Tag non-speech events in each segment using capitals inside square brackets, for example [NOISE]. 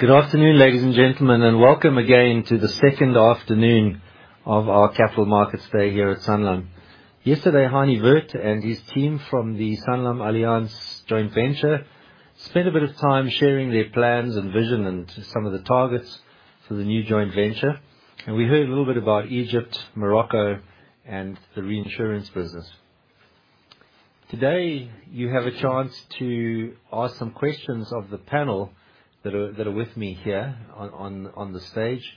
Good afternoon, ladies and gentlemen, and welcome again to the second afternoon of our capital markets day here at Sanlam. Yesterday, Heinie Werth and his team from the SanlamAllianz joint venture spent a bit of time sharing their plans and vision and some of the targets for the new joint venture. We heard a little bit about Egypt, Morocco, and the reinsurance business. Today, you have a chance to ask some questions of the panel that are with me here on the stage.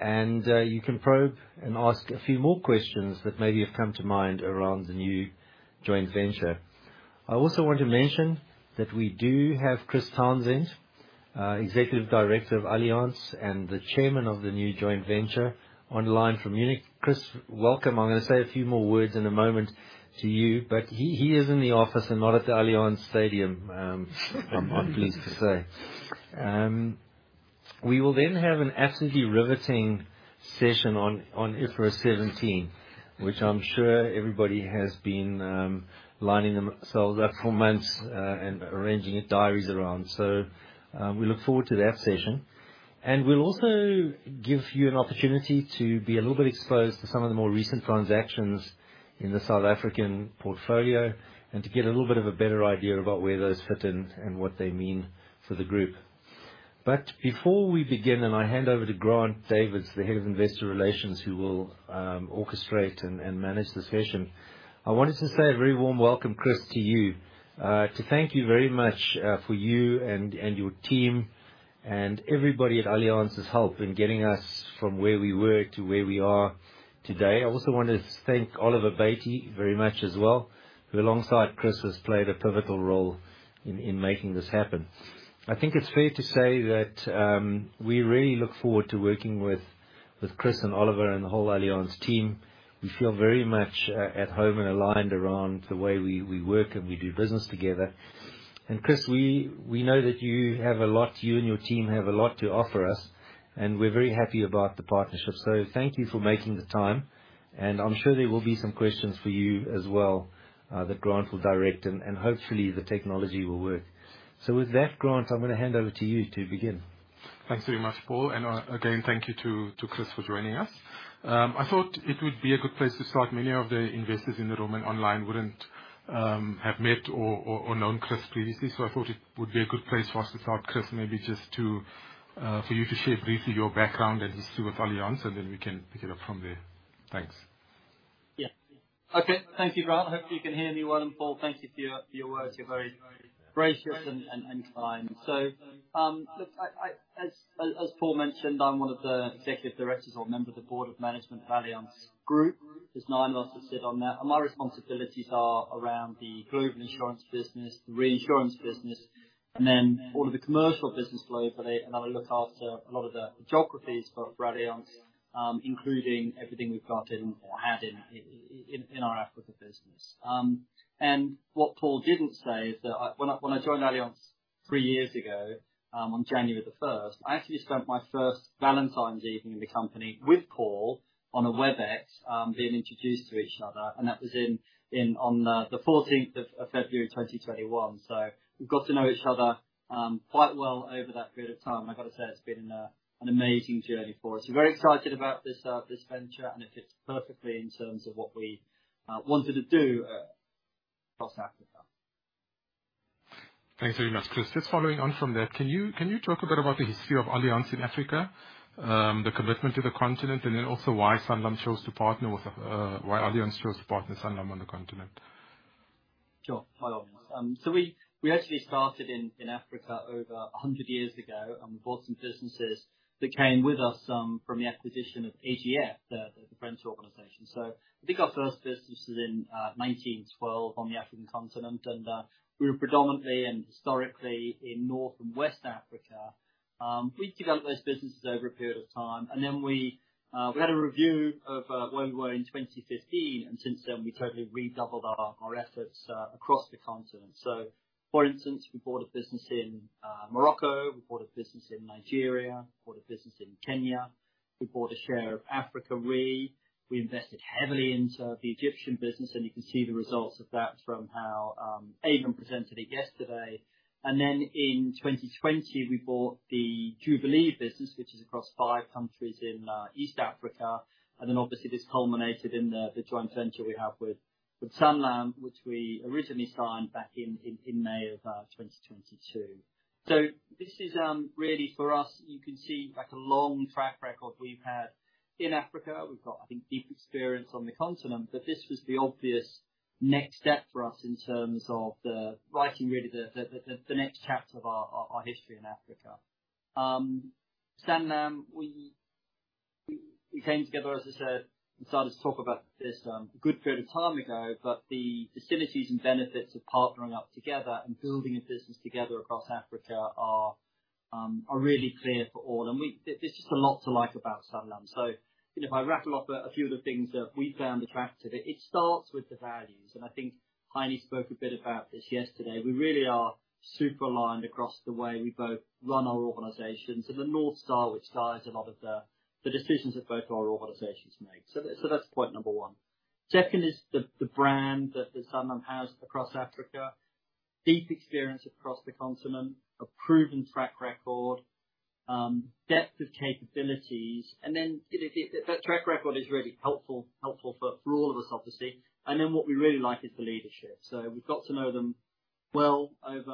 You can probe and ask a few more questions that maybe have come to mind around the new joint venture. I also want to mention that we do have Chris Townsend, Executive Director of Allianz and the chairman of the new joint venture, online from Munich. Chris, welcome. I'm gonna say a few more words in a moment to you, but he is in the office and not at the Allianz Stadium. I'm pleased to say. We will then have an absolutely riveting session on IFRS 17, which I'm sure everybody has been lining themselves up for months and arranging their diaries around. So, we look forward to that session. And we'll also give you an opportunity to be a little bit exposed to some of the more recent transactions in the South African portfolio, and to get a little bit of a better idea about where those fit in and what they mean for the group. But before we begin, and I hand over to Grant Davids, the Head of Investor Relations, who will orchestrate and manage the session, I wanted to say a very warm welcome, Chris, to you. To thank you very much for you and your team and everybody at Allianz's help in getting us from where we were to where we are today. I also want to thank Oliver Bäte very much as well, who, alongside Chris, has played a pivotal role in making this happen. I think it's fair to say that we really look forward to working with Chris and Oliver and the whole Allianz team. We feel very much at home and aligned around the way we work and we do business together. Chris, we know that you have a lot, you and your team have a lot to offer us, and we're very happy about the partnership. So thank you for making the time, and I'm sure there will be some questions for you as well, that Grant will direct, and hopefully the technology will work. So with that, Grant, I'm going to hand over to you to begin. Thanks very much, Paul, and again, thank you to Chris for joining us. I thought it would be a good place to start. Many of the investors in the room and online wouldn't have met or known Chris previously, so I thought it would be a good place for us to start, Chris, maybe just to for you to share briefly your background and history with Allianz, and then we can pick it up from there. Thanks. Yeah. Okay. Thank you, Grant. Hope you can hear me well, and Paul, thank you for your words. You're very gracious and kind. So, look, as Paul mentioned, I'm one of the executive directors or members of the board of management of Allianz Group. There's nine of us that sit on that, and my responsibilities are around the global insurance business, the reinsurance business, and then all of the commercial business globally. And I look after a lot of the geographies for Allianz, including everything we've got in, or had in, our Africa business. And what Paul didn't say is that I, when I joined Allianz 3 years ago, on January 1, I actually spent my first Valentine's Day evening in the company with Paul on a WebEx, being introduced to each other, and that was in, on, the 14th of February, 2021. So we've got to know each other, quite well over that period of time. And I've got to say, it's been an amazing journey for us. We're very excited about this, this venture, and it fits perfectly in terms of what we, wanted to do, across Africa. Thanks very much, Chris. Just following on from that, can you talk a bit about the history of Allianz in Africa, the commitment to the continent, and then also why Allianz chose to partner Sanlam on the continent? Sure. By all means. So we actually started in Africa over 100 years ago, and we bought some businesses that came with us from the acquisition of AGF, the French organization. So I think our first business was in 1912 on the African continent, and we were predominantly and historically in North and West Africa. We developed those businesses over a period of time, and then we had a review of where we were in 2015, and since then, we totally redoubled our efforts across the continent. So for instance, we bought a business in Morocco, we bought a business in Nigeria, we bought a business in Kenya, we bought a share of Africa Re. We invested heavily into the Egyptian business, and you can see the results of that from how Ayman presented it yesterday. Then in 2020, we bought the Jubilee business, which is across five countries in East Africa. Then obviously, this culminated in the joint venture we have with Sanlam, which we originally signed back in May of 2022. So this is really for us, you can see, like, a long track record we've had in Africa. We've got, I think, deep experience on the continent, but this was the obvious next step for us in terms of writing really the next chapter of our history in Africa. Sanlam, we came together, as I said, we started to talk about this, a good period of time ago, but the facilities and benefits of partnering up together and building a business together across Africa are really clear for all. And we. There is just a lot to like about Sanlam. So if I rattle off a few of the things that we found attractive, it starts with the values, and I think Heinie spoke a bit about this yesterday. We really are super aligned across the way we both run our organizations, and the North Star, which guides a lot of the decisions that both our organizations make. So that's point number one. Second is the brand that Sanlam has across Africa. Deep experience across the continent, a proven track record, depth of capabilities, and then, you know, that track record is really helpful for all of us, obviously. And then what we really like is the leadership. So we've got to know them well over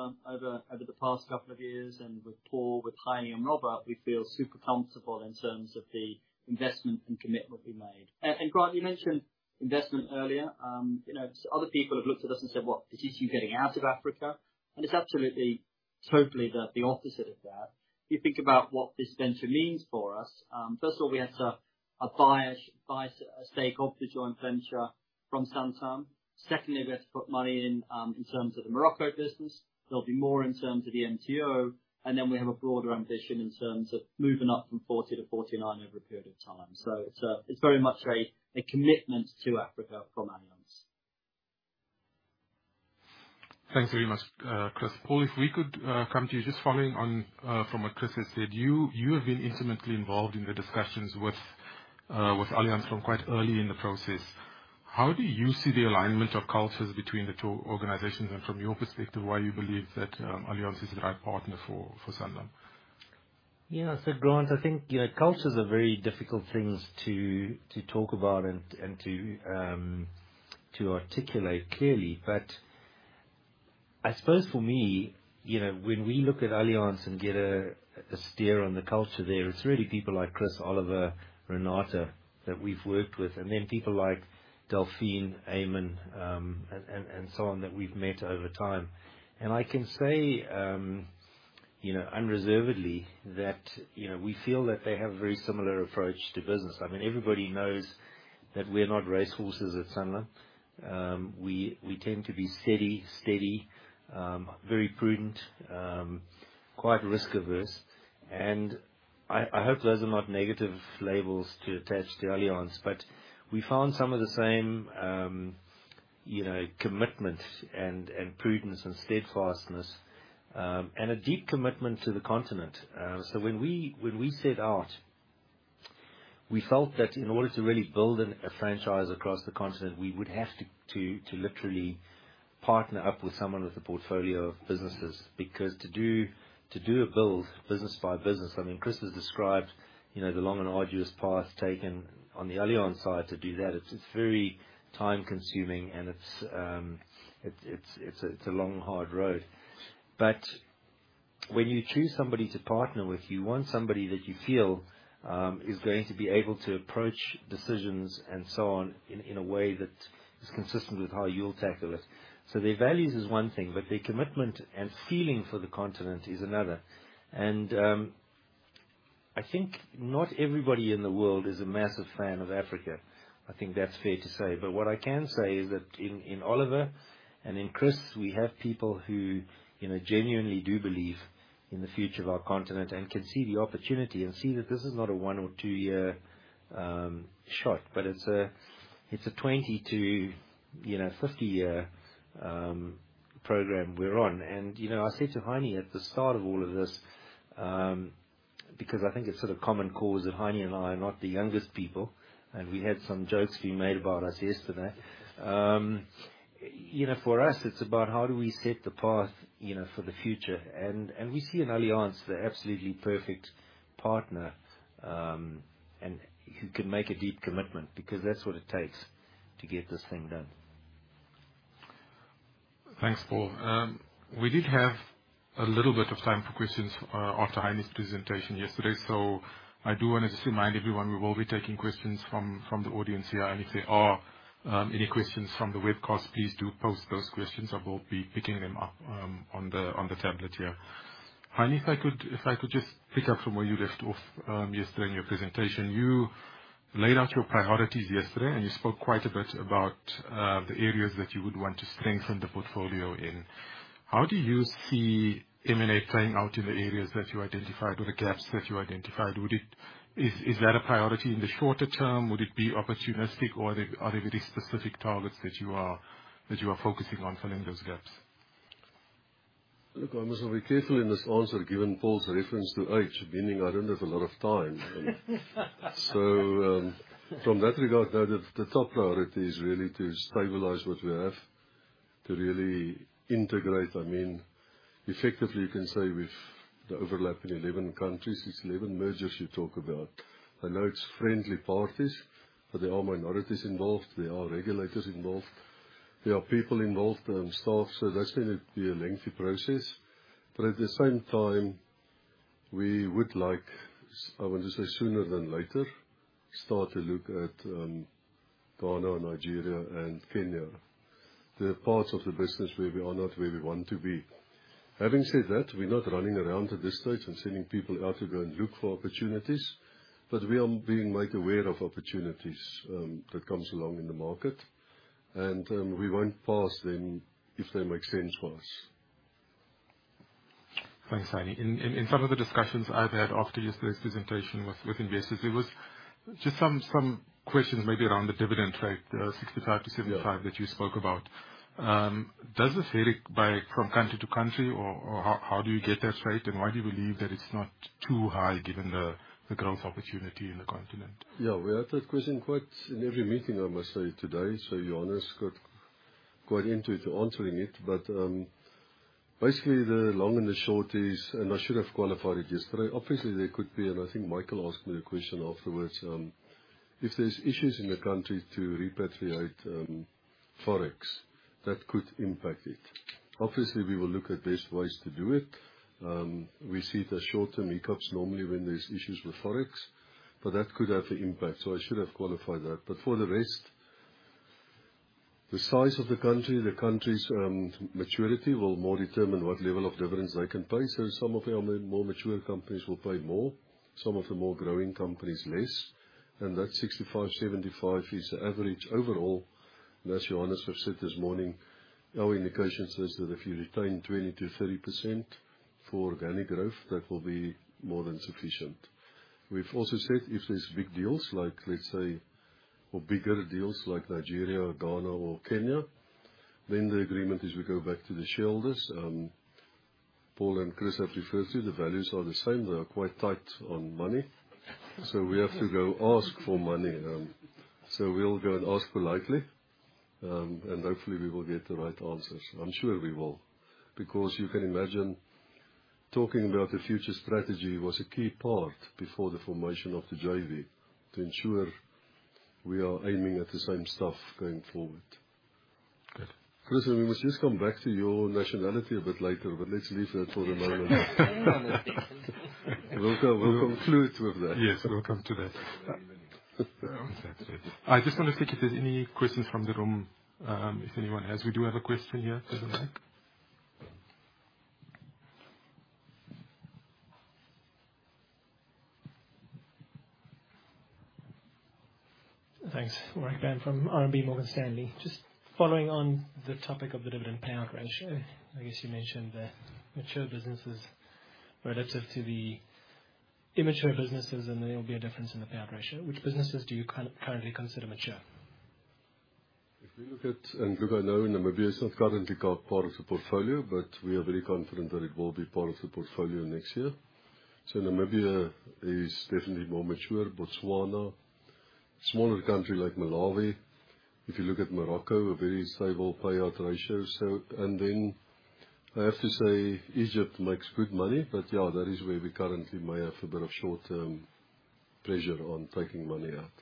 the past couple of years, and with Paul, with Heinie and Robert, we feel super comfortable in terms of the investment and commitment we made. And, Grant, you mentioned investment earlier. You know, other people have looked at us and said, "What, is you two getting out of Africa?" And it's absolutely, totally the opposite of that. You think about what this venture means for us. First of all, we had to buy a stake off the joint venture from Sanlam. Secondly, we had to put money in, in terms of the Morocco business. There'll be more in terms of the MTO, and then we have a broader ambition in terms of moving up from 40-49 over a period of time. So it's, it's very much a commitment to Africa from Allianz. Thanks very much, Chris. Paul, if we could come to you. Just following on from what Chris has said, you have been intimately involved in the discussions with Allianz from quite early in the process. How do you see the alignment of cultures between the two organizations, and from your perspective, why you believe that Allianz is the right partner for Sanlam? Yeah, so, Grant, I think, you know, cultures are very difficult things to talk about and to articulate clearly. But I suppose for me, you know, when we look at Allianz and get a steer on the culture there, it's really people like Chris, Oliver, Renata, that we've worked with, and then people like Delphine, Amon, and so on, that we've met over time. And I can say, you know, unreservedly that, you know, we feel that they have a very similar approach to business. I mean, everybody knows that we're not racehorses at Sanlam. We tend to be steady, very prudent, quite risk-averse. And I hope those are not negative labels to attach to Allianz. But we found some of the same, you know, commitment and prudence and steadfastness, and a deep commitment to the continent. So when we set out, we felt that in order to really build a franchise across the continent, we would have to literally partner up with someone with a portfolio of businesses. Because to do a build, business by business, I mean, Chris has described, you know, the long and arduous path taken on the Allianz side to do that. It's very time-consuming, and it's a long, hard road. But when you choose somebody to partner with, you want somebody that you feel is going to be able to approach decisions and so on in a way that is consistent with how you'll tackle it. So their values is one thing, but their commitment and feeling for the continent is another. And, I think not everybody in the world is a massive fan of Africa. I think that's fair to say. But what I can say is that in Oliver and in Chris, we have people who, you know, genuinely do believe in the future of our continent and can see the opportunity and see that this is not a 1 or 2-year shot, but it's a 20- to 50-year program we're on. And, you know, I said to Heinie at the start of all of this, because I think it's sort of common cause that Heinie and I are not the youngest people, and we had some jokes being made about us yesterday. You know, for us, it's about how do we set the path, you know, for the future? And we see in Allianz the absolutely perfect partner, and who can make a deep commitment, because that's what it takes to get this thing done. Thanks, Paul. We did have a little bit of time for questions after Heini's presentation yesterday. So I do want to just remind everyone, we will be taking questions from the audience here, and if there are any questions from the webcast, please do post those questions, I will be picking them up on the tablet here. Heinie, if I could just pick up from where you left off yesterday in your presentation. You laid out your priorities yesterday, and you spoke quite a bit about the areas that you would want to strengthen the portfolio in. How do you see M&A playing out in the areas that you identified, or the gaps that you identified? Would it... Is that a priority in the shorter term? Would it be opportunistic, or are there very specific targets that you are focusing on filling those gaps? Look, I must be careful in this answer, given Paul's reference to age, meaning I don't have a lot of time. So, from that regard, no, the top priority is really to stabilize what we have, to really integrate. I mean, effectively, you can say with the overlap in 11 countries, it's 11 mergers you talk about. I know it's friendly parties, but there are minorities involved, there are regulators involved, there are people involved, staff, so that's going to be a lengthy process. But at the same time, we would like, I want to say sooner than later, start to look at Ghana, Nigeria and Kenya. There are parts of the business where we are not where we want to be. Having said that, we're not running around at this stage and sending people out to go and look for opportunities, but we are being made aware of opportunities that comes along in the market, and we won't pass them if they make sense for us. Thanks, Heinie. In some of the discussions I've had after yesterday's presentation with investors, there was just some questions maybe around the dividend rate, 65%-75% that you spoke about. Does this vary from country to country, or how do you get that rate? And why do you believe that it's not too high, given the growth opportunity in the continent? Yeah, we had that question quite in every meeting, I must say today. So Johannes got quite into it, to answering it, but basically, the long and the short is, and I should have qualified it yesterday. Obviously, there could be, and I think Michael asked me the question afterwards, if there's issues in the country to repatriate Forex, that could impact it. Obviously, we will look at best ways to do it. We see it as short-term hiccups, normally when there's issues with Forex, but that could have an impact, so I should have qualified that. But for the rest, the size of the country, the country's maturity will more determine what level of dividends they can pay. So some of our more mature companies will pay more, some of the more growing companies less, and that 65-75 is the average overall. As Johannes have said this morning, our indication says that if you retain 20%-30% for organic growth, that will be more than sufficient. We've also said, if there's big deals, like, let's say, or bigger deals like Nigeria, Ghana, or Kenya, then the agreement is we go back to the shareholders. Paul and Chris have referred to, the values are the same. They are quite tight on money, so we have to go ask for money. So we'll go and ask politely, and hopefully we will get the right answers. I'm sure we will, because you can imagine talking about the future strategy was a key part before the formation of the JV, to ensure we are aiming at the same stuff going forward. Chris, we must just come back to your nationality a bit later, but let's leave that for the moment. We'll come, we'll conclude with that. Yes, we'll come to that. I just want to check if there's any questions from the room, if anyone has. We do have a question here at the back. Thanks. Warwick Bam from RMB Morgan Stanley. Just following on the topic of the dividend payout ratio, I guess you mentioned the mature businesses relative to the immature businesses, and there will be a difference in the payout ratio. Which businesses do you currently consider mature? If we look at, and [AUDIO DISTORTION] part of the portfolio, but we are very confident that it will be part of the portfolio next year. So Namibia is definitely more mature. Botswana, smaller country like Malawi. If you look at Morocco, a very stable payout ratio. So... And then, I have to say, Egypt makes good money, but, yeah, that is where we currently may have a bit of short-term pressure on taking money out.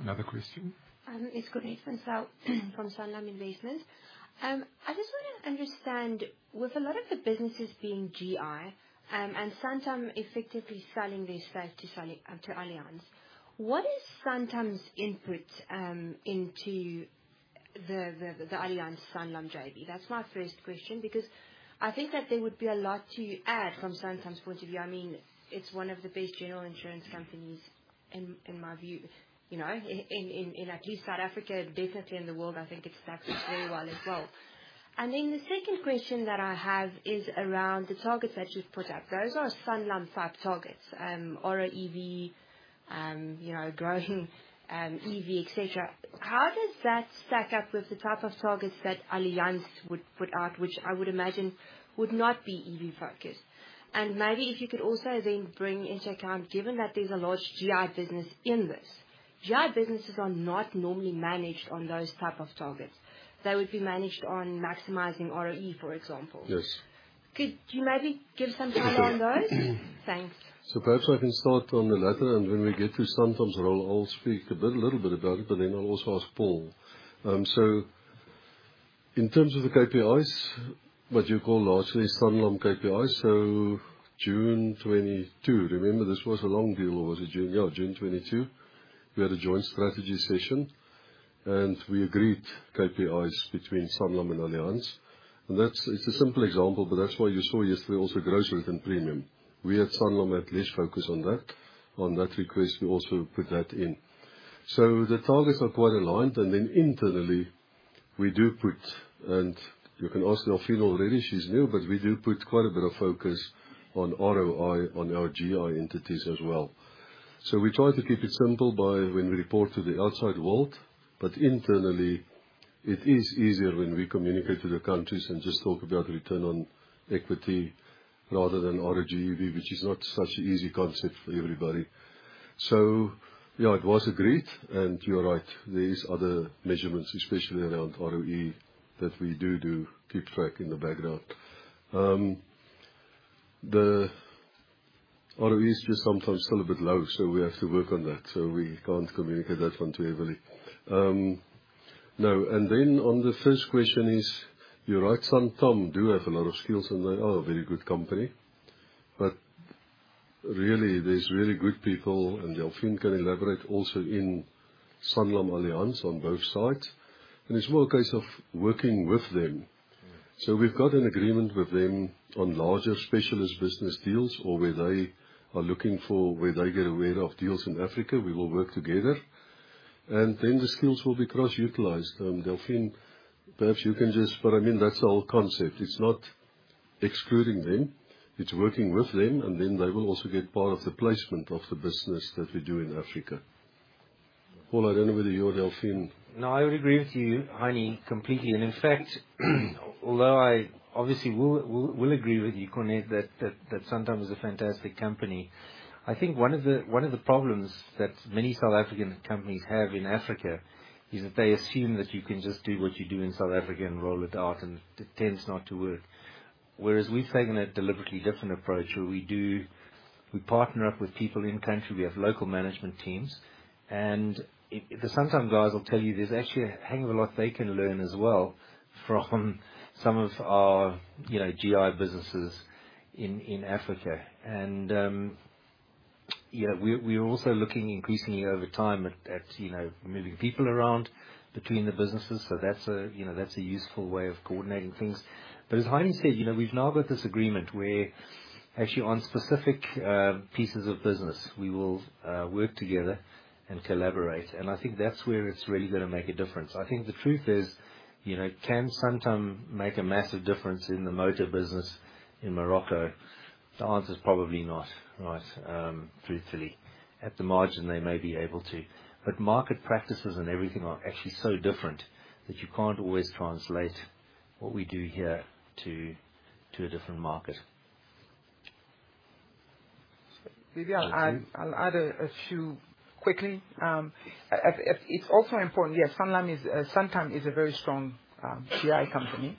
Another question? It's Corné from Sal, from Sanlam Investments. I just want to understand, with a lot of the businesses being GI, and Sanlam effectively selling their stake to Allianz, what is Sanlam's input into the Allianz-Sanlam JV? That's my first question, because I think that there would be a lot to add from Sanlam's point of view. I mean, it's one of the best general insurance companies in my view. You know, in at least South Africa, definitely in the world, I think it's stacked very well as well. And then the second question that I have is around the targets that you've put out. Those are Sanlam type targets, ROEV, you know, growing EV, et cetera. How does that stack up with the type of targets that Allianz would put out, which I would imagine would not be EV focused? Maybe if you could also then bring into account, given that there's a large GI business in this, GI businesses are not normally managed on those type of targets. They would be managed on maximizing ROE, for example. Yes. Could you maybe give some color on those? Thanks. So perhaps I can start on the latter, and when we get to Sanlam's role, I'll speak a bit, little bit about it, but then I'll also ask Paul. So in terms of the KPIs, what you call lastly, Sanlam KPIs. So June 2022, remember, this was a long deal. Was it June? Yeah, June 2022, we had a joint strategy session, and we agreed KPIs between Sanlam and Allianz. And that's - it's a simple example, but that's why you saw yesterday also growth within premium. We at Sanlam have less focus on that. On that request, we also put that in. So the targets are quite aligned, and then internally, we do put... And you can ask Delphine already, she's new, but we do put quite a bit of focus on ROI, on our GI entities as well. So we try to keep it simple by when we report to the outside world, but internally, it is easier when we communicate to the countries and just talk about return on equity rather than RoGEV, which is not such an easy concept for everybody. So yeah, it was agreed, and you are right, there is other measurements, especially around ROE, that we do, do keep track in the background. The ROE is just sometimes still a bit low, so we have to work on that, so we can't communicate that one too heavily. Now, and then on the first question is, you're right, Sanlam do have a lot of skills, and they are a very good company, but really, there's really good people, and Delphine can elaborate also in SanlamAllianz on both sides, and it's more a case of working with them. So we've got an agreement with them on larger specialist business deals or where they are looking for, where they get aware of deals in Africa, we will work together, and then the skills will be cross-utilized. Delphine, perhaps you can just... But I mean, that's the whole concept. It's not excluding them, it's working with them, and then they will also get part of the placement of the business that we do in Africa. Paul, I don't know whether you or Delphine? No, I would agree with you, Heinie, completely. And in fact, although I obviously will agree with you, Corné, that Santam is a fantastic company. I think one of the problems that many South African companies have in Africa is that they assume that you can just do what you do in South Africa and roll it out, and it tends not to work. Whereas we've taken a deliberately different approach, where we partner up with people in country. We have local management teams, and if the Santam guys will tell you, there's actually a hell of a lot they can learn as well from some of our, you know, GI businesses in Africa. And yeah, we're also looking increasingly over time at, you know, moving people around between the businesses. So that's a, you know, that's a useful way of coordinating things. But as Heinie said, you know, we've now got this agreement where actually on specific pieces of business, we will work together and collaborate. And I think that's where it's really going to make a difference. I think the truth is, you know, can Santam make a massive difference in the motor business in Morocco? The answer is probably not, right, truthfully. At the margin, they may be able to, but market practices and everything are actually so different, that you can't always translate what we do here to a different market. Maybe I'll add, I'll add a few quickly. It's also important, yes, Sanlam is, Santam is a very strong GI company.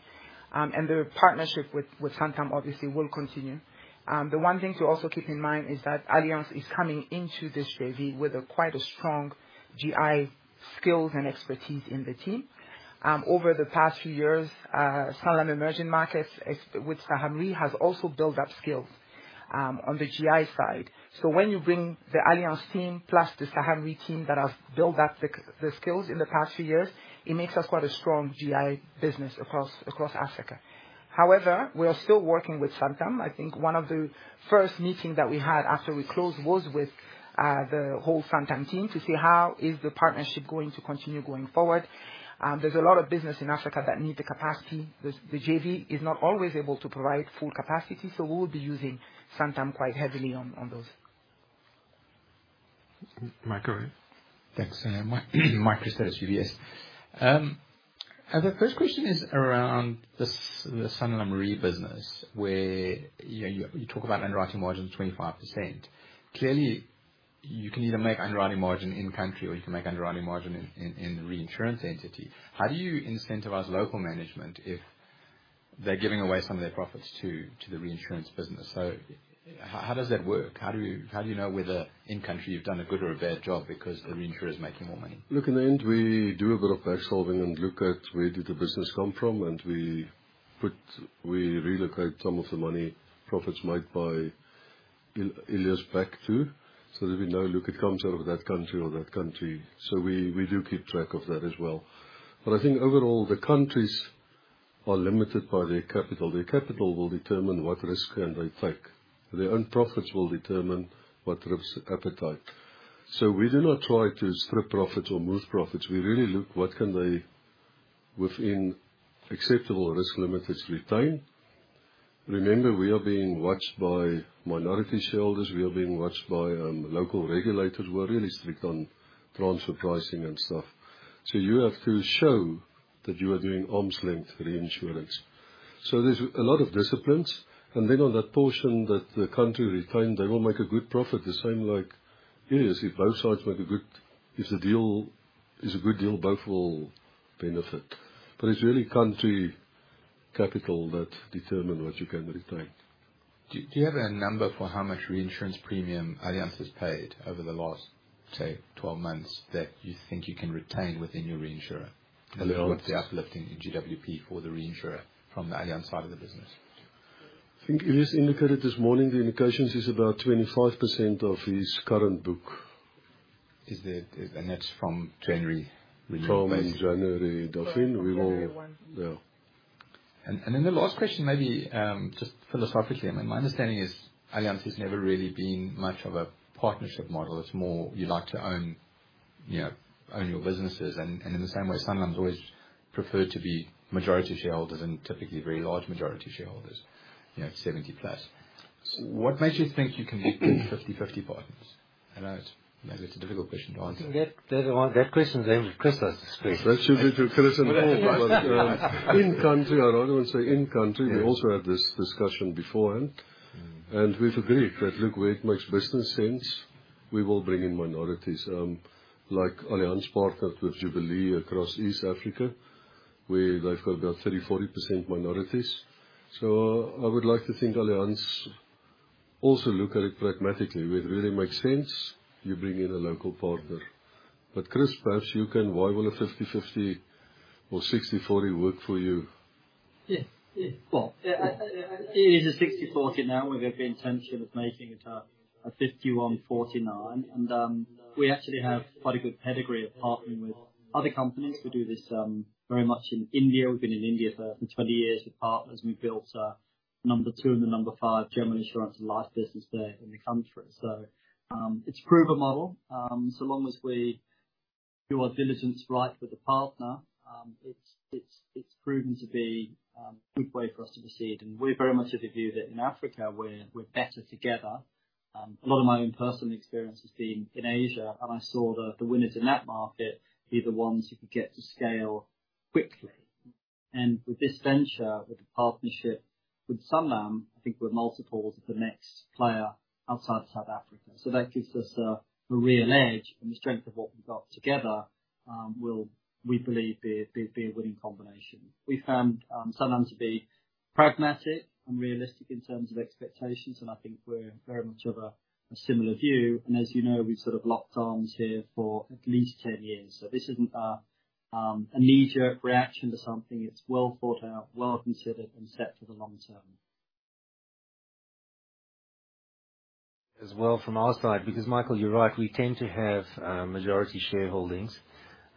The partnership with Santam obviously will continue. The one thing to also keep in mind is that Allianz is coming into this JV with quite a strong GI skills and expertise in the team. Over the past few years, Sanlam Emerging Markets with Sanlam Re has also built up skills on the GI side. When you bring the Allianz team, plus the Sanlam Re team that has built up the skills in the past few years, it makes us quite a strong GI business across Africa. However, we are still working with Santam. I think one of the first meeting that we had after we closed was with the whole Santam team, to see how is the partnership going to continue going forward. There's a lot of business in Africa that need the capacity. The JV is not always able to provide full capacity, so we will be using Santam quite heavily on those. Mike, go ahead. Thanks. Mike Christelis, UBS. The first question is around the Sanlam Re business, where, you know, you talk about underwriting margin 25%. Clearly, you can either make underwriting margin in country or you can make underwriting margin in the reinsurance entity. How do you incentivize local management if they're giving away some of their profits to the reinsurance business? So how does that work? How do you know whether in country you've done a good or a bad job because the reinsurer is making more money? Look, in the end, we do a bit of back solving and look at where did the business come from, and we reallocate some of the money, profits made by Allianz back, too. So that we know, look, it comes out of that country or that country. So we, we do keep track of that as well. But I think overall, the countries are limited by their capital. Their capital will determine what risk can they take. Their own profits will determine what risk appetite. So we do not try to strip profits or move profits. We really look, what can they, within acceptable risk limits, retain? Remember, we are being watched by minority shareholders, we are being watched by local regulators, who are really strict on transfer pricing and stuff. So you have to show that you are doing arm's length reinsurance. So there's a lot of disciplines. And then, on that portion that the country retained, they will make a good profit, the same like Elias. If both sides make a good... If the deal is a good deal, both will benefit. But it's really country capital that determine what you can retain. Do you have a number for how much reinsurance premium Allianz has paid over the last, say, twelve months, that you think you can retain within your reinsurer? A little of the uplifting in GWP for the reinsurer from the Allianz side of the business. I think Johannes indicated this morning, the indications is about 25% of his current book. Is that, and that's from January? From January, Delphine, we will- Yeah. Then the last question, maybe, just philosophically. I mean, my understanding is Allianz has never really been much of a partnership model. It's more you like to own, you know, own your businesses, and in the same way, Sanlam's always preferred to be majority shareholders and typically very large majority shareholders, you know, 70+. So what makes you think you can do 50/50 partners? I know it's, maybe it's a difficult question to answer. That question is aimed at Chris, I suspect. That should be to Chris and all. But in country, I'd rather say in country, we also had this discussion beforehand, and we've agreed that, look, where it makes business sense, we will bring in minorities. Like Allianz partnered with Jubilee across East Africa, where they've got about 30%-40% minorities. So I would like to think Allianz also look at it pragmatically. Where it really makes sense, you bring in a local partner. But Chris, perhaps you can, why will a 50/50 or 60/40 work for you? Yes. Yeah. Well, yeah, it is a 60/40 now, we have the intention of making it a 51/49. And we actually have quite a good pedigree of partnering with other companies. We do this very much in India. We've been in India for 20 years as partners. We've built number 2 and the number 5 general insurance and life business there in the country. So it's proven model. So long as we do our diligence right with the partner, it's proven to be a good way for us to proceed, and we're very much of the view that in Africa, we're better together. A lot of my own personal experience has been in Asia, and I saw that the winners in that market are the ones who could get to scale quickly. With this venture, with the partnership with Sanlam, I think we're multiples of the next player outside South Africa. So that gives us a real edge, and the strength of what we've got together, will, we believe, be a winning combination. We found Sanlam to be pragmatic and realistic in terms of expectations, and I think we're very much of a similar view. And as you know, we've sort of locked arms here for at least 10 years. So this isn't a knee-jerk reaction to something. It's well thought out, well considered, and set for the long term. As well, from our side, because, Michael, you're right, we tend to have majority shareholdings.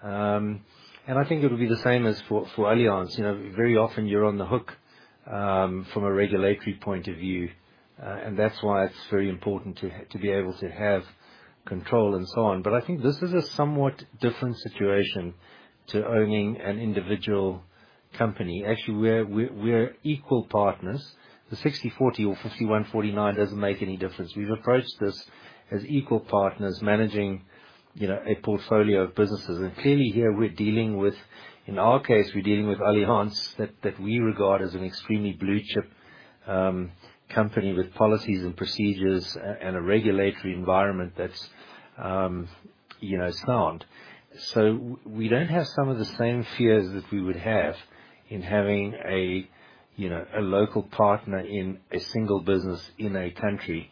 And I think it'll be the same as for Allianz. You know, very often you're on the hook from a regulatory point of view, and that's why it's very important to be able to have control and so on. But I think this is a somewhat different situation to owning an individual company. Actually, we're equal partners. The 60/40 or 51/49 doesn't make any difference. We've approached this as equal partners managing, you know, a portfolio of businesses. And clearly, here, we're dealing with... In our case, we're dealing with Allianz that we regard as an extremely blue chip company, with policies and procedures and a regulatory environment that's, you know, sound. So we don't have some of the same fears that we would have in having a, you know, a local partner in a single business in a country,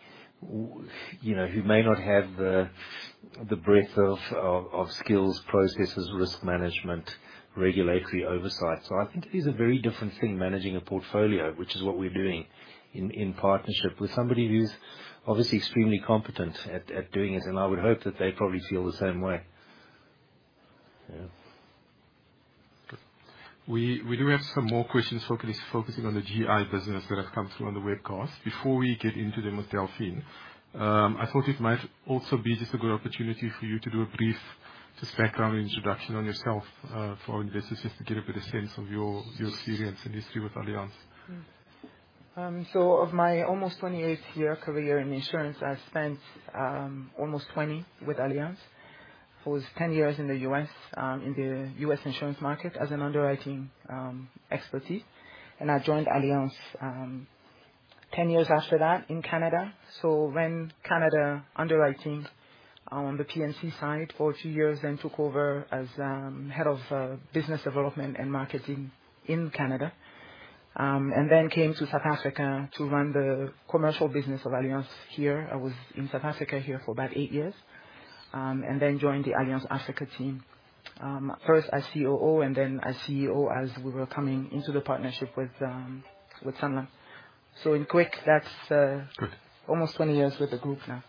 you know, who may not have the breadth of skills, processes, risk management, regulatory oversight. So I think it is a very different thing, managing a portfolio, which is what we're doing in partnership with somebody who's obviously extremely competent at doing it. And I would hope that they probably feel the same way. Yeah. We do have some more questions focusing on the GI business that have come through on the webcast. Before we get into them with Delphine, I thought it might also be just a good opportunity for you to do a brief just background introduction on yourself for our investors, just to get a better sense of your experience and history with Allianz. So of my almost 28-year career in insurance, I've spent almost 20 with Allianz. I was 10 years in the U.S., in the U.S. insurance market as an underwriting expertise, and I joined Allianz 10 years after that in Canada. So ran Canada Underwriting on the P&C side for 2 years, then took over as head of business development and marketing in Canada. And then came to South Africa to run the commercial business of Allianz here. I was in South Africa here for about 8 years, and then joined the Allianz Africa team first as COO and then as CEO, as we were coming into the partnership with Sanlam. So in quick, that's- Good. almost 20 years with the group now.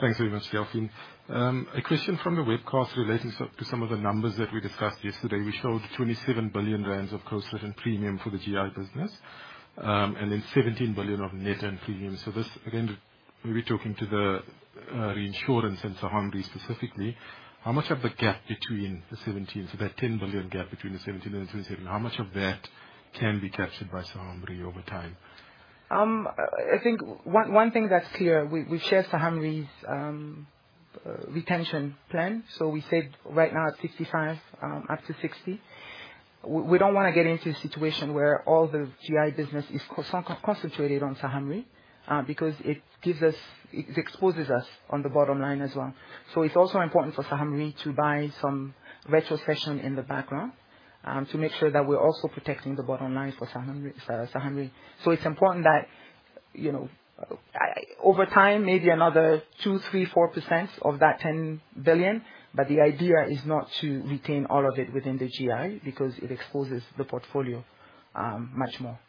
Thanks very much, Delphine. A question from the webcast relating to some of the numbers that we discussed yesterday. We showed 27 billion rand of gross written premium for the GI business, and then 17 billion of net written premium. So this, again, we're talking to the reinsurance and Saham Re, specifically. How much of the gap between the 17 billion, so that 10 billion gap between the 17 billion and 27 billion, how much of that can be captured by Saham Re over time? I think one thing that's clear, we share Saham Re's retention plan. So we said right now at 55 up to 60. We don't want to get into a situation where all the GI business is concentrated on Saham Re, because it gives us. It exposes us on the bottom line as well. So it's also important for Saham Re to buy some retrocession in the background, to make sure that we're also protecting the bottom line for Saham Re. So it's important that, you know, over time, maybe another 2, 3, 4% of that 10 billion, but the idea is not to retain all of it within the GI, because it exposes the portfolio much more.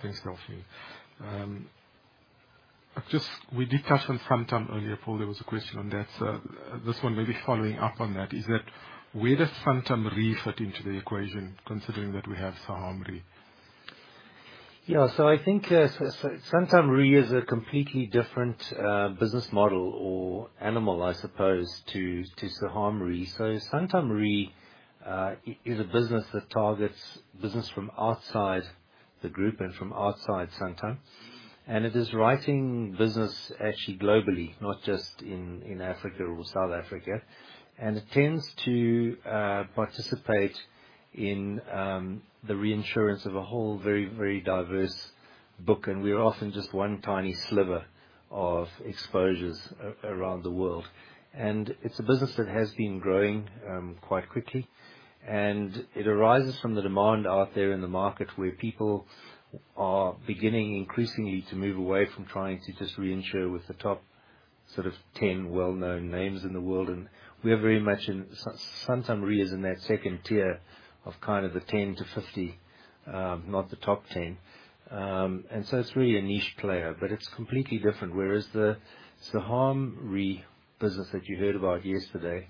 Thanks, Delphine. Just, we did touch on Santam earlier. Paul, there was a question on that. This one may be following up on that, is that: Where does Santam Re fit into the equation, considering that we have Saham Re? Yeah. So I think, Santam Re is a completely different business model or animal, I suppose, to Saham Re. So Santam Re is a business that targets business from outside the group and from outside Santam. And it is writing business actually globally, not just in Africa or South Africa. And it tends to participate in the reinsurance of a whole very, very diverse book, and we're often just one tiny sliver of exposures around the world. And it's a business that has been growing quite quickly, and it arises from the demand out there in the market, where people are beginning increasingly to move away from trying to just reinsure with the top sort of ten well-known names in the world. We are very much in—Santam Re is in that second tier of kind of the 10-50, not the top 10. And so it's really a niche player, but it's completely different. Whereas the Saham Re business that you heard about yesterday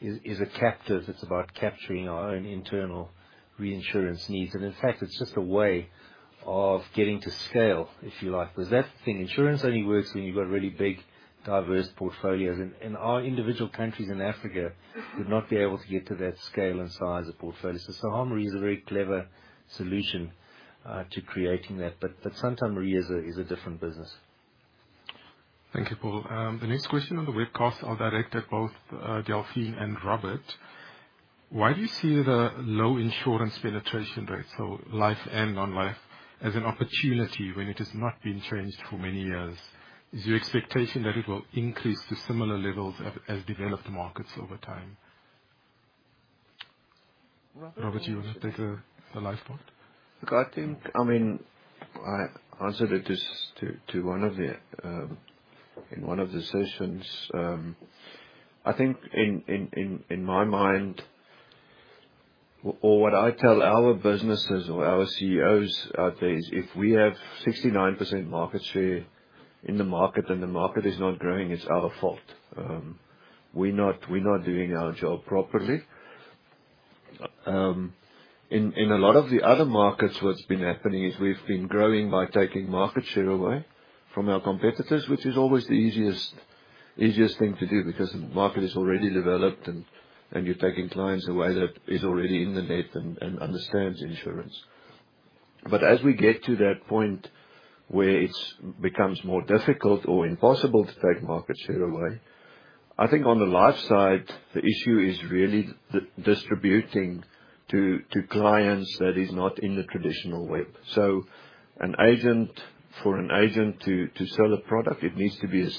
is a captive. It's about capturing our own internal reinsurance needs. And in fact, it's just a way-... of getting to scale, if you like, because that thing, insurance only works when you've got really big, diverse portfolios. And our individual countries in Africa would not be able to get to that scale and size of portfolios. So Sanlam Re is a very clever solution to creating that, but Santam Re is a different business. Thank you, Paul. The next question on the webcast, I'll direct at both Delphine and Robert. Why do you see the low insurance penetration rates, so life and non-life, as an opportunity when it has not been changed for many years? Is your expectation that it will increase to similar levels as developed markets over time? Robert, do you want to take the life part? Look, I think... I mean, I answered it this to one of the, in one of the sessions. I think in my mind, or what I tell our businesses or our CEOs out there is if we have 69% market share in the market, and the market is not growing, it's our fault. We're not doing our job properly. In a lot of the other markets, what's been happening is we've been growing by taking market share away from our competitors, which is always the easiest thing to do, because the market is already developed, and you're taking clients away that is already in the net and understands insurance. But as we get to that point where it's becomes more difficult or impossible to take market share away, I think on the life side, the issue is really the distributing to clients that is not in the traditional way. So an agent for an agent to sell a product, it needs to be a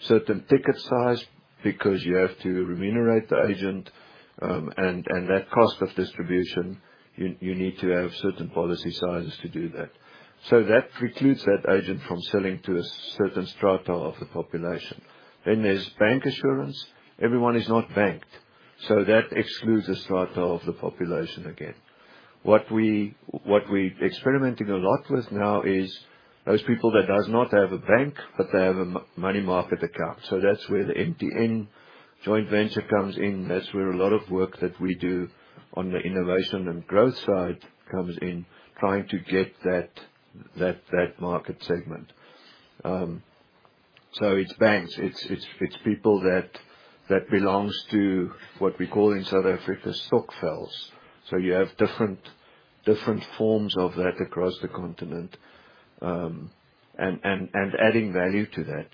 certain ticket size because you have to remunerate the agent. And that cost of distribution, you need to have certain policy sizes to do that. So that precludes that agent from selling to a certain strata of the population. Then there's bank insurance. Everyone is not banked, so that excludes a strata of the population again. What we're experimenting a lot with now is those people that does not have a bank, but they have a money market account. So that's where the MTN joint venture comes in. That's where a lot of work that we do on the innovation and growth side comes in, trying to get that market segment. So it's banks, it's people that belongs to what we call in South Africa, stokvels. So you have different forms of that across the continent, and adding value to that,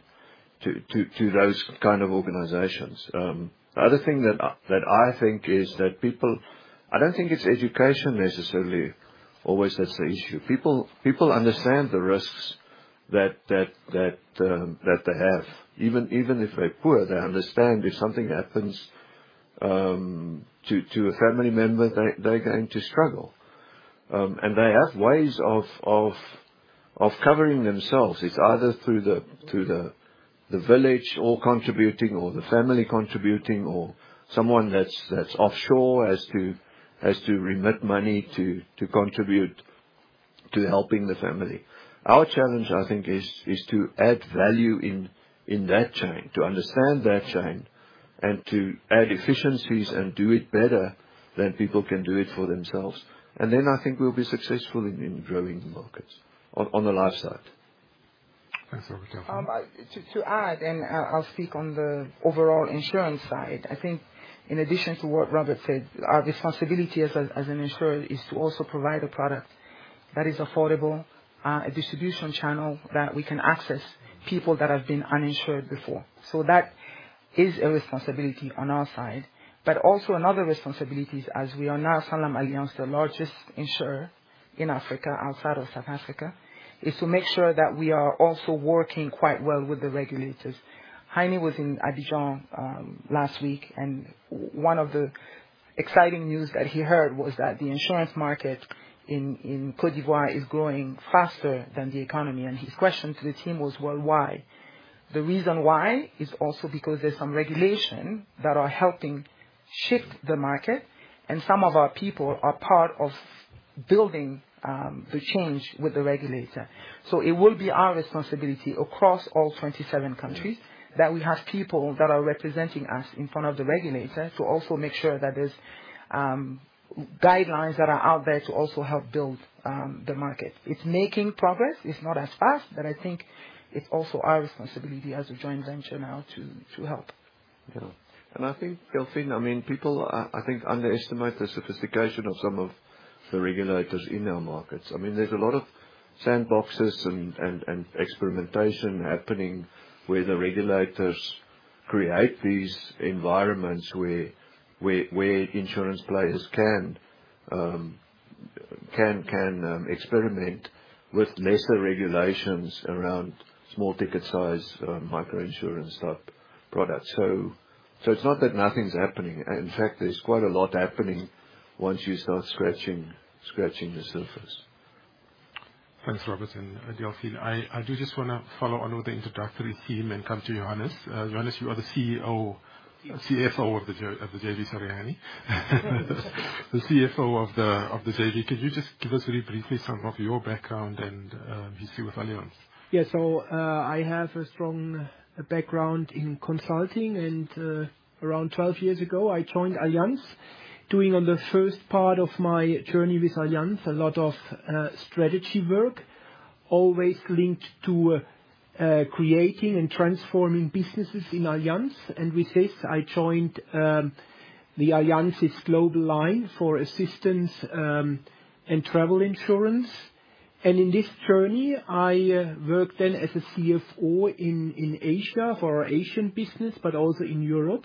to those kind of organizations. The other thing that I think is that people. I don't think it's education necessarily, always that's the issue. People understand the risks that they have. Even if they're poor, they understand if something happens to a family member, they're going to struggle. And they have ways of covering themselves. It's either through the village all contributing or the family contributing or someone that's offshore has to remit money to contribute to helping the family. Our challenge, I think, is to add value in that chain, to understand that chain and to add efficiencies and do it better than people can do it for themselves. And then I think we'll be successful in growing the markets on the life side. Thanks, Robert. Delphine. To add, I'll speak on the overall insurance side. I think in addition to what Robert said, our responsibility as an insurer is to also provide a product that is affordable, a distribution channel that we can access people that have been uninsured before. So that is a responsibility on our side. But also another responsibilities, as we are now SanlamAllianz, the largest insurer in Africa, outside of South Africa, is to make sure that we are also working quite well with the regulators. Heinie was in Abidjan last week, and one of the exciting news that he heard was that the insurance market in Côte d'Ivoire is growing faster than the economy. His question to the team was, "Well, why?" The reason why is also because there's some regulation that are helping shift the market, and some of our people are part of building, the change with the regulator. So it will be our responsibility across all 27 countries, that we have people that are representing us in front of the regulator, to also make sure that there's, guidelines that are out there to also help build, the market. It's making progress. It's not as fast, but I think it's also our responsibility as a joint venture now to, to help. Yeah. And I think, Delphine, I mean, people, I think, underestimate the sophistication of some of the regulators in our markets. I mean, there's a lot of sandboxes and experimentation happening, where the regulators create these environments where insurance players can experiment with lesser regulations around small ticket size microinsurance type products. So it's not that nothing's happening. In fact, there's quite a lot happening once you start scratching the surface. Thanks, Robert and, Delphine. I do just wanna follow on with the introductory team and come to Johannes. Johannes, you are the CEO, CFO of the JV, sorry, Heinie. The CFO of the JV. Could you just give us very briefly some of your background and, VC with Allianz? Yeah. So, I have a strong background in consulting, and around 12 years ago, I joined Allianz, doing on the first part of my journey with Allianz, a lot of strategy work.... always linked to creating and transforming businesses in Allianz. And with this, I joined the Allianz's global line for assistance and travel insurance. And in this journey, I worked then as a CFO in Asia for our Asian business, but also in Europe.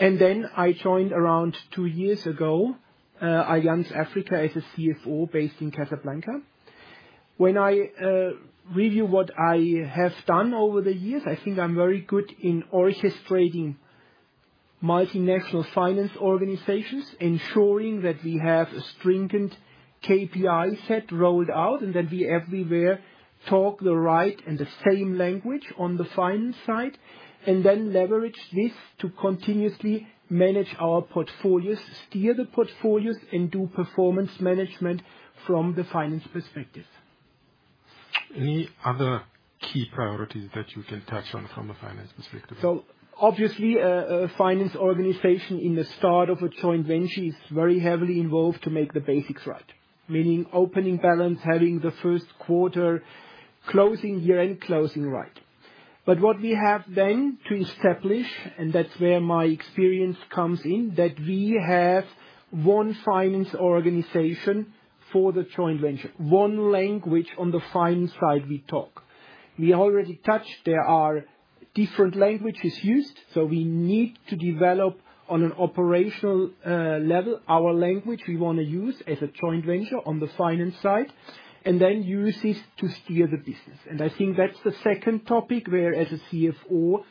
And then I joined around 2 years ago Allianz Africa as a CFO based in Casablanca. When I review what I have done over the years, I think I'm very good in orchestrating multinational finance organizations, ensuring that we have a strengthened KPI set rolled out, and that we everywhere talk the right and the same language on the finance side, and then leverage this to continuously manage our portfolios, steer the portfolios, and do performance management from the finance perspective. Any other key priorities that you can touch on from a finance perspective? So obviously, a finance organization in the start of a joint venture is very heavily involved to make the basics right. Meaning opening balance, having the first quarter, closing year-end, closing right. But what we have then to establish, and that's where my experience comes in, that we have one finance organization for the joint venture. One language on the finance side we talk. We already touched, there are different languages used, so we need to develop on an operational level, our language we wanna use as a joint venture on the finance side, and then use this to steer the business. And I think that's the second topic, where, as a CFO,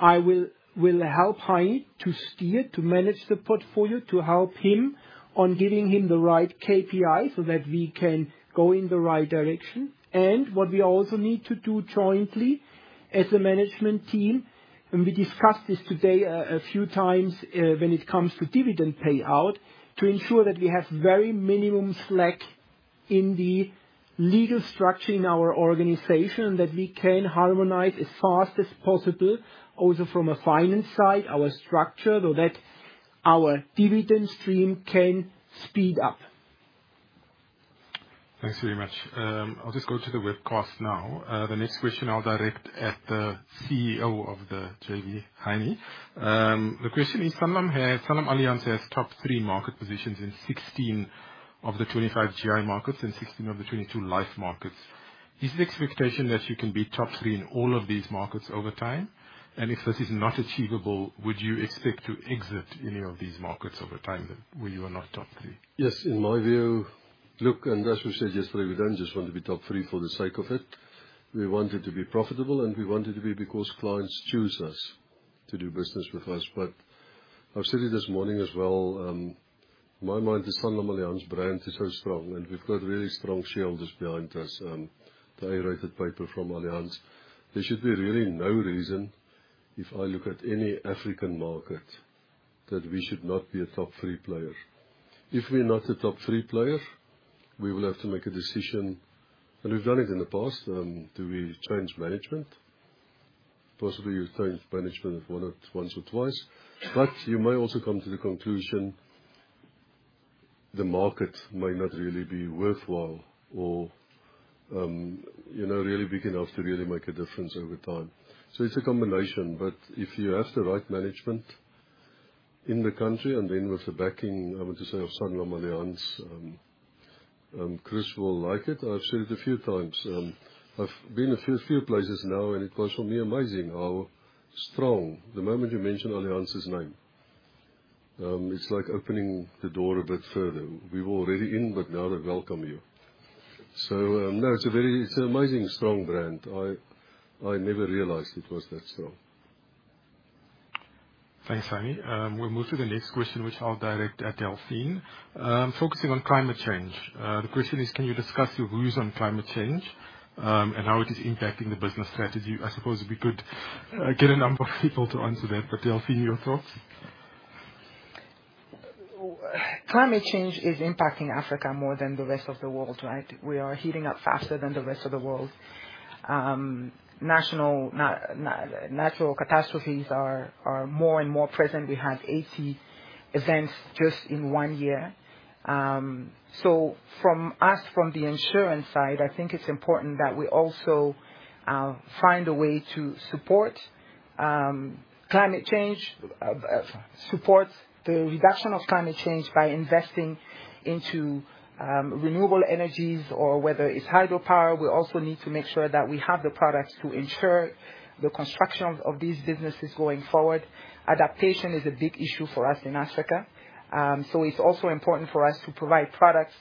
I will help Heinie to steer, to manage the portfolio, to help him on getting the right KPI, so that we can go in the right direction. What we also need to do jointly as a management team, and we discussed this today a few times, when it comes to dividend payout, to ensure that we have very minimum slack in the legal structure in our organization, that we can harmonize as fast as possible, also from a finance side, our structure, so that our dividend stream can speed up. Thanks very much. I'll just go to the webcast now. The next question I'll direct at the CEO of the JV, Heinie. The question is, Sanlam has, SanlamAllianz has top three market positions in 16 of the 25 GI markets and 16 of the 22 life markets. Is the expectation that you can be top three in all of these markets over time? And if this is not achievable, would you expect to exit any of these markets over time that where you are not top three? Yes, in my view, look, and as we said yesterday, we don't just want to be top three for the sake of it. We want it to be profitable, and we want it to be because clients choose us to do business with us. But I've said it this morning as well, my mind is SanlamAllianz brand is so strong, and we've got really strong shareholders behind us, the A-rated paper from Allianz. There should be really no reason, if I look at any African market, that we should not be a top three player. If we're not a top three player, we will have to make a decision, and we've done it in the past, do we change management? Possibly you change management if one, once or twice. But you may also come to the conclusion the market may not really be worthwhile or, you know, really big enough to really make a difference over time. So it's a combination, but if you have the right management in the country and then with the backing, I want to say, of SanlamAllianz, Chris will like it. I've said it a few times, I've been a few, few places now, and it was for me, amazing how strong the moment you mention Allianz's name. It's like opening the door a bit further. We were already in, but now they welcome you. So, no, it's a very—it's an amazing, strong brand. I, I never realized it was that strong. Thanks, Heinie. We'll move to the next question, which I'll direct at Delphine. Focusing on climate change, the question is: Can you discuss your views on climate change, and how it is impacting the business strategy? I suppose we could get a number of people to answer that, but, Delphine, your thoughts? Climate change is impacting Africa more than the rest of the world, right? We are heating up faster than the rest of the world. Natural catastrophes are more and more present. We had 80 events just in one year. So from us, from the insurance side, I think it's important that we also find a way to support climate change, support the reduction of climate change by investing into renewable energies or whether it's hydropower. We also need to make sure that we have the products to insure the construction of these businesses going forward. Adaptation is a big issue for us in Africa. So it's also important for us to provide products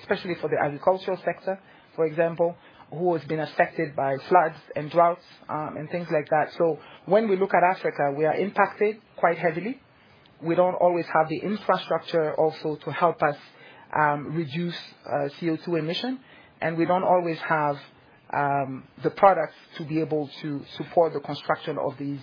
especially for the agricultural sector, for example, who has been affected by floods and droughts, and things like that. So when we look at Africa, we are impacted quite heavily. We don't always have the infrastructure also to help us reduce CO2 emission, and we don't always have the products to be able to support the construction of these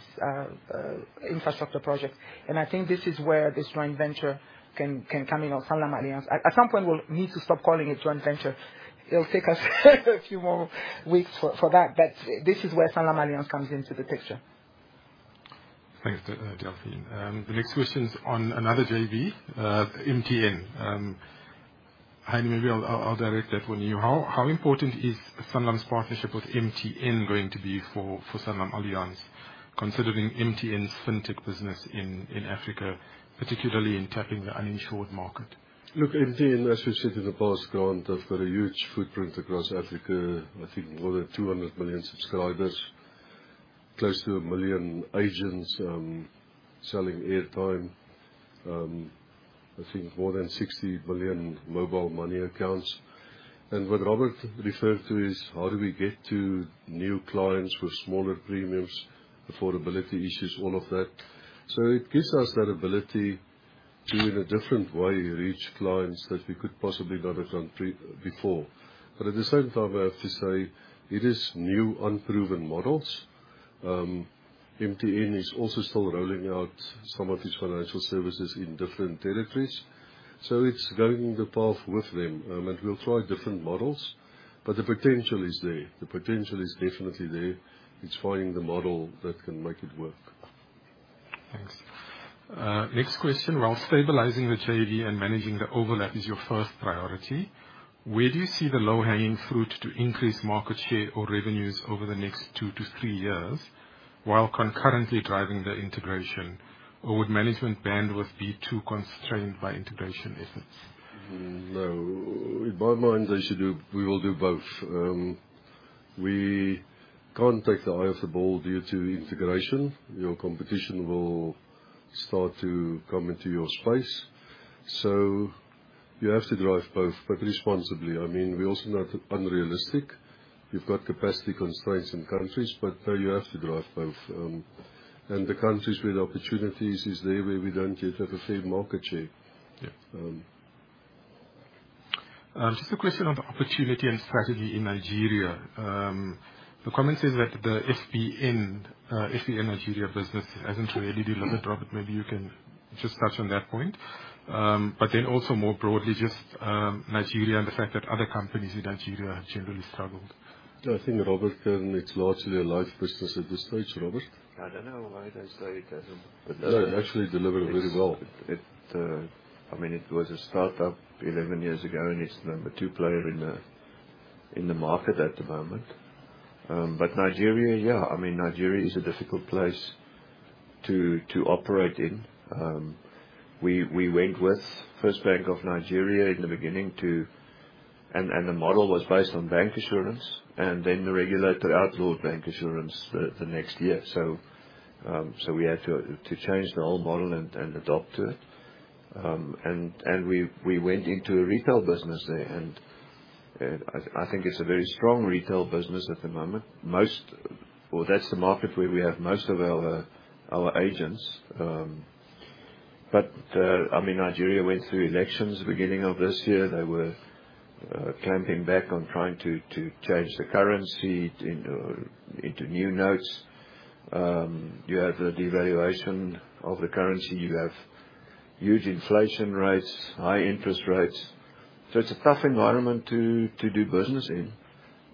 infrastructure projects. And I think this is where this joint venture can come in on SanlamAllianz. At some point, we'll need to stop calling it joint venture. It'll take us a few more weeks for that, but this is where SanlamAllianz comes into the picture. ... Thanks, Delphine. The next question is on another JV, MTN. Heinie, maybe I'll direct that one to you. How important is Sanlam's partnership with MTN going to be for SanlamAllianz, considering MTN's Fintech business in Africa, particularly in tapping the uninsured market? Look, MTN, as we said in the past, Grant, has got a huge footprint across Africa. I think more than 200 million subscribers, close to 1 million agents, selling airtime. I think more than 60 million mobile money accounts. And what Robert referred to is, how do we get to new clients with smaller premiums, affordability issues, all of that. So it gives us that ability to, in a different way, reach clients that we could possibly not have done before. But at the same time, I have to say, it is new, unproven models. MTN is also still rolling out some of its financial services in different territories, so it's going the path with them. And we'll try different models, but the potential is there. The potential is definitely there. It's finding the model that can make it work. Thanks. Next question: While stabilizing the JV and managing the overlap is your first priority, where do you see the low-hanging fruit to increase market share or revenues over the next 2-3 years, while concurrently driving the integration? Or would management bandwidth be too constrained by integration efforts? No. In my mind, they should do. We will do both. We can't take the eye off the ball due to integration. Your competition will start to come into your space, so you have to drive both, but responsibly. I mean, we're also not unrealistic. We've got capacity constraints in countries, but, you have to drive both. And the countries where the opportunities is there, where we don't yet have the same market share. Yeah. Um. Just a question on opportunity and strategy in Nigeria. The comment says that the FBN Nigeria business hasn't really delivered. Robert, maybe you can just touch on that point. But then also, more broadly, just Nigeria and the fact that other companies in Nigeria have generally struggled. Yeah, I think, Robert... It's largely a life business at this stage. Robert? I don't know why they say it doesn't, but. No, it actually delivered very well. It, I mean, it was a start-up 11 years ago, and it's the number 2 player in the market at the moment. But Nigeria, yeah. I mean, Nigeria is a difficult place to operate in. We went with First Bank of Nigeria in the beginning, and the model was based on bank insurance, and then the regulator outlawed bank insurance the next year. So, we had to change the whole model and adopt it. And we went into a retail business there, and I think it's a very strong retail business at the moment. Well, that's the market where we have most of our agents. But I mean, Nigeria went through elections the beginning of this year. They were clamping back on trying to change the currency into new notes. You have the devaluation of the currency. You have huge inflation rates, high interest rates. So it's a tough environment to do business in,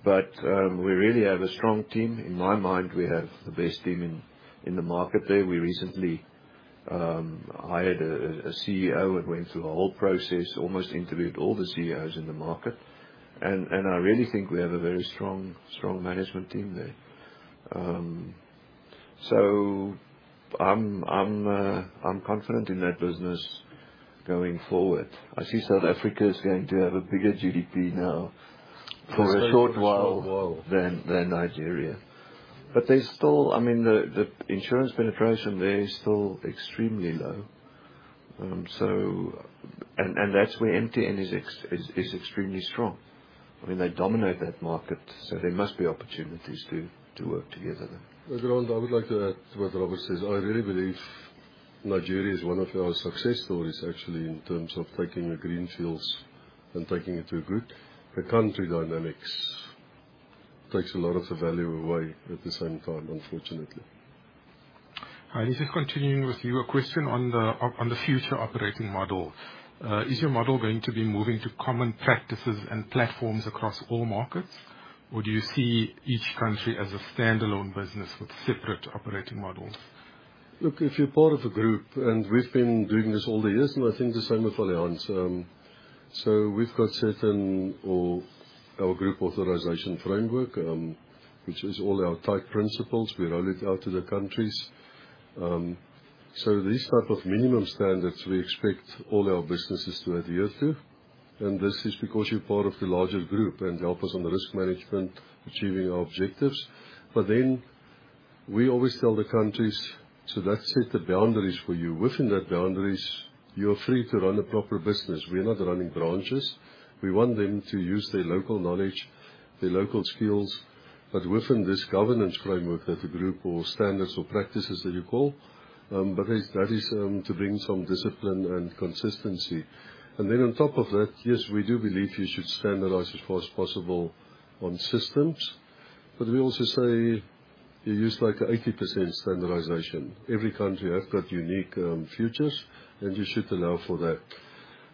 but we really have a strong team. In my mind, we have the best team in the market there. We recently hired a CEO and went through a whole process, almost interviewed all the CEOs in the market. And I really think we have a very strong management team there. So I'm confident in that business going forward. I see South Africa is going to have a bigger GDP now for a short while. Short while. than Nigeria. But there's still... I mean, the insurance penetration there is still extremely low. So... And that's where MTN is extremely strong. I mean, they dominate that market, so there must be opportunities to work together there. Look, Grant, I would like to add to what Robert says. I really believe Nigeria is one of our success stories, actually, in terms of taking the greenfields and taking it to a group. The country dynamics takes a lot of the value away at the same time, unfortunately. Heidi, just continuing with you. A question on the future operating model. Is your model going to be moving to common practices and platforms across all markets, or do you see each country as a standalone business with separate operating models? Look, if you're part of a group, and we've been doing this all the years, and I think the same with Allianz. So we've got certain, or our group authorization framework, which is all our type principles. We roll it out to the countries. So these type of minimum standards, we expect all our businesses to adhere to, and this is because you're part of the larger group and help us on the risk management, achieving our objectives. But then, we always tell the countries, "So that set the boundaries for you. Within that boundaries, you're free to run a proper business." We are not running branches. We want them to use their local knowledge, their local skills, but within this governance framework that the group or standards or practices that you call, because that is, to bring some discipline and consistency. And then on top of that, yes, we do believe you should standardize as far as possible on systems, but we also say you use, like, 80% standardization. Every country has got unique futures, and you should allow for that.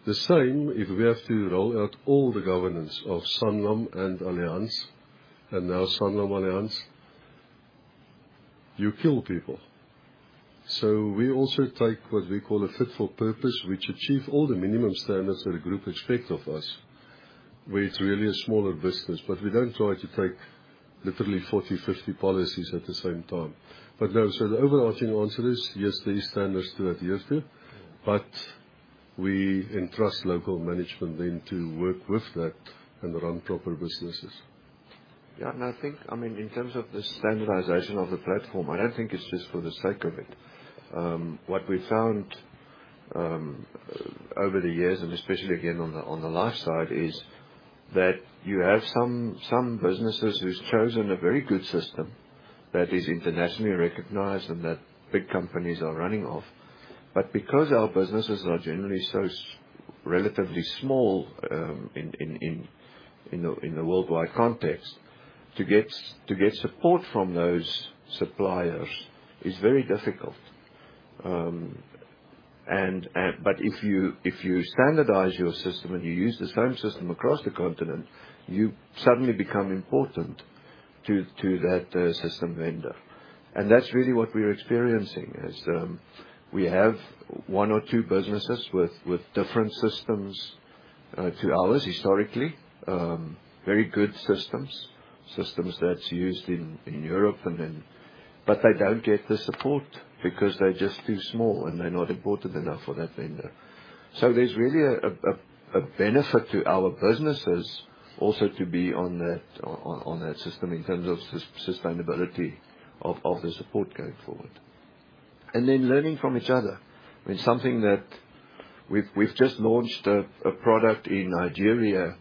The same if we have to roll out all the governance of Sanlam and Allianz... And now SanlamAllianz, you kill people. So we also take what we call a fit for purpose, which achieve all the minimum standards that a group expect of us, where it's really a smaller business. But we don't try to take literally 40, 50 policies at the same time. But no, so the overarching answer is, yes, there is standards to adhere to, but we entrust local management then to work with that and run proper businesses. Yeah, and I think, I mean, in terms of the standardization of the platform, I don't think it's just for the sake of it. What we found over the years, and especially again, on the life side, is that you have some businesses who's chosen a very good system that is internationally recognized and that big companies are running off. But because our businesses are generally so relatively small, in the worldwide context, to get support from those suppliers is very difficult. But if you standardize your system and you use the same system across the continent, you suddenly become important to that system vendor. And that's really what we're experiencing, is, we have one or two businesses with different systems to ours, historically. Very good systems that's used in Europe and in. But they don't get the support because they're just too small, and they're not important enough for that vendor. So there's really a benefit to our businesses also to be on that system in terms of sustainability of the support going forward. And then learning from each other. I mean, something that we've just launched a product in Nigeria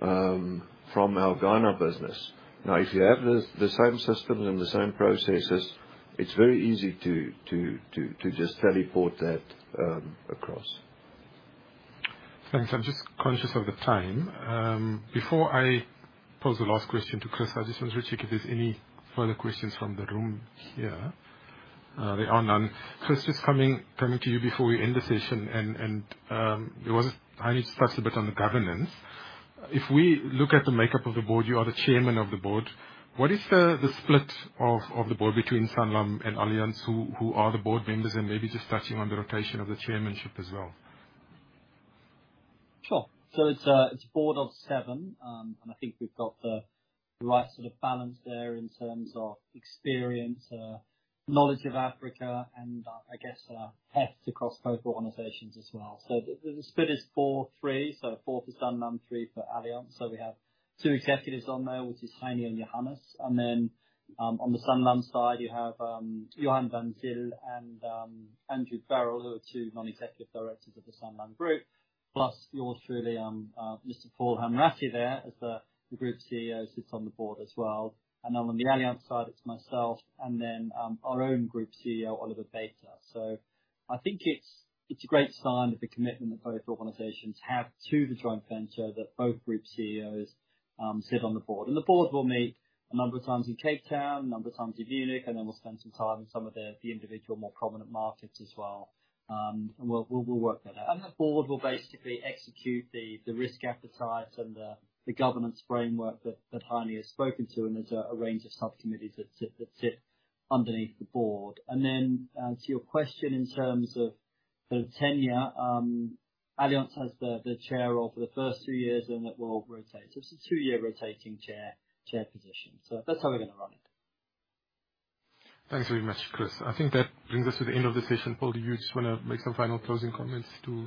from our Ghana business. Now, if you have the same system and the same processes, it's very easy to just teleport that across. Thanks. I'm just conscious of the time. Before I pose the last question to Chris, I just want to check if there's any further questions from the room here. There are none. Chris, just coming to you before we end the session, and you wanted, I need to touch a bit on the governance. If we look at the makeup of the board, you are the chairman of the board. What is the split of the board between Sanlam and Allianz? Who are the board members, and maybe just touching on the rotation of the chairmanship as well. Sure. So it's a board of seven. And I think we've got the right sort of balance there in terms of experience, knowledge of Africa and, I guess, heft across both organizations as well. So the split is four, three. So four for Sanlam, three for Allianz. So we have two executives on there, which is Heinie and Johannes. And then, on the Sanlam side, you have Johan van Zyl and Andrew Birrell, who are two non-executive directors of the Sanlam Group, plus yours truly, Mr. Paul Hanratty there, as the group CEO, sits on the board as well. And then on the Allianz side, it's myself and then our own group CEO, Oliver Bäte. So I think it's a great sign of the commitment that both organizations have to the joint venture, that both group CEOs sit on the board. The board will meet a number of times in Cape Town, a number of times in Munich, and then we'll spend some time in some of the individual more prominent markets as well. We'll work that out. The board will basically execute the risk appetite and the governance framework that Heinie has spoken to, and there's a range of subcommittees that sit underneath the board. Then to your question, in terms of the tenure, Allianz has the chair role for the first two years, and then it will rotate. So it's a two-year rotating chair position. So that's how we're gonna run it. Thanks very much, Chris. I think that brings us to the end of the session. Paul, do you just wanna make some final closing comments to-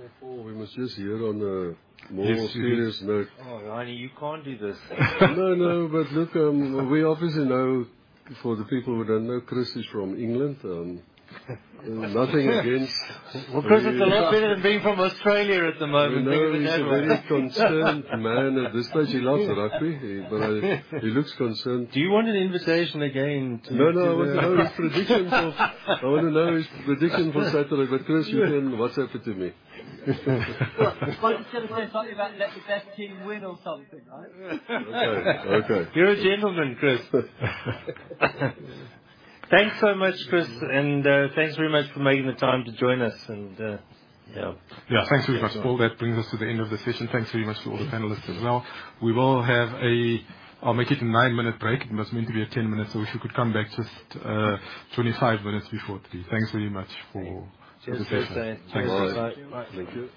Before we must just hear on a more serious note. Oh, Heinie, you can't do this. No, no, but look, we obviously know... For the people who don't know, Chris is from England. Nothing against- Well, Chris, it's a lot better than being from Australia at the moment. He's a very concerned man at this stage. He loves rugby, but I... He looks concerned. Do you want an invitation again to? No, no. I want to know his predictions of... I want to know his prediction for Saturday. But Chris, you can WhatsApp it to me. You should have said something about, let the best team win or something, right? Okay. Okay. You're a gentleman, Chris. Thanks so much, Chris, and thanks very much for making the time to join us, and yeah. Yeah. Thanks very much, Paul. That brings us to the end of the session. Thanks very much to all the panelists as well. We will have a... I'll make it a 9-minute break. It was meant to be a 10-minute, so if you could come back just 25 minutes before 3. Thanks very much, Paul. Cheers. Thank you.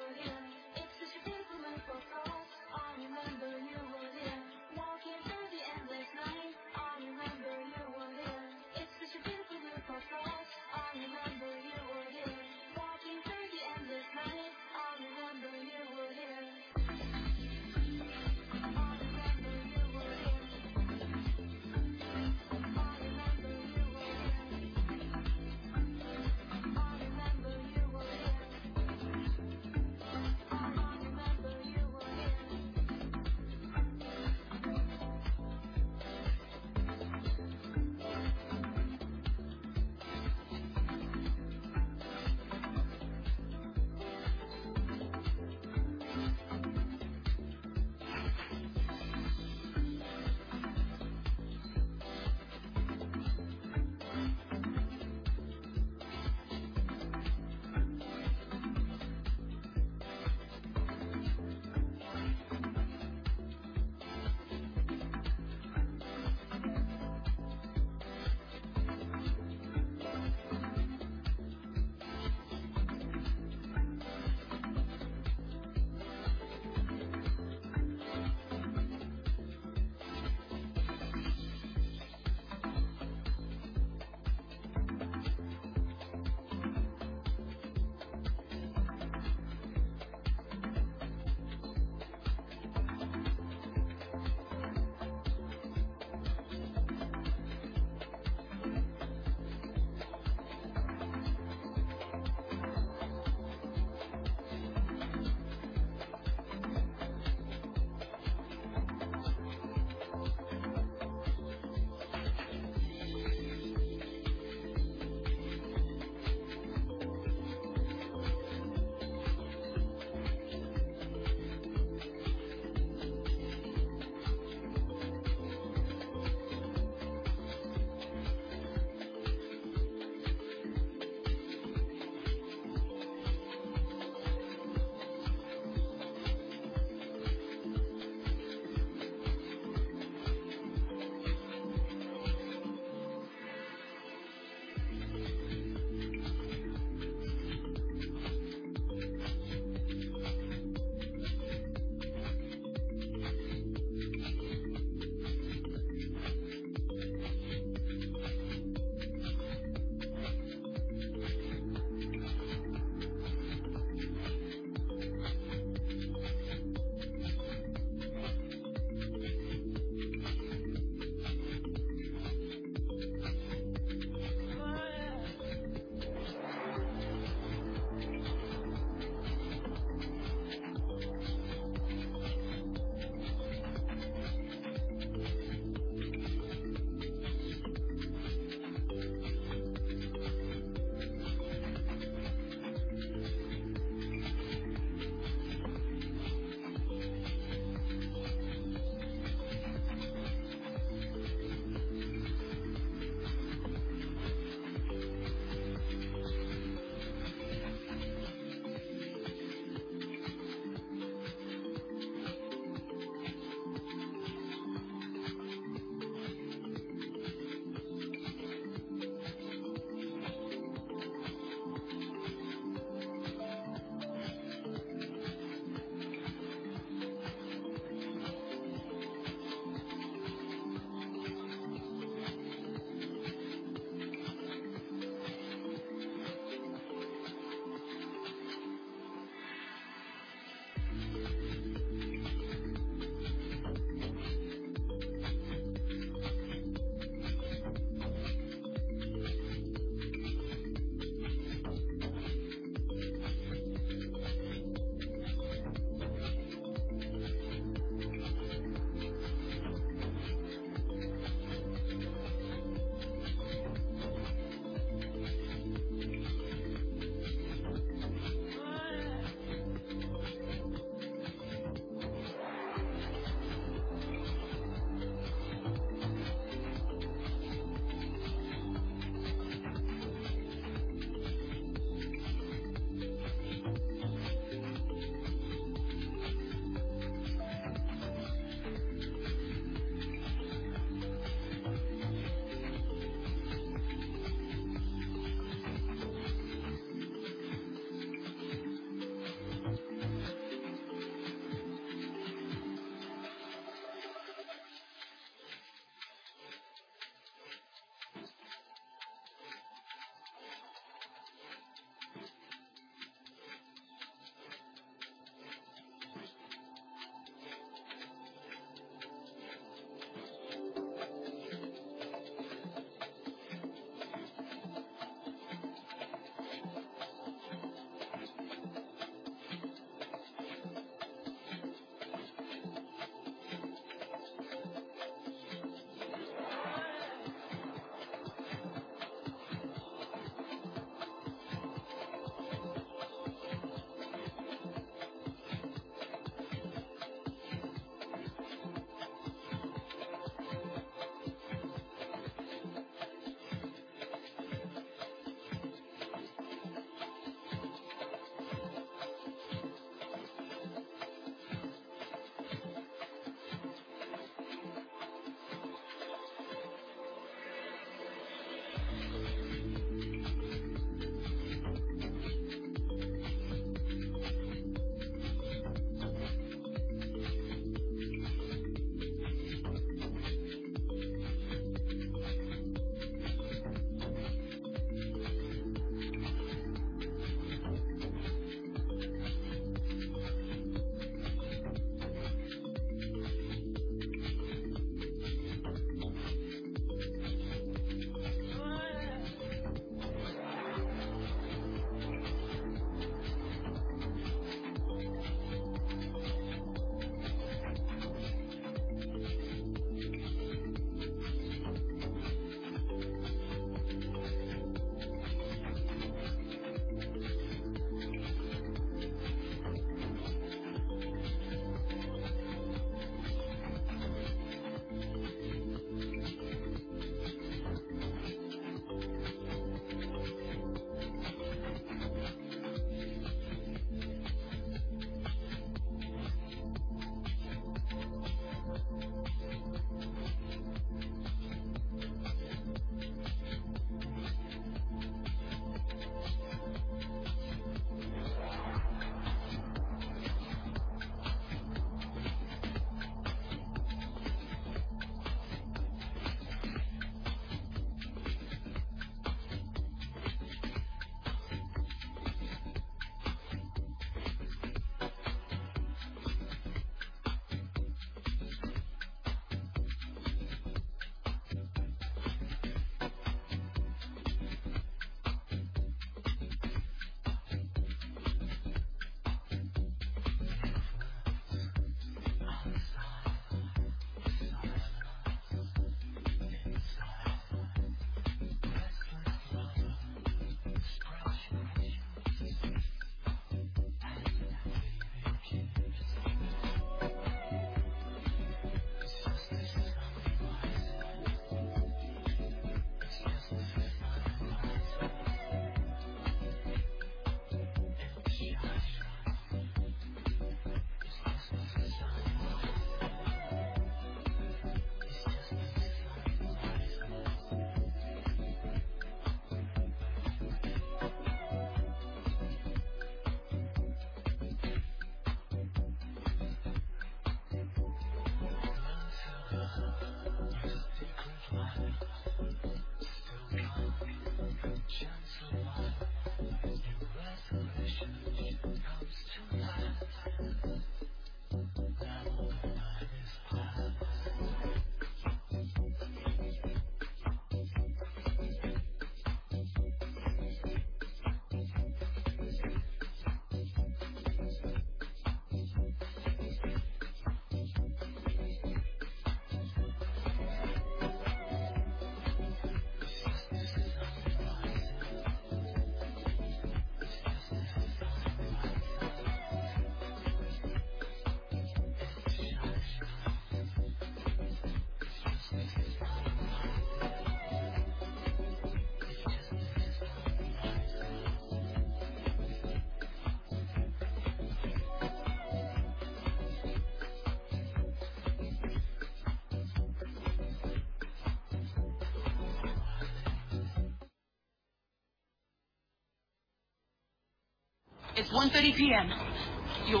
Bye. Thank you.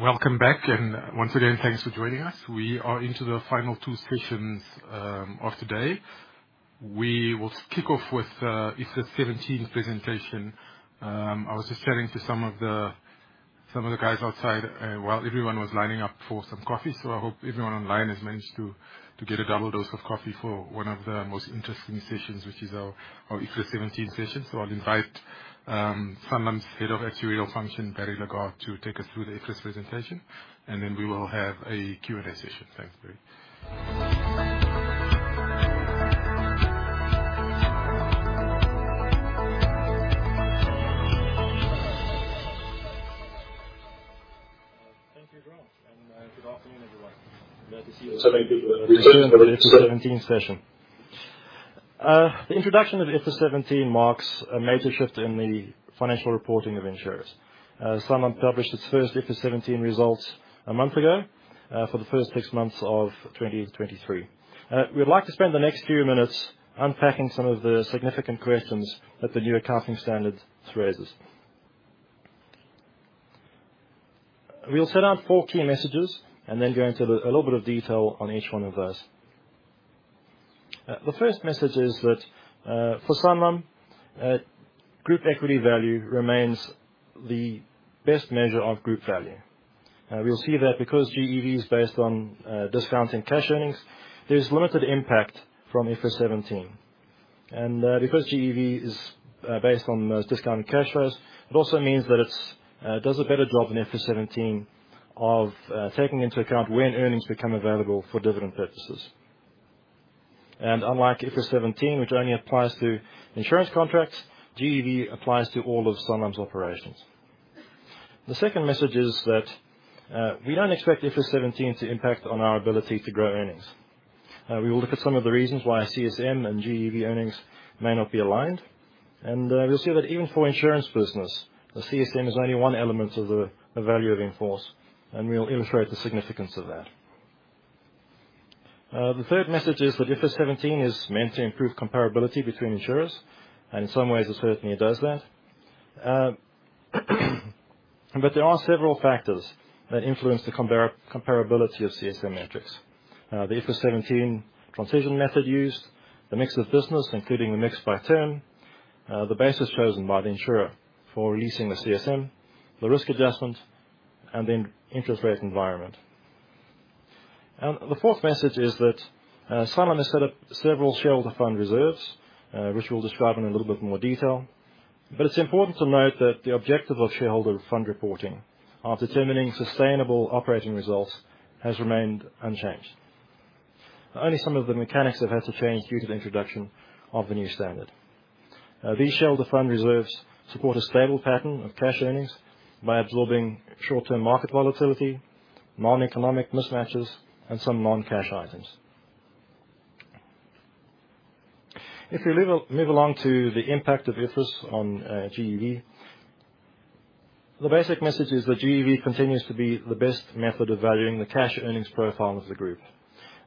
Welcome back, and once again, thanks for joining us. We are into the final two sessions of today. We will kick off with IFRS 17 presentation. I was just chatting to some of the guys outside while everyone was lining up for some coffee. So I hope everyone online has managed to get a double dose of coffee for one of the most interesting sessions, which is our IFRS 17 session. So I'll invite Sanlam's Head of Actuarial Function, Barry Gillmer, to take us through the IFRS presentation, and then we will have a Q&A session. Thanks, Barry. Thank you, Grant, and good afternoon, everyone. Glad to see you. Thank you for the IFRS 17 session. The introduction of IFRS 17 marks a major shift in the financial reporting of insurers. Sanlam published its first IFRS 17 results a month ago, for the first six months of 2023. We'd like to spend the next few minutes unpacking some of the significant questions that the new accounting standards raises. We'll set out four key messages and then go into the... a little bit of detail on each one of those. The first message is that, for Sanlam, group equity value remains the best measure of group value. We'll see that because GEV is based on, discounting cash earnings, there's limited impact from IFRS 17. Because GEV is based on those discounted cash flows, it also means that it does a better job in IFRS 17 of taking into account when earnings become available for dividend purposes. Unlike IFRS 17, which only applies to insurance contracts, GEV applies to all of Sanlam's operations. The second message is that we don't expect IFRS 17 to impact on our ability to grow earnings. We will look at some of the reasons why CSM and GEV earnings may not be aligned, and we'll see that even for insurance business, the CSM is only one element of the value of in-force, and we'll illustrate the significance of that. The third message is that IFRS 17 is meant to improve comparability between insurers, and in some ways, it certainly does that. But there are several factors that influence the comparability of CSM metrics. The IFRS 17 transition method used, the mix of business, including the mix by term, the basis chosen by the insurer for releasing the CSM, the risk adjustment, and the interest rate environment. And the fourth message is that, Sanlam has set up several shareholder fund reserves, which we'll describe in a little bit more detail. But it's important to note that the objective of shareholder fund reporting of determining sustainable operating results has remained unchanged. Only some of the mechanics have had to change due to the introduction of the new standard. These shareholder fund reserves support a stable pattern of cash earnings by absorbing short-term market volatility, non-economic mismatches, and some non-cash items. If we live... Moving along to the impact of IFRS on GEV, the basic message is that GEV continues to be the best method of valuing the cash earnings profile of the group.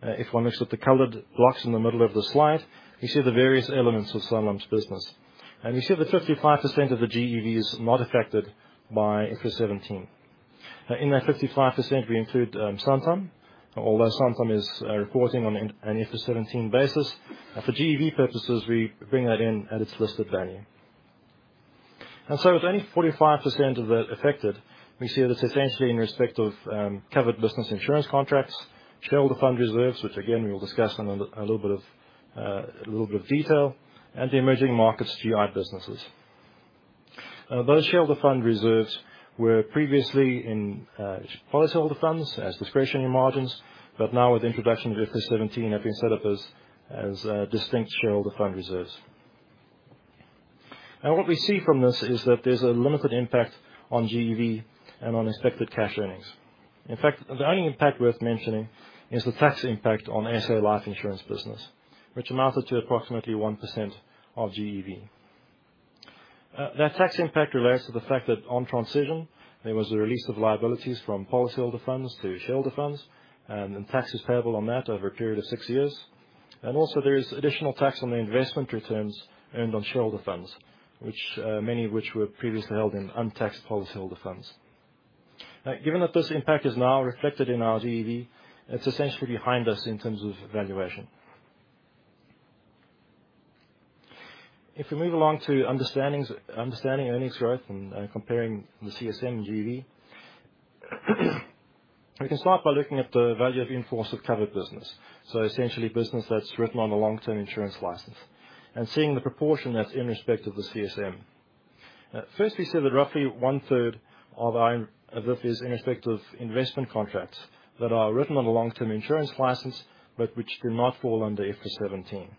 If one looks at the colored blocks in the middle of the slide, you see the various elements of Sanlam's business. You see that 55% of the GEV is not affected by IFRS 17. In that 55%, we include Santam, although Santam is reporting on an IFRS 17 basis. For GEV purposes, we bring that in at its listed value. With only 45% of it affected, we see that it's essentially in respect of covered business insurance contracts, shareholder fund reserves, which again, we will discuss in a little bit of detail, and the emerging markets GI businesses. Those shareholder fund reserves were previously in policyholder funds as discretionary margins, but now with the introduction of IFRS 17, have been set up as distinct shareholder fund reserves. What we see from this is that there's a limited impact on GEV and on expected cash earnings. In fact, the only impact worth mentioning is the tax impact on SA Life Insurance business, which amounted to approximately 1% of GEV. That tax impact relates to the fact that on transition, there was a release of liabilities from policyholder funds to shareholder funds, and then taxes payable on that over a period of six years. Also, there is additional tax on the investment returns earned on shareholder funds, which many of which were previously held in untaxed policyholder funds. Given that this impact is now reflected in our GEV, it's essentially behind us in terms of valuation. If we move along to understanding earnings growth and comparing the CSM and GEV. We can start by looking at the value of in-force of covered business, so essentially business that's written on a long-term insurance license, and seeing the proportion that's in respect of the CSM. First, we see that roughly one-third of our IFRS in respect of investment contracts that are written on a long-term insurance license, but which do not fall under IFRS 17.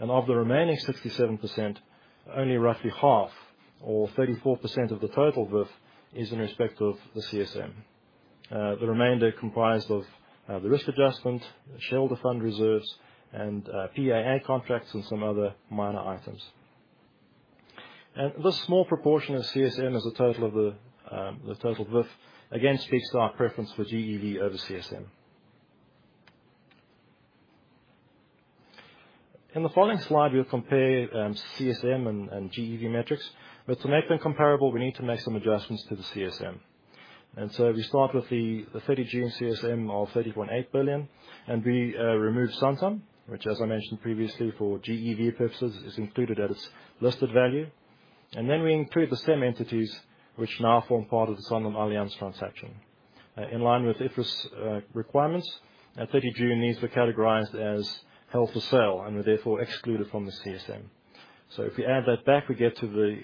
And of the remaining 67%, only roughly half, or 34% of the total VIF, is in respect of the CSM. The remainder comprised of the risk adjustment, the shareholder fund reserves, and PAA contracts, and some other minor items. This small proportion of CSM as a total of the total VIF, again, speaks to our preference for GEV over CSM. In the following slide, we'll compare CSM and GEV metrics. But to make them comparable, we need to make some adjustments to the CSM. So we start with the 30 June CSM of 30.8 billion, and we remove Santam, which, as I mentioned previously, for GEV purposes, is included at its listed value. And then we include the SEM entities, which now form part of the SanlamAllianz transaction. In line with IFRS requirements, at 30 June, these were categorized as held for sale and were therefore excluded from the CSM. So if we add that back, we get to the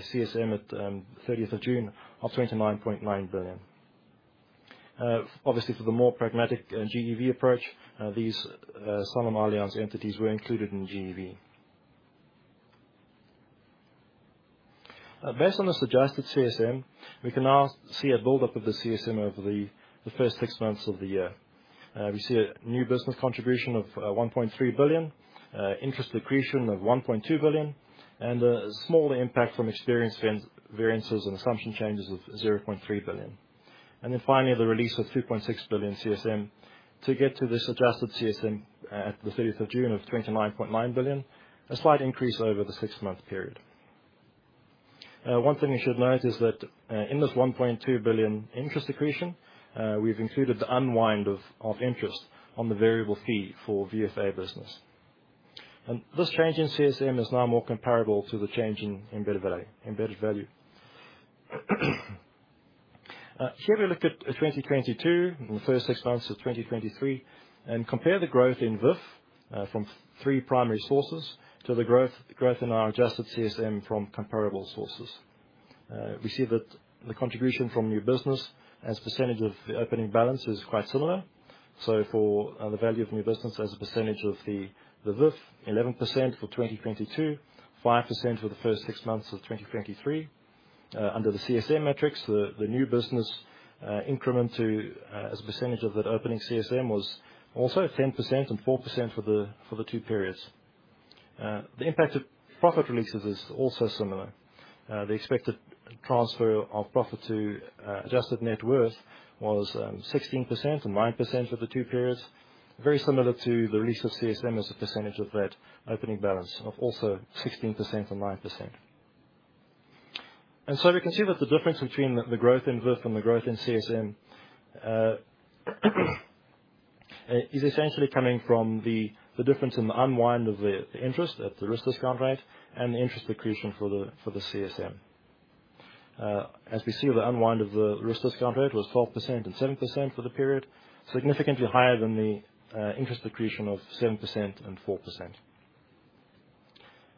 CSM at 30 June of 29.9 billion. Obviously, for the more pragmatic GEV approach, these SanlamAllianz entities were included in GEV. Based on this adjusted CSM, we can now see a build-up of the CSM over the first six months of the year. We see a new business contribution of 1.3 billion, interest accretion of 1.2 billion, and a small impact from experience variances and assumption changes of 0.3 billion. And then finally, the release of 2.6 billion CSM to get to this adjusted CSM, at the thirtieth of June of 29.9 billion, a slight increase over the six-month period. One thing you should note is that, in this 1.2 billion interest accretion, we've included the unwind of interest on the variable fee for VFA business. This change in CSM is now more comparable to the change in embedded value, embedded value. Here we look at 2022, and the first six months of 2023, and compare the growth in VIF from three primary sources to the growth in our adjusted CSM from comparable sources. We see that the contribution from new business as a percentage of the opening balance is quite similar. So for the value of new business as a percentage of the VIF, 11% for 2022, 5% for the first six months of 2023. Under the CSM metrics, the new business increment to as a percentage of that opening CSM was also 10% and 4% for the two periods. The impact of profit releases is also similar. The expected transfer of profit to adjusted net worth was 16% and 9% for the two periods, very similar to the release of CSM as a percentage of that opening balance of also 16% and 9%. And so we can see that the difference between the growth in VIF and the growth in CSM is essentially coming from the difference in the unwind of the interest at the risk discount rate and the interest accretion for the CSM. As we see, the unwind of the risk discount rate was 12% and 7% for the period, significantly higher than the interest accretion of 7% and 4%.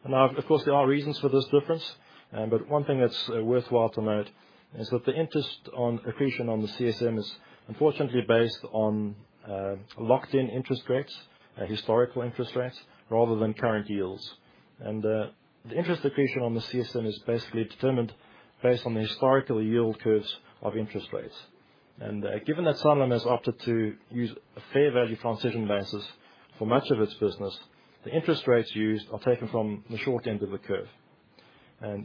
Now, of course, there are reasons for this difference, but one thing that's worthwhile to note is that the interest accretion on the CSM is unfortunately based on locked-in interest rates, historical interest rates, rather than current yields. The interest accretion on the CSM is basically determined based on the historical yield curves of interest rates. Given that Sanlam has opted to use a fair value transition basis for much of its business, the interest rates used are taken from the short end of the curve.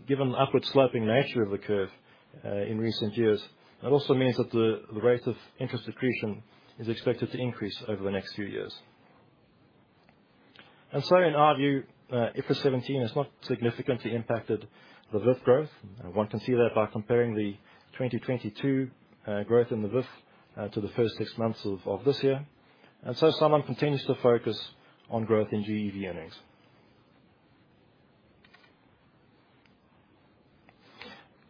Given the upward-sloping nature of the curve in recent years, that also means that the rate of interest accretion is expected to increase over the next few years. So, in our view, IFRS 17 has not significantly impacted the VIF growth. One can see that by comparing the 2022 growth in the VIF to the first six months of this year. So Sanlam continues to focus on growth in GEV earnings.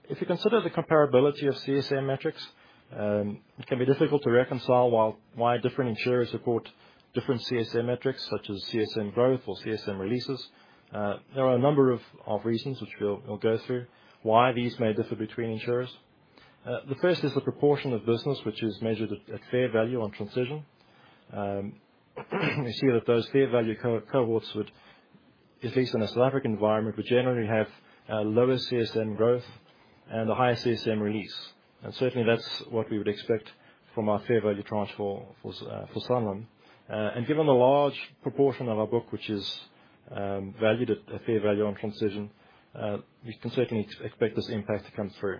If you consider the comparability of CSM metrics, it can be difficult to reconcile why different insurers support different CSM metrics, such as CSM growth or CSM releases. There are a number of reasons, which we'll go through, why these may differ between insurers. The first is the proportion of business, which is measured at fair value on transition. We see that those fair value cohorts would, at least in a South African environment, generally have lower CSM growth and a higher CSM release. And certainly, that's what we would expect from our fair value tranche for Sanlam. And given the large proportion of our book, which is valued at a fair value on transition, we can certainly expect this impact to come through.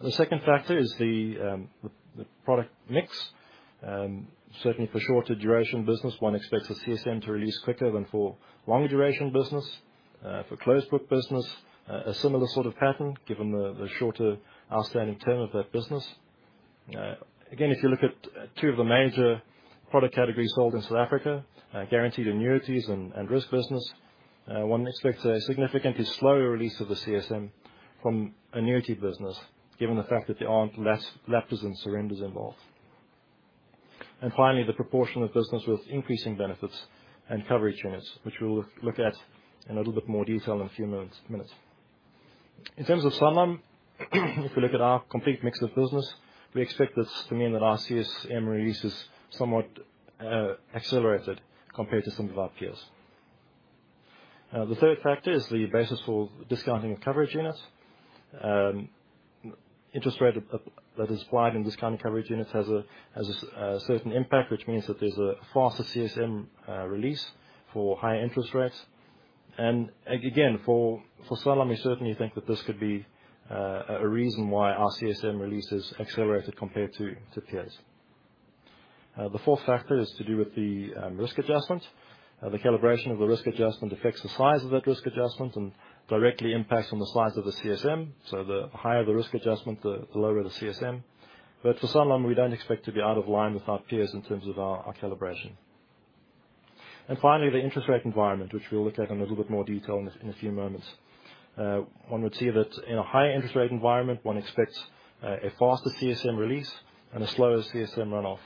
The second factor is the product mix. Certainly for shorter duration business, one expects the CSM to release quicker than for longer duration business. For closed book business, a similar sort of pattern, given the shorter outstanding term of that business. Again, if you look at two of the major product categories sold in South Africa, guaranteed annuities and risk business, one expects a significantly slower release of the CSM from annuity business, given the fact that there aren't lapses and surrenders involved. And finally, the proportion of business with increasing benefits and coverage units, which we'll look at in a little bit more detail in a few minutes. In terms of Sanlam, if we look at our complete mix of business, we expect this to mean that our CSM release is somewhat accelerated compared to some of our peers. The third factor is the basis for discounting of coverage units. The interest rate that is applied in discounting coverage units has a certain impact, which means that there's a faster CSM release for higher interest rates. And, again, for Sanlam, we certainly think that this could be a reason why our CSM release is accelerated compared to peers. The fourth factor is to do with the risk adjustment. The calibration of the risk adjustment affects the size of that risk adjustment and directly impacts on the size of the CSM, so the higher the risk adjustment, the lower the CSM. But for Sanlam, we don't expect to be out of line with our peers in terms of our calibration. Finally, the interest rate environment, which we'll look at in a little bit more detail in a few moments. One would see that in a higher interest rate environment, one expects a faster CSM release and a slower CSM runoff.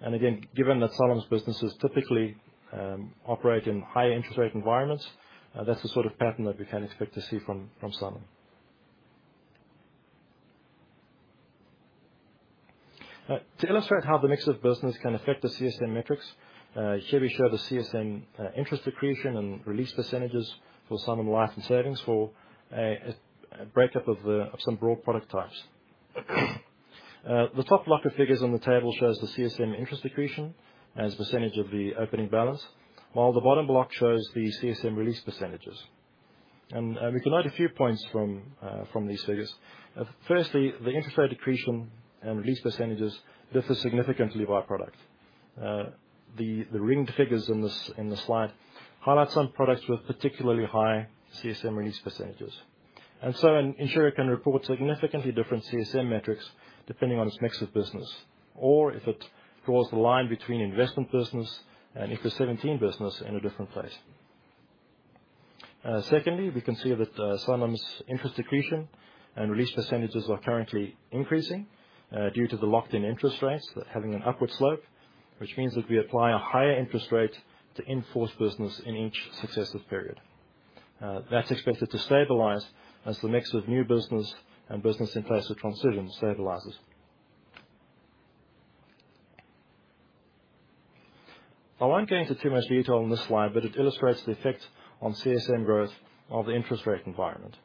Again, given that Sanlam's businesses typically operate in higher interest rate environments, that's the sort of pattern that we can expect to see from Sanlam. To illustrate how the mix of business can affect the CSM metrics, here we show the CSM interest accretion and release percentages for Sanlam Life and Savings for a breakup of some broad product types. The top block of figures on the table shows the CSM interest accretion as a percentage of the opening balance, while the bottom block shows the CSM release percentages. We can note a few points from these figures. Firstly, the interest rate accretion and release percentages differ significantly by product. The ringed figures in the slide highlight some products with particularly high CSM release percentages. So an insurer can report significantly different CSM metrics depending on its mix of business, or if it draws the line between investment business and IFRS 17 business in a different place. Secondly, we can see that, Sanlam's interest accretion and release percentages are currently increasing, due to the locked-in interest rates having an upward slope, which means that we apply a higher interest rate to in-force business in each successive period. That's expected to stabilize as the mix of new business and business in place of transition stabilizes. I won't go into too much detail on this slide, but it illustrates the effect on CSM growth of the interest rate environment.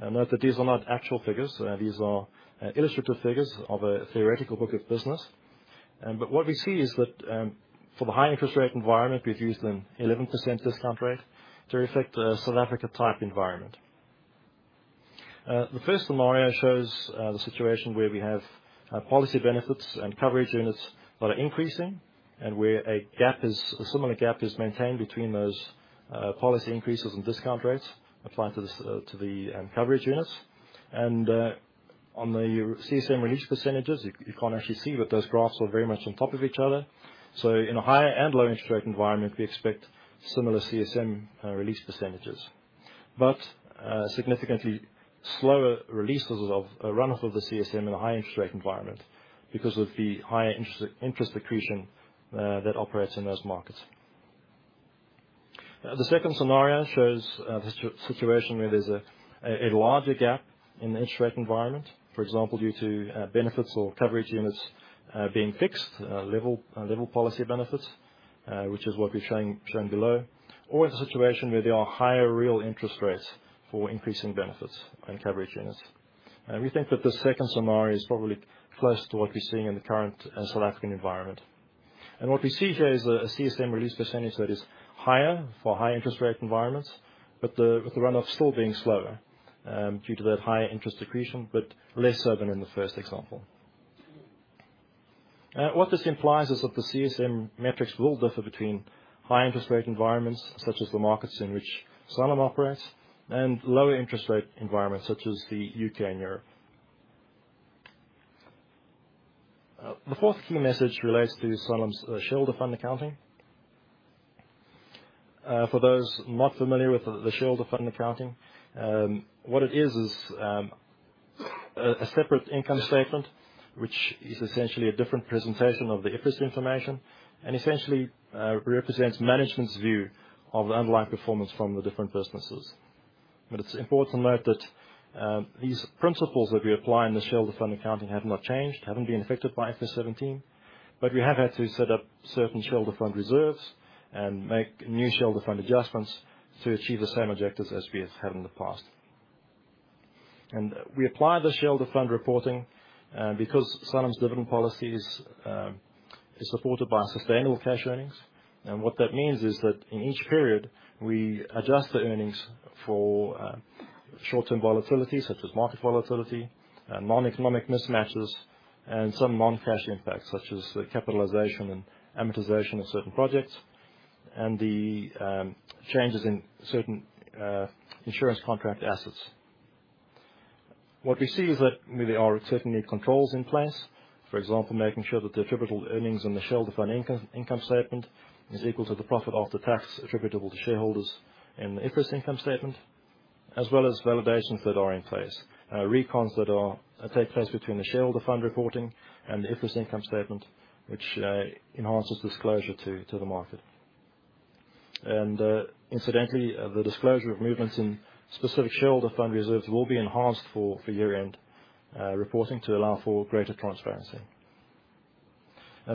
Note that these are not actual figures, these are, illustrative figures of a theoretical book of business. But what we see is that, for the high interest rate environment, we've used an 11% discount rate to reflect a South Africa type environment. The first scenario shows the situation where we have policy benefits and coverage units that are increasing, and where a similar gap is maintained between those policy increases and discount rates applied to the coverage units. And on the CSM release percentages, you can't actually see that those graphs are very much on top of each other. So in a higher and lower interest rate environment, we expect similar CSM release percentages, but significantly slower releases of runoff of the CSM in a high interest rate environment because of the higher interest accretion that operates in those markets. The second scenario shows the situation where there's a larger gap in the interest rate environment, for example, due to benefits or coverage units being fixed level policy benefits, which is what we're showing below. Or it's a situation where there are higher real interest rates for increasing benefits and coverage units. And we think that the second scenario is probably close to what we're seeing in the current South African environment. And what we see here is a CSM release percentage that is higher for high interest rate environments, but with the runoff still being slower due to that higher interest accretion, but less so than in the first example. What this implies is that the CSM metrics will differ between high interest rate environments, such as the markets in which Sanlam operates, and lower interest rate environments, such as the UK and Europe. The fourth key message relates to Sanlam's shareholder fund accounting. For those not familiar with the shareholder fund accounting, what it is is a separate income statement, which is essentially a different presentation of the IFRS information, and essentially represents management's view of the underlying performance from the different businesses. But it's important to note that these principles that we apply in the shareholder fund accounting have not changed, haven't been affected by IFRS 17, but we have had to set up certain shareholder fund reserves and make new shareholder fund adjustments to achieve the same objectives as we have had in the past. We apply the shareholder fund reporting because Sanlam's dividend policy is supported by sustainable cash earnings. What that means is that in each period, we adjust the earnings for short-term volatility, such as market volatility, non-economic mismatches, and some non-cash impacts, such as the capitalization and amortization of certain projects, and the changes in certain insurance contract assets. What we see is that there are certainly controls in place. For example, making sure that the attributable earnings on the shareholder fund income, income statement is equal to the profit after tax attributable to shareholders in the IFRS income statement, as well as validations that are in place. Recons that take place between the shareholder fund reporting and the IFRS income statement, which enhances disclosure to the market. Incidentally, the disclosure of movements in specific shareholder fund reserves will be enhanced for year-end reporting to allow for greater transparency.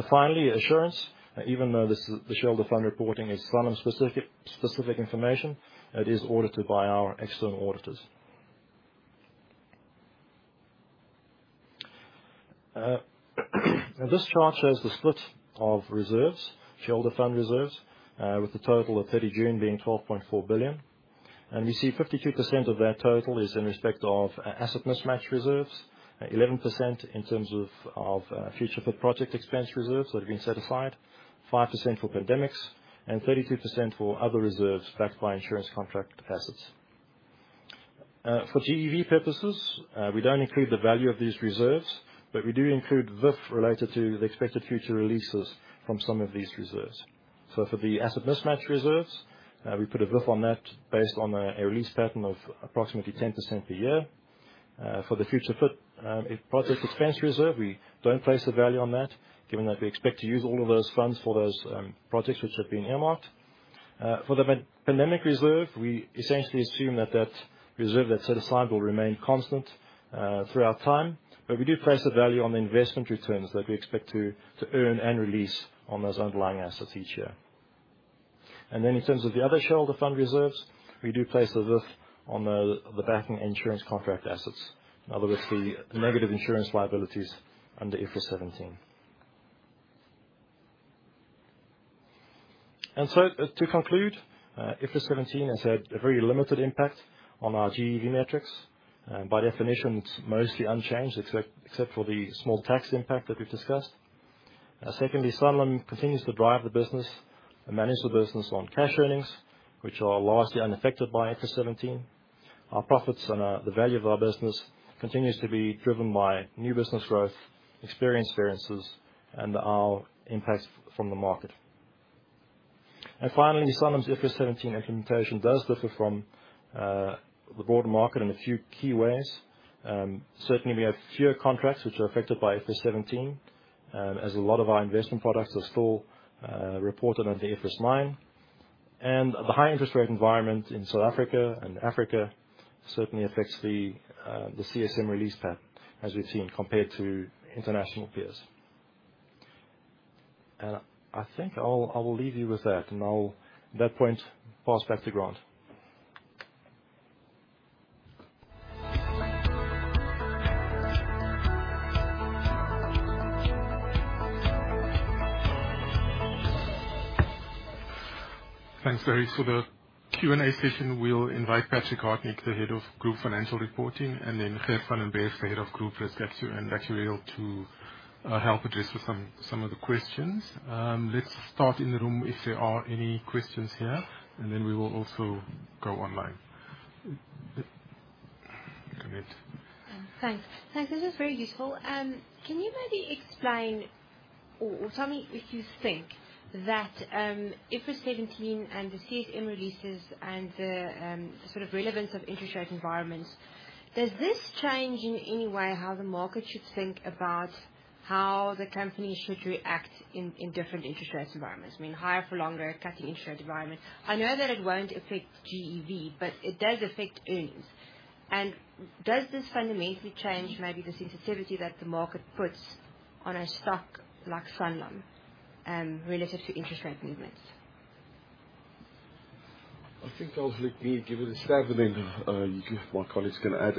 Finally, assurance. Even though the shareholder fund reporting is Sanlam-specific information, it is audited by our external auditors. And this chart shows the split of reserves, shareholder fund reserves, with a total of 30 June being 12.4 billion. And we see 52% of that total is in respect of asset mismatch reserves, 11% in terms of future project expense reserves that have been set aside, 5% for pandemics, and 32% for other reserves backed by insurance contract assets. For GEV purposes, we don't include the value of these reserves, but we do include VIF related to the expected future releases from some of these reserves. So for the asset mismatch reserves, we put a VIF on that based on a release pattern of approximately 10% per year. For the Future Fit IFRS project expense reserve, we don't place a value on that, given that we expect to use all of those funds for those projects which have been earmarked. For the pandemic reserve, we essentially assume that that reserve that's set aside will remain constant throughout time. But we do place a value on the investment returns that we expect to earn and release on those underlying assets each year. And then, in terms of the other shareholder fund reserves, we do place the VIF on the backing insurance contract assets. In other words, the negative insurance liabilities under IFRS 17. So, to conclude, IFRS 17 has had a very limited impact on our GEV metrics, and by definition, it's mostly unchanged, except, except for the small tax impact that we've discussed. Secondly, Sanlam continues to drive the business and manage the business on cash earnings, which are largely unaffected by IFRS 17. Our profits and, the value of our business continues to be driven by new business growth, experience variances, and our impacts from the market. Finally, Sanlam's IFRS 17 implementation does differ from, the broader market in a few key ways. Certainly, we have fewer contracts which are affected by IFRS 17, as a lot of our investment products are still, reported under IFRS 9. The high interest rate environment in South Africa and Africa certainly affects the CSM release path, as we've seen, compared to international peers. I think I will leave you with that, and at that point, pass back to Grant. Thanks, Barry. For the Q&A session, we'll invite Patrick Gillmer, the Head of Group Financial Reporting, and then Gert van der Merwe, the Head of Group Risk, back to... And back to be able to help address with some, some of the questions. Let's start in the room, if there are any questions here, and then we will also go online. Go ahead. Thanks. Thanks, this is very useful. Can you maybe explain or, or tell me if you think that, IFRS 17 and the CSM releases and the, the sort of relevance of interest rate environments, does this change in any way, how the market should think about how the company should react in, in different interest rate environments? I mean, higher for longer, cutting interest rate environment. I know that it won't affect GEV, but it does affect earnings. And does this fundamentally change maybe the sensitivity that the market puts on a stock like Sanlam, relative to interest rate movements? I think I'll give it a stab, and then my colleagues can add.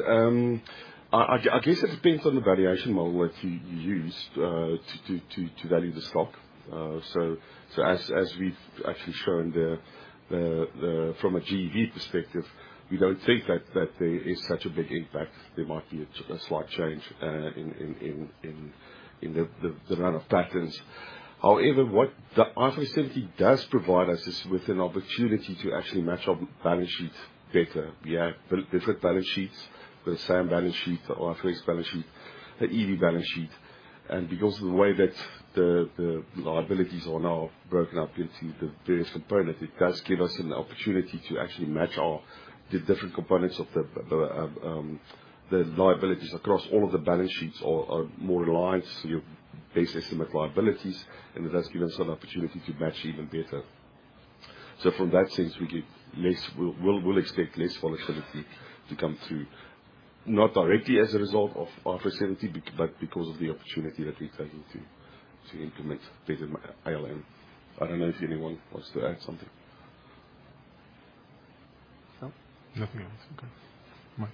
I guess it depends on the valuation model that you use to value the stock. So as we've actually shown there, the... From a GEV perspective, we don't think that there is such a big impact. There might be a slight change in the run-off patterns. However, what the IFRS 17 does provide us is with an opportunity to actually match our balance sheets better. We have different balance sheets, the SA balance sheet, or our first balance sheet, the EV balance sheet. Because of the way that the liabilities are now broken up into the various components, it does give us an opportunity to actually match our the different components of the liabilities across all of the balance sheets are more aligned to your best estimate liabilities, and that does give us an opportunity to match even better. So from that sense, we get less. We'll expect less volatility to come through, not directly as a result of IFRS 17, but because of the opportunity that we're taking to implement better ALM. I don't know if anyone wants to add something. No? Nothing else. Okay. Mike.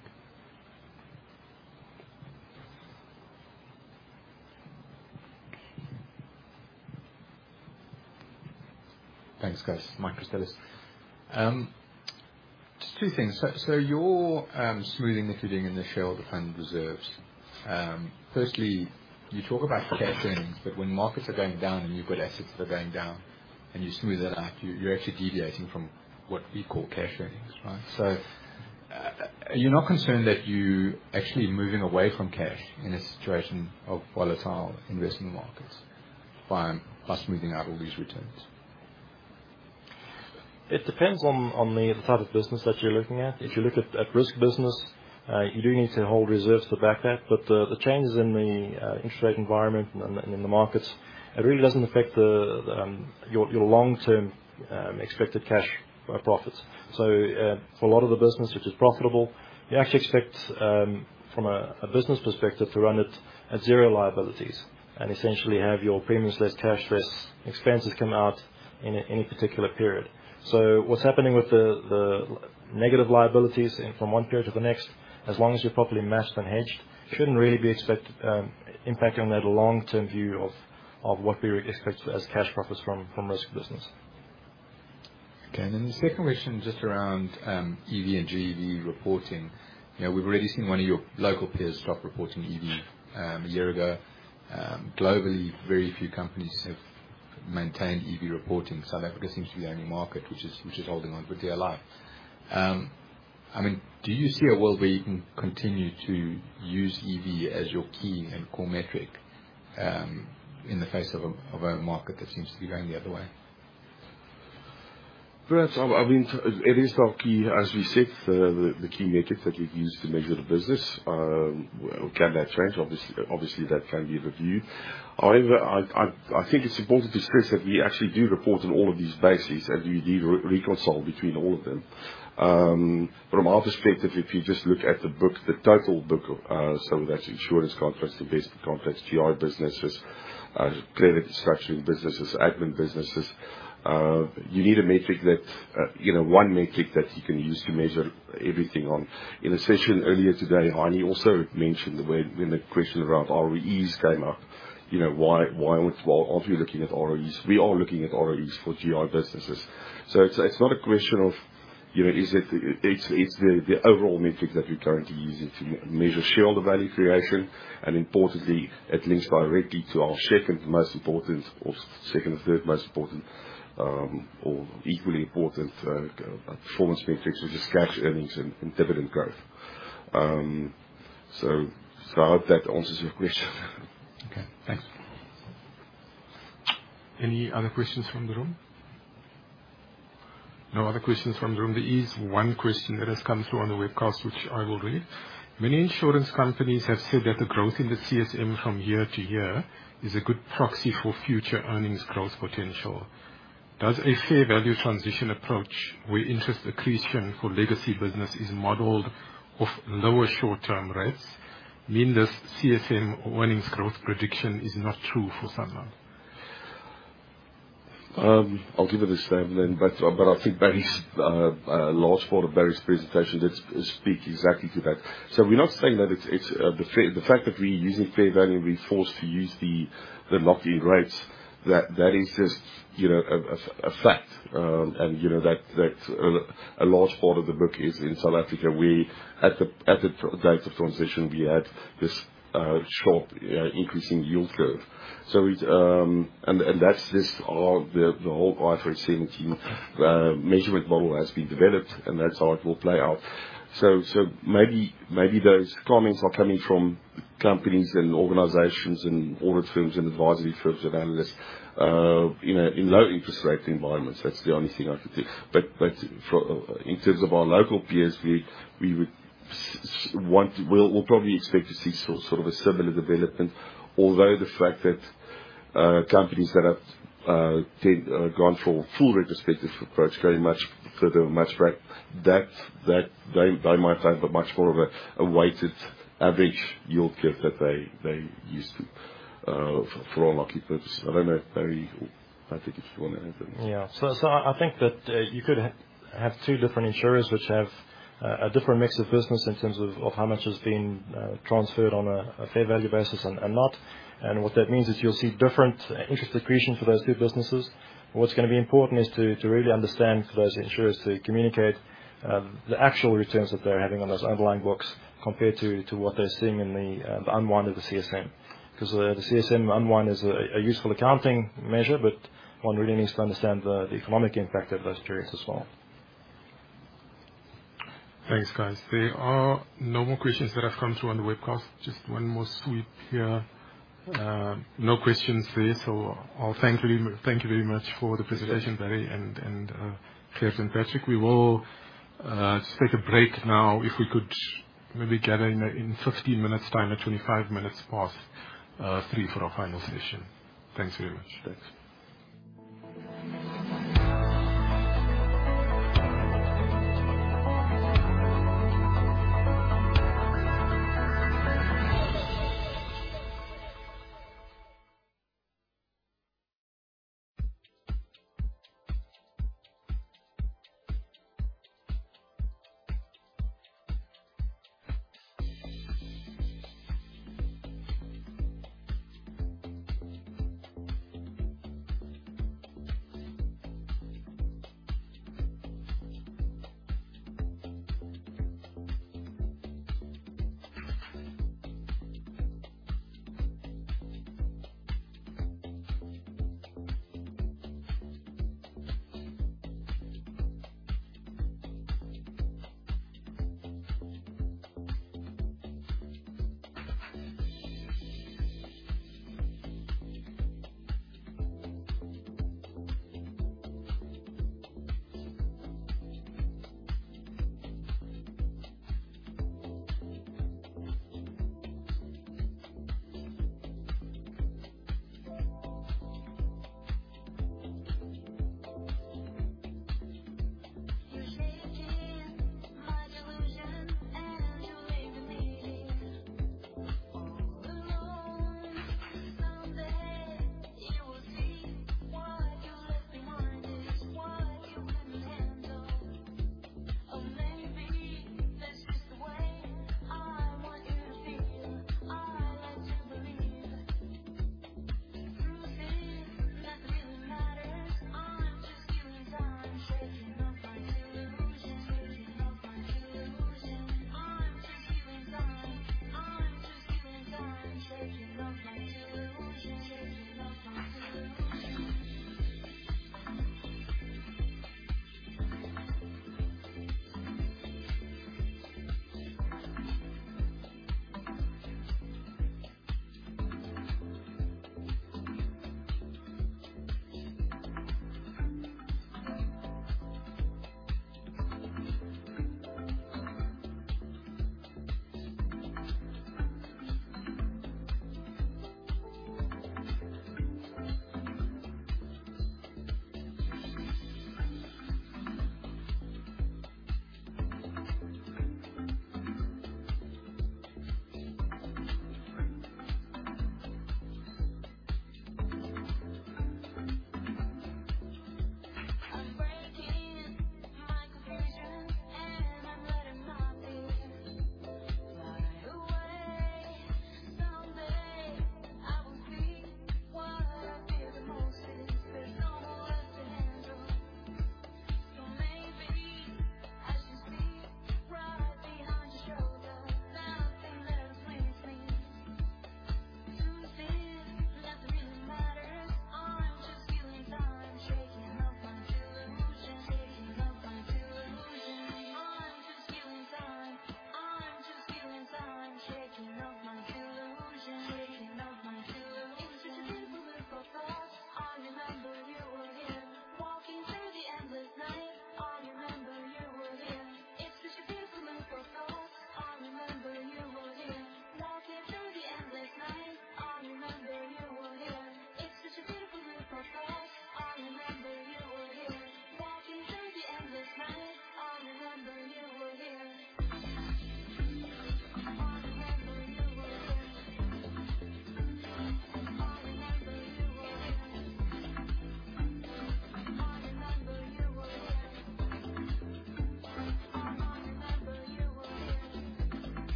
Thanks, guys. Mike Christelis. Just two things. So, you're smoothing the fitting in the shareholder fund reserves. Firstly, you talk about cash earnings, but when markets are going down and you've got assets that are going down and you smooth it out, you're actually deviating from what we call cash earnings, right? So, are you not concerned that you actually moving away from cash in a situation of volatile investing markets by smoothing out all these returns? It depends on the type of business that you're looking at. If you look at risk business, you do need to hold reserves to back that. But the changes in the interest rate environment and in the markets. It really doesn't affect your long-term expected cash profits. So, for a lot of the business, which is profitable, you actually expect, from a business perspective, to run it at zero liabilities and essentially have your premiums less cash, less expenses come out in a particular period. So what's happening with the negative liabilities and from one period to the next, as long as you're properly matched and hedged, shouldn't really be impacting on that long-term view of what we would expect as cash profits from risk business. Okay, and then the second question, just around EV and GEV reporting. You know, we've already seen one of your local peers stop reporting EV, a year ago. Globally, very few companies have maintained EV reporting. South Africa seems to be the only market which is holding on for dear life. I mean, do you see a world where you can continue to use EV as your key and core metric, in the face of a market that seems to be going the other way? Perhaps, I mean, it is our key, as we said, the key metrics that we've used to measure the business. Can that change? Obviously, that can be reviewed. However, I think it's important to stress that we actually do report on all of these bases, and we do re-reconcile between all of them. From our perspective, if you just look at the book, the total book, so that's insurance contracts, investment contracts, GI businesses, credit structuring businesses, admin businesses, you need a metric that, you know, one metric that you can use to measure everything on. In a session earlier today, Heinie also mentioned when the question around ROEs came up, you know, why would... Well, aren't we looking at ROEs? We are looking at ROEs for GI businesses. So it's not a question of, you know, is it—it's the overall metric that we currently using to measure shareholder value creation, and importantly, it links directly to our second most important or second or third most important, or equally important, performance metrics, which is cash, earnings, and dividend growth. So I hope that answers your question. Okay, thanks. Any other questions from the room? No other questions from the room. There is one question that has come through on the webcast, which I will read. Many insurance companies have said that the growth in the CSM from year to year is a good proxy for future earnings growth potential. Does a fair value transition approach, where interest accretion for legacy business is modeled off lower short-term rates, mean this CSM earnings growth prediction is not true for Sanlam? I'll give it a stab then, but I think Barry's last part of Barry's presentation does speak exactly to that. So we're not saying that it's the fair... The fact that we're using fair value, we're forced to use the lock-in rates, that is just, you know, a fact. And, you know, that a large part of the book is in South Africa, where at the transition date, we had this short increasing yield curve. So it. And that's just all the whole IFRS 17 measurement model has been developed, and that's how it will play out. So maybe those comments are coming from companies and organizations and audit firms and advisory firms and analysts, you know, in low interest rate environments. That's the only thing I could think. But for, in terms of our local peers, we would want, we'll probably expect to see sort of a similar development. Although the fact that companies that have gone for full retrospective approach, going much further, much right, that they might have much more of a weighted average yield curve that they used to for ALM purpose. I don't know if Barry... I think if you want to add anything. Yeah. So I think that you could have two different insurers, which have a different mix of business in terms of how much is being transferred on a fair value basis and not. And what that means is you'll see different interest accretion for those two businesses. What's going to be important is to really understand for those insurers to communicate the actual returns that they're having on those underlying books, compared to what they're seeing in the unwind of the CSM. Because the CSM unwind is a useful accounting measure, but one really needs to understand the economic impact of those periods as well. Thanks, guys. There are no more questions that have come through on the webcast. Just one more sweep here. No questions there, so I'll thank you very, thank you very much for the presentation, Barry and Piers and Patrick. We will take a break now. If we could maybe gather in 15 minutes time, at 3:25 P.M. for our final session. Thanks very much.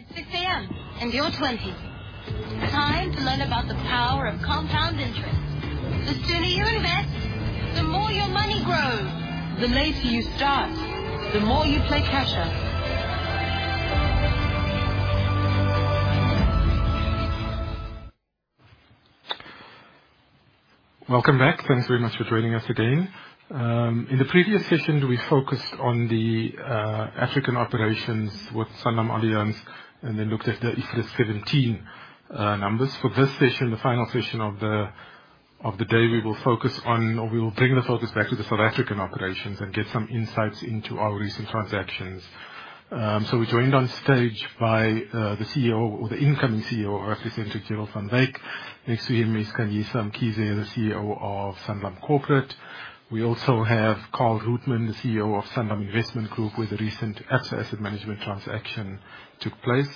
Thanks.... Welcome back. Thanks very much for joining us again. In the previous session, we focused on the African operations with SanlamAllianz, and then looked at the IFRS 17 numbers. For this session, the final session of the day, we will focus on, or we will bring the focus back to the South African operations and get some insights into our recent transactions. So we're joined on stage by the CEO or the incoming CEO of Afrocentric, Gerald van Wyk. Next to him is Kanyisa Mkhize, the CEO of Sanlam Corporate. We also have Carl Gillmer, the CEO of Sanlam Investment Group, where the recent asset management transaction took place.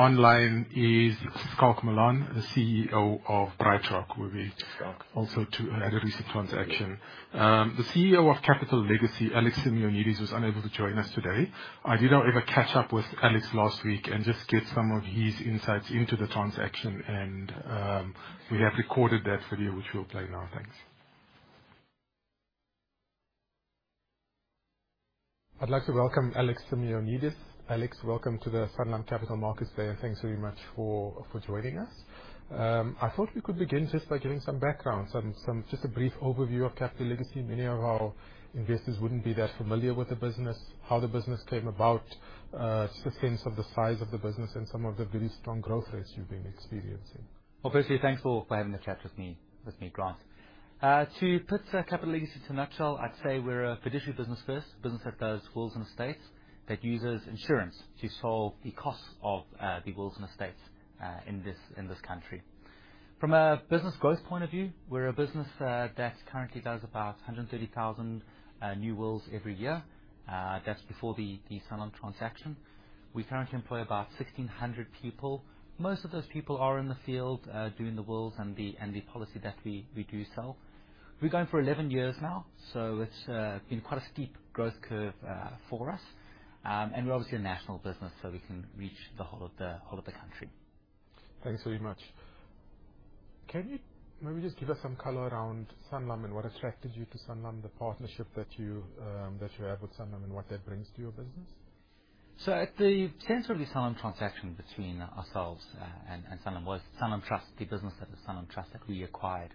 Online is Schalk Malan, the CEO of BrightRock, where we also had a recent transaction. The CEO of Capital Legacy, Alex Simeonidis, was unable to join us today. I did, however, catch up with Alex last week and just get some of his insights into the transaction, and, we have recorded that video, which we'll play now. Thanks. I'd like to welcome Alex Simeonidis. Alex, welcome to the Sanlam Capital Markets Day, and thanks very much for joining us. I thought we could begin just by giving some background, just a brief overview of Capital Legacy. Many of our investors wouldn't be that familiar with the business, how the business came about, just a sense of the size of the business and some of the very strong growth rates you've been experiencing. Well, firstly, thanks all for having the chat with me, with me, Grant. To put Capital Legacy into a nutshell, I'd say we're a fiduciary business first. Business that does wills and estates, that uses insurance to solve the costs of the wills and estates in this country. From a business growth point of view, we're a business that currently does about 130,000 new wills every year. That's before the Sanlam transaction. We currently employ about 1,600 people. Most of those people are in the field doing the wills and the policy that we do sell. We're going for 11 years now, so it's been quite a steep growth curve for us. We're obviously a national business, so we can reach the whole of the country. Thanks very much. Can you maybe just give us some color around Sanlam and what attracted you to Sanlam, the partnership that you, that you have with Sanlam, and what that brings to your business? So at the center of the Sanlam transaction between ourselves and Sanlam was Sanlam Trust, the business that is Sanlam Trust, that we acquired.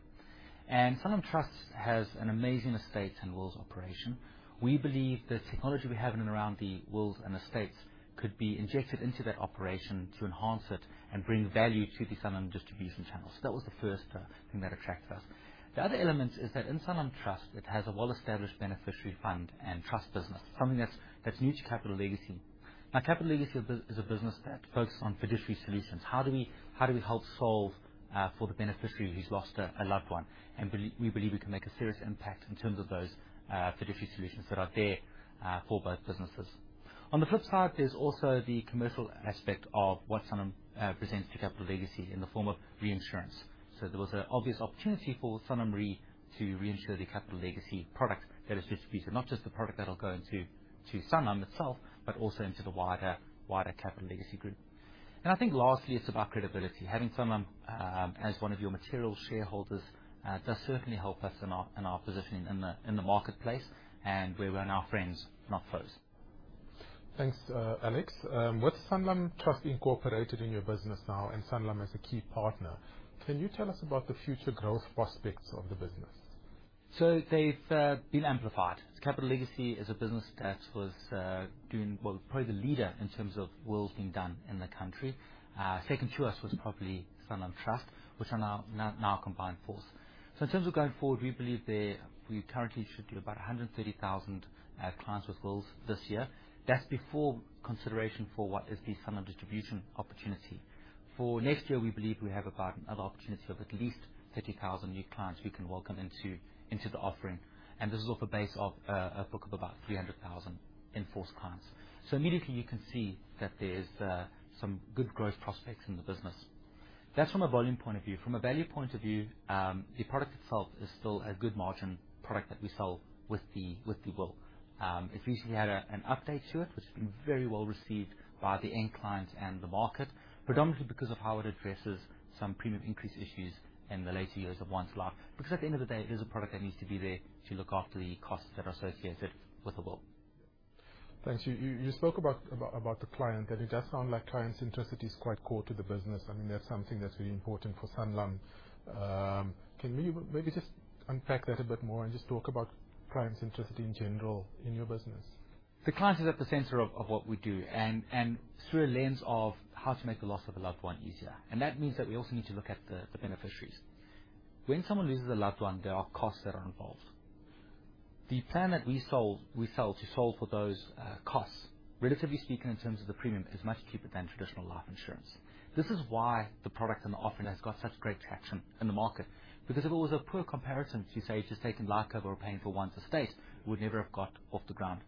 Sanlam Trust has an amazing estate and wills operation. We believe the technology we have in and around the wills and estates could be injected into that operation to enhance it and bring value to the Sanlam distribution channels. So that was the first thing that attracted us. The other element is that in Sanlam Trust, it has a well-established beneficiary fund and trust business, something that's new to Capital Legacy. Now, Capital Legacy is a business that focuses on fiduciary solutions. How do we help solve for the beneficiary who's lost a loved one? We believe we can make a serious impact in terms of those fiduciary solutions that are there for both businesses. On the flip side, there's also the commercial aspect of what Sanlam presents to Capital Legacy in the form of reinsurance. So there was an obvious opportunity for Sanlam Re to reinsure the Capital Legacy product that is just released, and not just the product that'll go into Sanlam itself, but also into the wider Capital Legacy group. And I think lastly, it's about credibility. Having Sanlam as one of your material shareholders does certainly help us in our positioning in the marketplace, and we were now friends, not foes. Thanks, Alex. With Sanlam Trust incorporated in your business now and Sanlam as a key partner, can you tell us about the future growth prospects of the business? So they've been amplified. Capital Legacy is a business that was doing... Well, probably the leader in terms of wills being done in the country. Second to us was probably Sanlam Trust, which is now a combined force. So in terms of going forward, we believe we currently should do about 130,000 clients with wills this year. That's before consideration for what is the Sanlam distribution opportunity. For next year, we believe we have about another opportunity of at least 30,000 new clients we can welcome into the offering, and this is off a base of a book of about 300,000 in-force clients. So immediately you can see that there's some good growth prospects in the business. That's from a volume point of view. From a value point of view, the product itself is still a good margin product that we sell with the will. It's recently had an update to it, which has been very well received by the end clients and the market, predominantly because of how it addresses some premium increase issues in the later years of one's life. Because at the end of the day, it is a product that needs to be there to look after the costs that are associated with the will. Thanks. You spoke about the client, and it does sound like client centricity is quite core to the business. I mean, that's something that's really important for Sanlam. Can you maybe just unpack that a bit more and just talk about client centricity in general in your business? The client is at the center of what we do and through a lens of how to make the loss of a loved one easier. That means that we also need to look at the beneficiaries. When someone loses a loved one, there are costs that are involved. The plan that we sold - we sell to solve for those costs, relatively speaking, in terms of the premium, is much cheaper than traditional life insurance. This is why the product and the offering has got such great traction in the market, because if it was a poor comparison to, say, just taking life cover or paying for one's estate, we would never have got off the ground.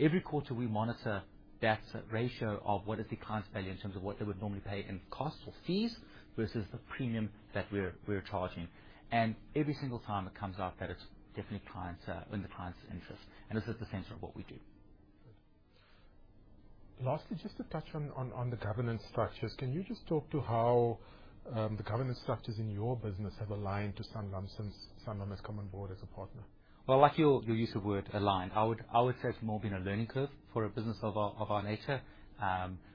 Every quarter, we monitor that ratio of what is the client's value in terms of what they would normally pay in costs or fees versus the premium that we're charging. Every single time it comes out that it's definitely clients in the client's interest, and this is the center of what we do. Lastly, just to touch on the governance structures, can you just talk to how the governance structures in your business have aligned to Sanlam since Sanlam has come on board as a partner? Well, I like your use of word align. I would say it's more been a learning curve for a business of our nature.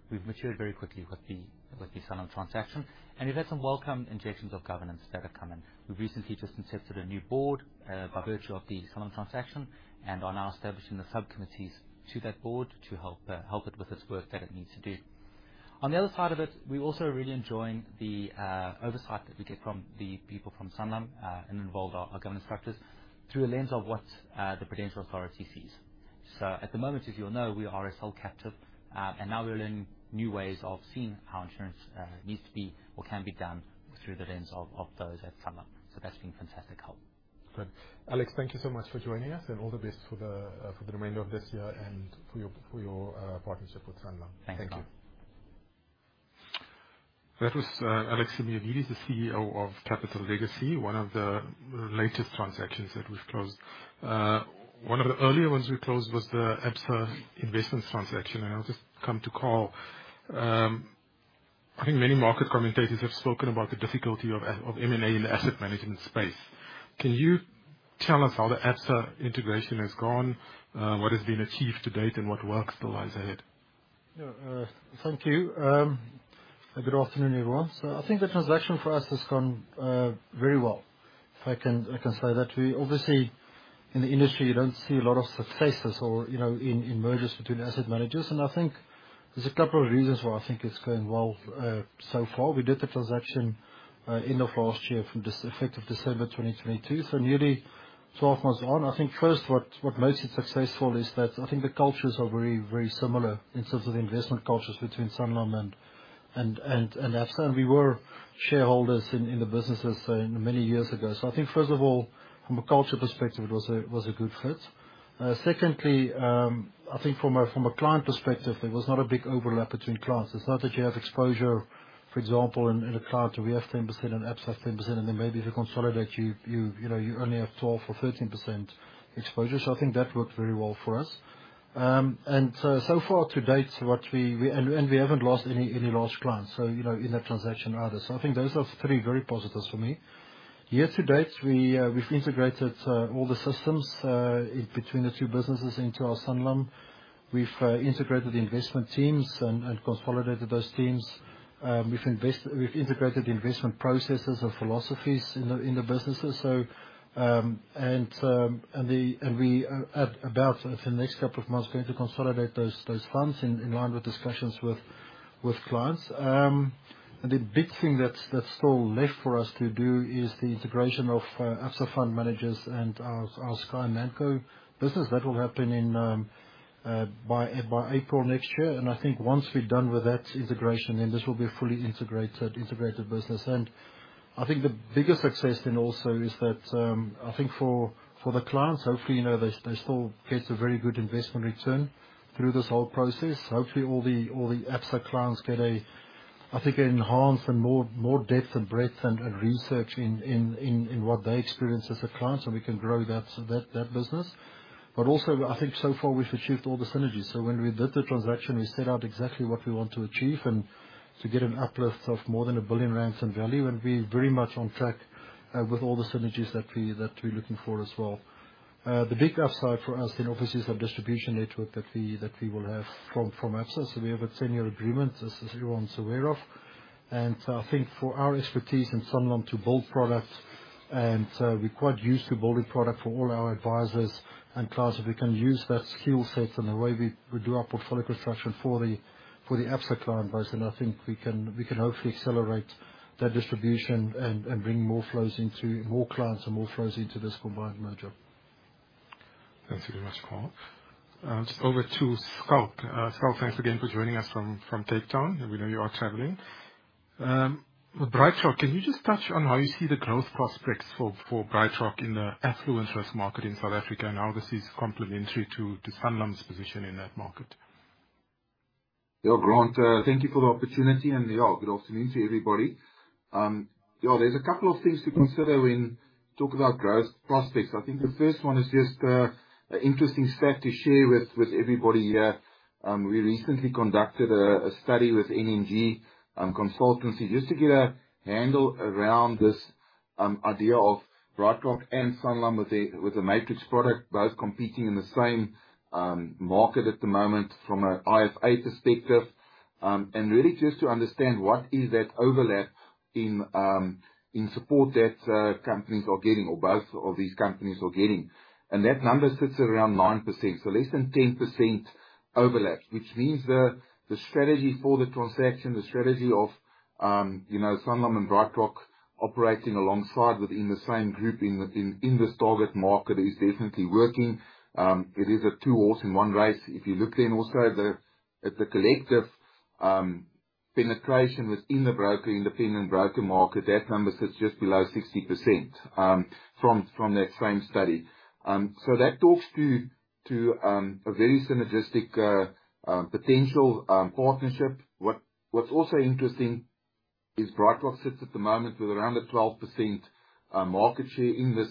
We've matured very quickly with the Sanlam transaction, and we've had some welcome injections of governance that have come in. We've recently just inserted a new board by virtue of the Sanlam transaction, and are now establishing the subcommittees to that board to help it with its work that it needs to do. On the other side of it, we're also really enjoying the oversight that we get from the people from Sanlam and involved our governance structures through a lens of what the Prudential Authority sees. At the moment, as you'll know, we are a sole captive, and now we're learning new ways of seeing how insurance needs to be or can be done through the lens of those at Sanlam. So that's been fantastic help. Good. Alex, thank you so much for joining us, and all the best for the remainder of this year and for your partnership with Sanlam. Thanks. Thank you. That was Alex Simeonidis, the CEO of Capital Legacy, one of the latest transactions that we've closed. One of the earlier ones we closed was the Absa Investments transaction, and I'll just come to call. I think many market commentators have spoken about the difficulty of, of M&A in the asset management space. Can you tell us how the Absa integration has gone, what has been achieved to date, and what work still lies ahead? Yeah, thank you. Good afternoon, everyone. So I think the transaction for us has gone very well, if I can say that. We obviously, in the industry, you don't see a lot of successes or, you know, in mergers between asset managers. And I think there's a couple of reasons why I think it's going well so far. We did the transaction end of last year effective December 2022, so nearly 12 months on. I think first, what makes it successful is that I think the cultures are very, very similar in terms of the investment cultures between Sanlam and Absa. And we were shareholders in the businesses many years ago. So I think, first of all, from a culture perspective, it was a good fit. Secondly, I think from a client perspective, there was not a big overlap between clients. It's not that you have exposure, for example, in a client, we have 10% and Absa have 10%, and then maybe if you consolidate you know, you only have 12 or 13% exposure. So I think that worked very well for us. So far to date, we haven't lost any large clients, you know, in that transaction either. So I think those are three very positives for me. Year to date, we've integrated all the systems between the two businesses into our Sanlam. We've integrated the investment teams and consolidated those teams. We've integrated the investment processes and philosophies in the businesses. So, and we at about the next couple of months going to consolidate those funds in line with discussions with clients. And the big thing that's still left for us to do is the integration of Absa fund managers and our Satrix and Core business. That will happen by April next year. And I think once we're done with that integration, then this will be a fully integrated business. And I think the biggest success then also is that, I think for the clients, hopefully, you know, they still get a very good investment return through this whole process. Hopefully, all the Absa clients get an enhanced and more depth and breadth and research in what they experience as a client, so we can grow that business. But also, I think so far, we've achieved all the synergies. So when we did the transaction, we set out exactly what we want to achieve and to get an uplift of more than 1 billion rand in value, and we're very much on track with all the synergies that we're looking for as well. The big upside for us then obviously is the distribution network that we will have from Absa. So we have a 10-year agreement, as everyone's aware of. I think for our expertise in Sanlam to build product, and we're quite used to building product for all our advisors and clients. If we can use that skill set and the way we do our portfolio construction for the Absa client base, then I think we can hopefully accelerate that distribution and bring more clients and more flows into this combined merger. Thank you very much, Paul. Just over to Schalk. Schalk, thanks again for joining us from Cape Town. And we know you are traveling. With BrightRock, can you just touch on how you see the growth prospects for BrightRock in the affluent trust market in South Africa and how this is complementary to Sanlam's position in that market? Yeah, Grant, thank you for the opportunity, and yeah, good afternoon to everybody. Yeah, there's a couple of things to consider when talk about growth prospects. I think the first one is just an interesting stat to share with everybody here. We recently conducted a study with NMG consultancy, just to get a handle around this idea of BrightRock and Sanlam with a Matrix product, both competing in the same market at the moment from an IFA perspective. And really just to understand what is that overlap in support that companies are getting or both of these companies are getting. That number sits around 9%, so less than 10% overlap, which means the strategy for the transaction, the strategy of, you know, Sanlam and BrightRock operating alongside within the same group in this target market, is definitely working. It is a two horse in one race. If you look then also at the collective penetration within the broker, independent broker market, that number sits just below 60%, from that same study. So that talks to a very synergistic potential partnership. What's also interesting is BrightRock sits at the moment with around a 12% market share in this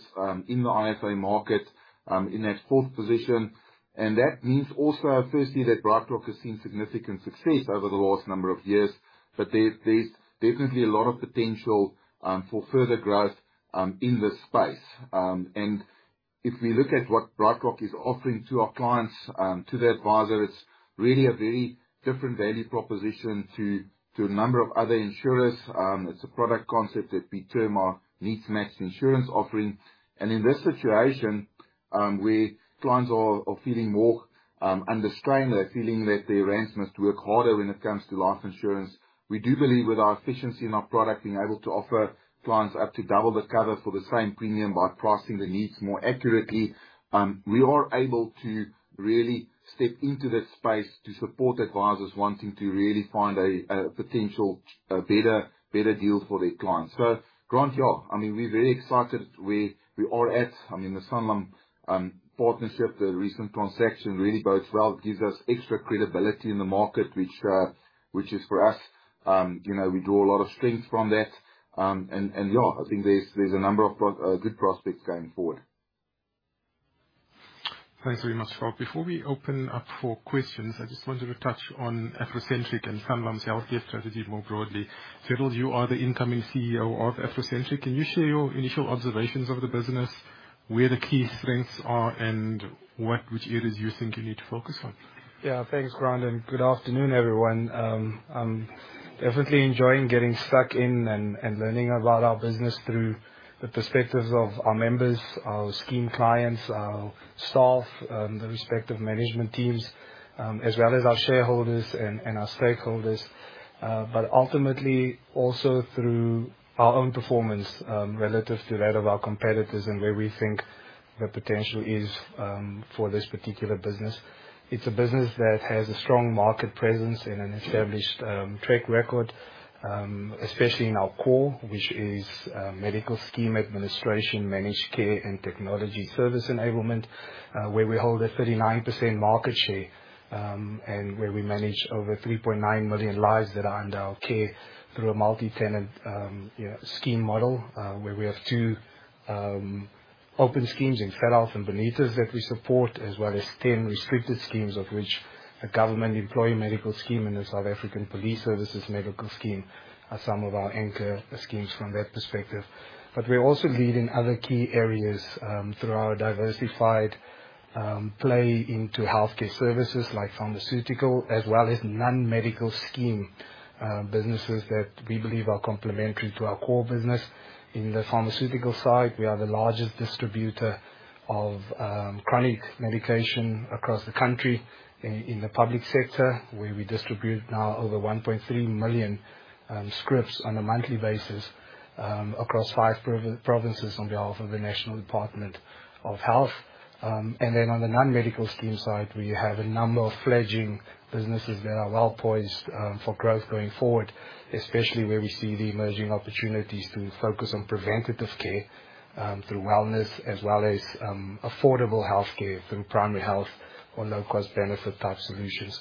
in the IFA market, in that fourth position. And that means also, firstly, that BrightRock has seen significant success over the last number of years. But there, there's definitely a lot of potential for further growth in this space. And if we look at what BrightRock is offering to our clients, to the advisor, it's really a very different value proposition to a number of other insurers. It's a product concept that we term our needs-matched insurance offering. And in this situation, where clients are feeling more under strain, they're feeling that their rands must work harder when it comes to life insurance, we do believe with our efficiency and our product, being able to offer clients up to double the cover for the same premium by pricing the needs more accurately. We are able to really step into that space to support advisors wanting to really find a potential better deal for their clients. So Grant, yeah, I mean, we're very excited where we are at. I mean, the Sanlam partnership, the recent transaction, really bodes well. It gives us extra credibility in the market, which, which is for us, you know, we draw a lot of strength from that. And, and yeah, I think there's, there's a number of good prospects going forward. Thanks very much, Schalk. Before we open up for questions, I just wanted to touch on Afrocentric and Sanlam's healthcare strategy more broadly. Gerald, you are the incoming CEO of Afrocentric. Can you share your initial observations of the business, where the key strengths are, and which areas you think you need to focus on? Yeah. Thanks, Grant, and good afternoon, everyone. I'm definitely enjoying getting stuck in and, and learning about our business through the perspectives of our members, our scheme clients, our staff, the respective management teams, as well as our shareholders and, and our stakeholders. But ultimately, also through our own performance, relative to that of our competitors and where we think the potential is, for this particular business. It's a business that has a strong market presence and an established track record, especially in our core, which is medical scheme administration, managed care, and technology service enablement, where we hold a 39% market share, and where we manage over 3.9 million lives that are under our care through a multi-tenant, you know, scheme model, where we have two open schemes in Fedhealth and Bonitas that we support, as well as 10 restricted schemes, of which the Government Employees Medical Scheme and the South African Police Service Medical Scheme are some of our anchor schemes from that perspective. But we also lead in other key areas, through our diversified play into healthcare services, like pharmaceutical, as well as non-medical scheme businesses that we believe are complementary to our core business. In the pharmaceutical side, we are the largest distributor of chronic medication across the country in the public sector, where we distribute now over 1.3 million scripts on a monthly basis across five provinces on behalf of the National Department of Health. And then on the non-medical scheme side, we have a number of fledgling businesses that are well-poised for growth going forward, especially where we see the emerging opportunities to focus on preventative care through wellness, as well as affordable healthcare through primary health or low-cost benefit type solutions.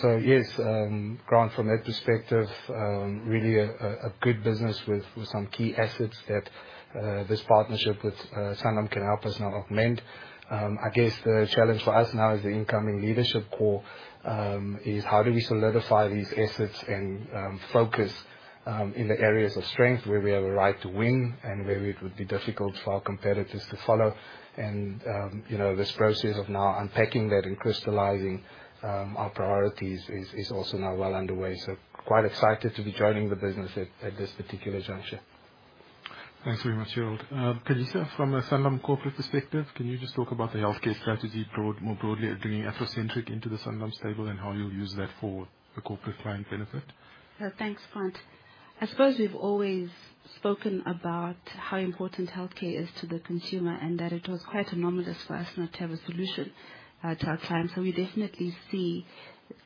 So yes, Grant, from that perspective, really a good business with some key assets that this partnership with Sanlam can help us now augment. I guess the challenge for us now as the incoming leadership core, is: How do we solidify these assets and, focus, in the areas of strength where we have a right to win and where it would be difficult for our competitors to follow? And, you know, this process of now unpacking that and crystallizing, our priorities is also now well underway. So quite excited to be joining the business at this particular juncture. Thanks very much, Gerald. Kanyisa, from a Sanlam Corporate perspective, can you just talk about the healthcare strategy more broadly, and bringing Afrocentric into the Sanlam stable and how you'll use that for the corporate client benefit? Thanks, Grant. I suppose we've always spoken about how important healthcare is to the consumer, and that it was quite anomalous for us not to have a solution to our clients. So we definitely see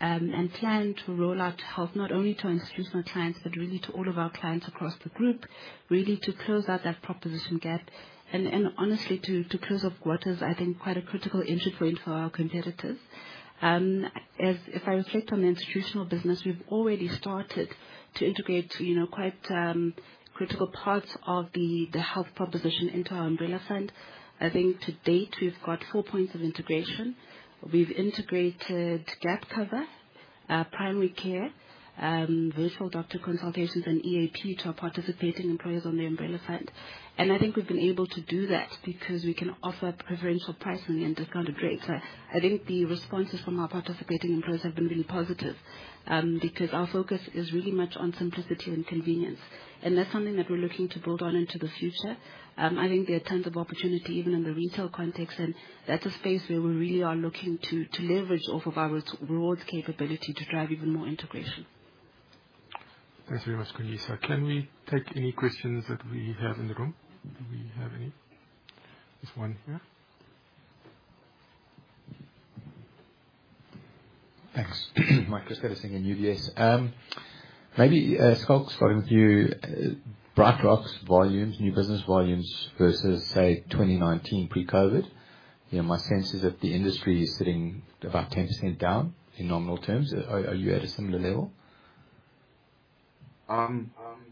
and plan to roll out health, not only to institutional clients, but really to all of our clients across the group, really to close out that proposition gap and honestly to close off what is, I think, quite a critical entry point for our competitors. If I reflect on the institutional business, we've already started to integrate, you know, quite critical parts of the health proposition into our umbrella fund. I think to date, we've got four points of integration. We've integrated gap cover, primary care, virtual doctor consultations, and EAP to our participating employers on the umbrella side. I think we've been able to do that because we can offer preferential pricing and discounted rates. So I think the responses from our participating employers have been really positive, because our focus is really much on simplicity and convenience. That's something that we're looking to build on into the future. I think there are tons of opportunity, even in the retail context, and that's a space where we really are looking to leverage off of our broad capability to drive even more integration. Thanks very much, Kanyisa. Can we take any questions that we have in the room? Do we have any? There's one here. Thanks. Mike Christelis from UBS. Maybe, Schalk, starting with you, BrightRock volumes, new business volumes versus, say, 2019 pre-COVID. You know, my sense is that the industry is sitting about 10% down in nominal terms. Are you at a similar level? Sorry,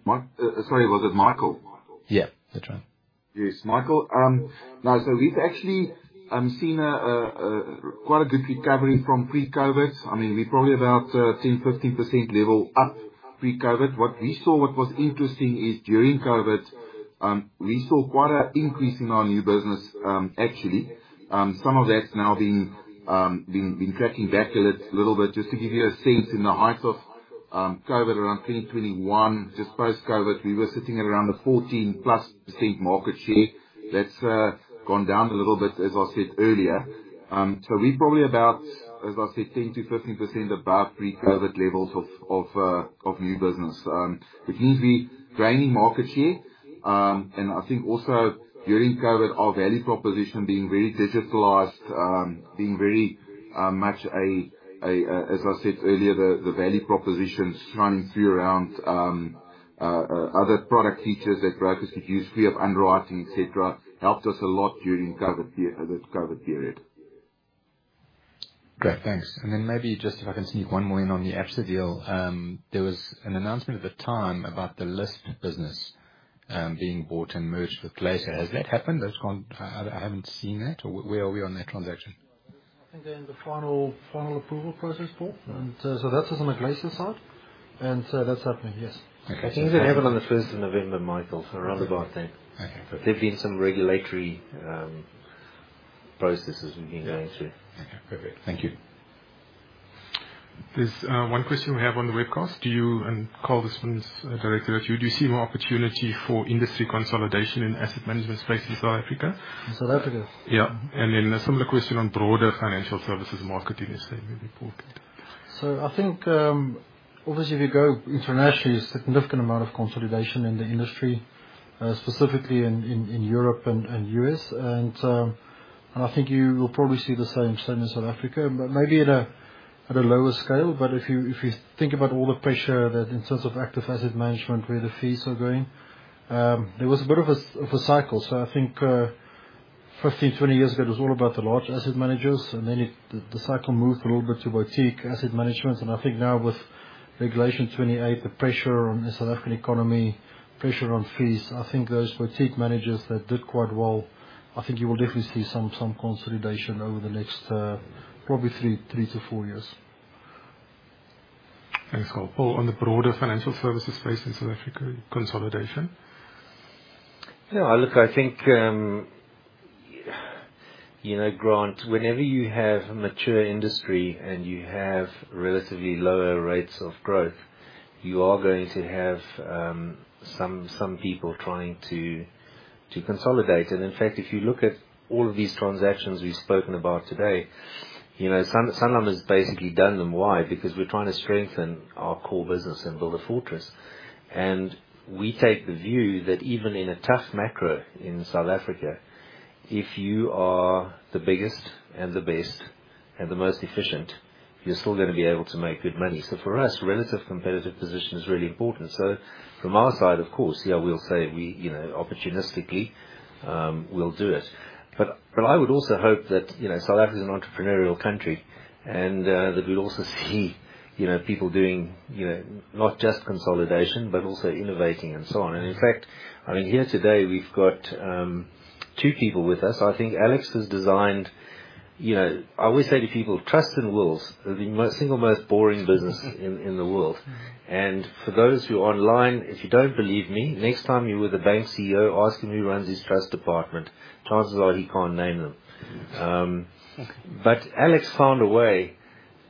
was it Michael? Yeah, that's right. Yes, Michael. No, so we've actually seen quite a good recovery from pre-COVID. I mean, we're probably about 10-15% level up pre-COVID. What we saw, what was interesting is, during COVID, we saw quite an increase in our new business, actually. Some of that's now been tracking back a little bit. Just to give you a sense, in the height of COVID, around 2021, just post-COVID, we were sitting at around a 14+% market share. That's gone down a little bit, as I said earlier. So we're probably about, as I said, 10%-15% above pre-COVID levels of new business. It means we're gaining market share. I think also, during COVID, our value proposition being very digitalized, being very much a as I said earlier, the value propositions running free around other product features that brokers could use, free of underwriting, et cetera, helped us a lot during COVID, this COVID period. Great, thanks. Maybe just if I can see one more in on the Absa deal. There was an announcement at the time about the LISP business being bought and merged with Glacier. Has that happened? That's gone - I haven't seen that, or where are we on that transaction? I think they're in the final, final approval process, Paul. That is on the Glacier side, and so that's happening, yes. Okay. I think it happened on the first of November, Michael, so around about then. Okay. There've been some regulatory processes we've been going through. Okay, perfect. Thank you. There's one question we have on the webcast: do you, and Carl, this one's directed at you: do you see more opportunity for industry consolidation in asset management space in South Africa? In South Africa? Yeah. And then a similar question on broader financial services market in the same report. So I think, obviously, if you go internationally, a significant amount of consolidation in the industry, specifically in Europe and US. And I think you will probably see the same thing in South Africa, but maybe at a lower scale. But if you think about all the pressure that in terms of active asset management, where the fees are going, there was a bit of a cycle. So I think, 15, 20 years ago, it was all about the large asset managers, and then it, the cycle moved a little bit to boutique asset management. I think now with Regulation 28, the pressure on the South African economy, pressure on fees, I think those boutique managers that did quite well, I think you will definitely see some consolidation over the next, probably 3-4 years. Thanks, Carl. Paul, on the broader financial services space in South Africa, consolidation? Yeah, look, I think, you know, Grant, whenever you have a mature industry and you have relatively lower rates of growth, you are going to have some people trying to consolidate. And in fact, if you look at all of these transactions we've spoken about today, you know, Sanlam has basically done them. Why? Because we're trying to strengthen our core business and build a fortress. And we take the view that even in a tough macro in South Africa, if you are the biggest and the best and the most efficient, you're still gonna be able to make good money. So for us, relative competitive position is really important. So from our side, of course, yeah, we'll say we, you know, opportunistically, we'll do it. But I would also hope that, you know, South Africa is an entrepreneurial country, and that we'd also see you know, people doing, you know, not just consolidation, but also innovating and so on. And in fact, I mean, here today, we've got two people with us. I think Alex has designed, you know... I always say to people, trust and wills are the most, single most boring business in the world. And for those who are online, if you don't believe me, next time you're with a bank CEO, ask him who runs his trust department. Chances are he can't name them. But Alex found a way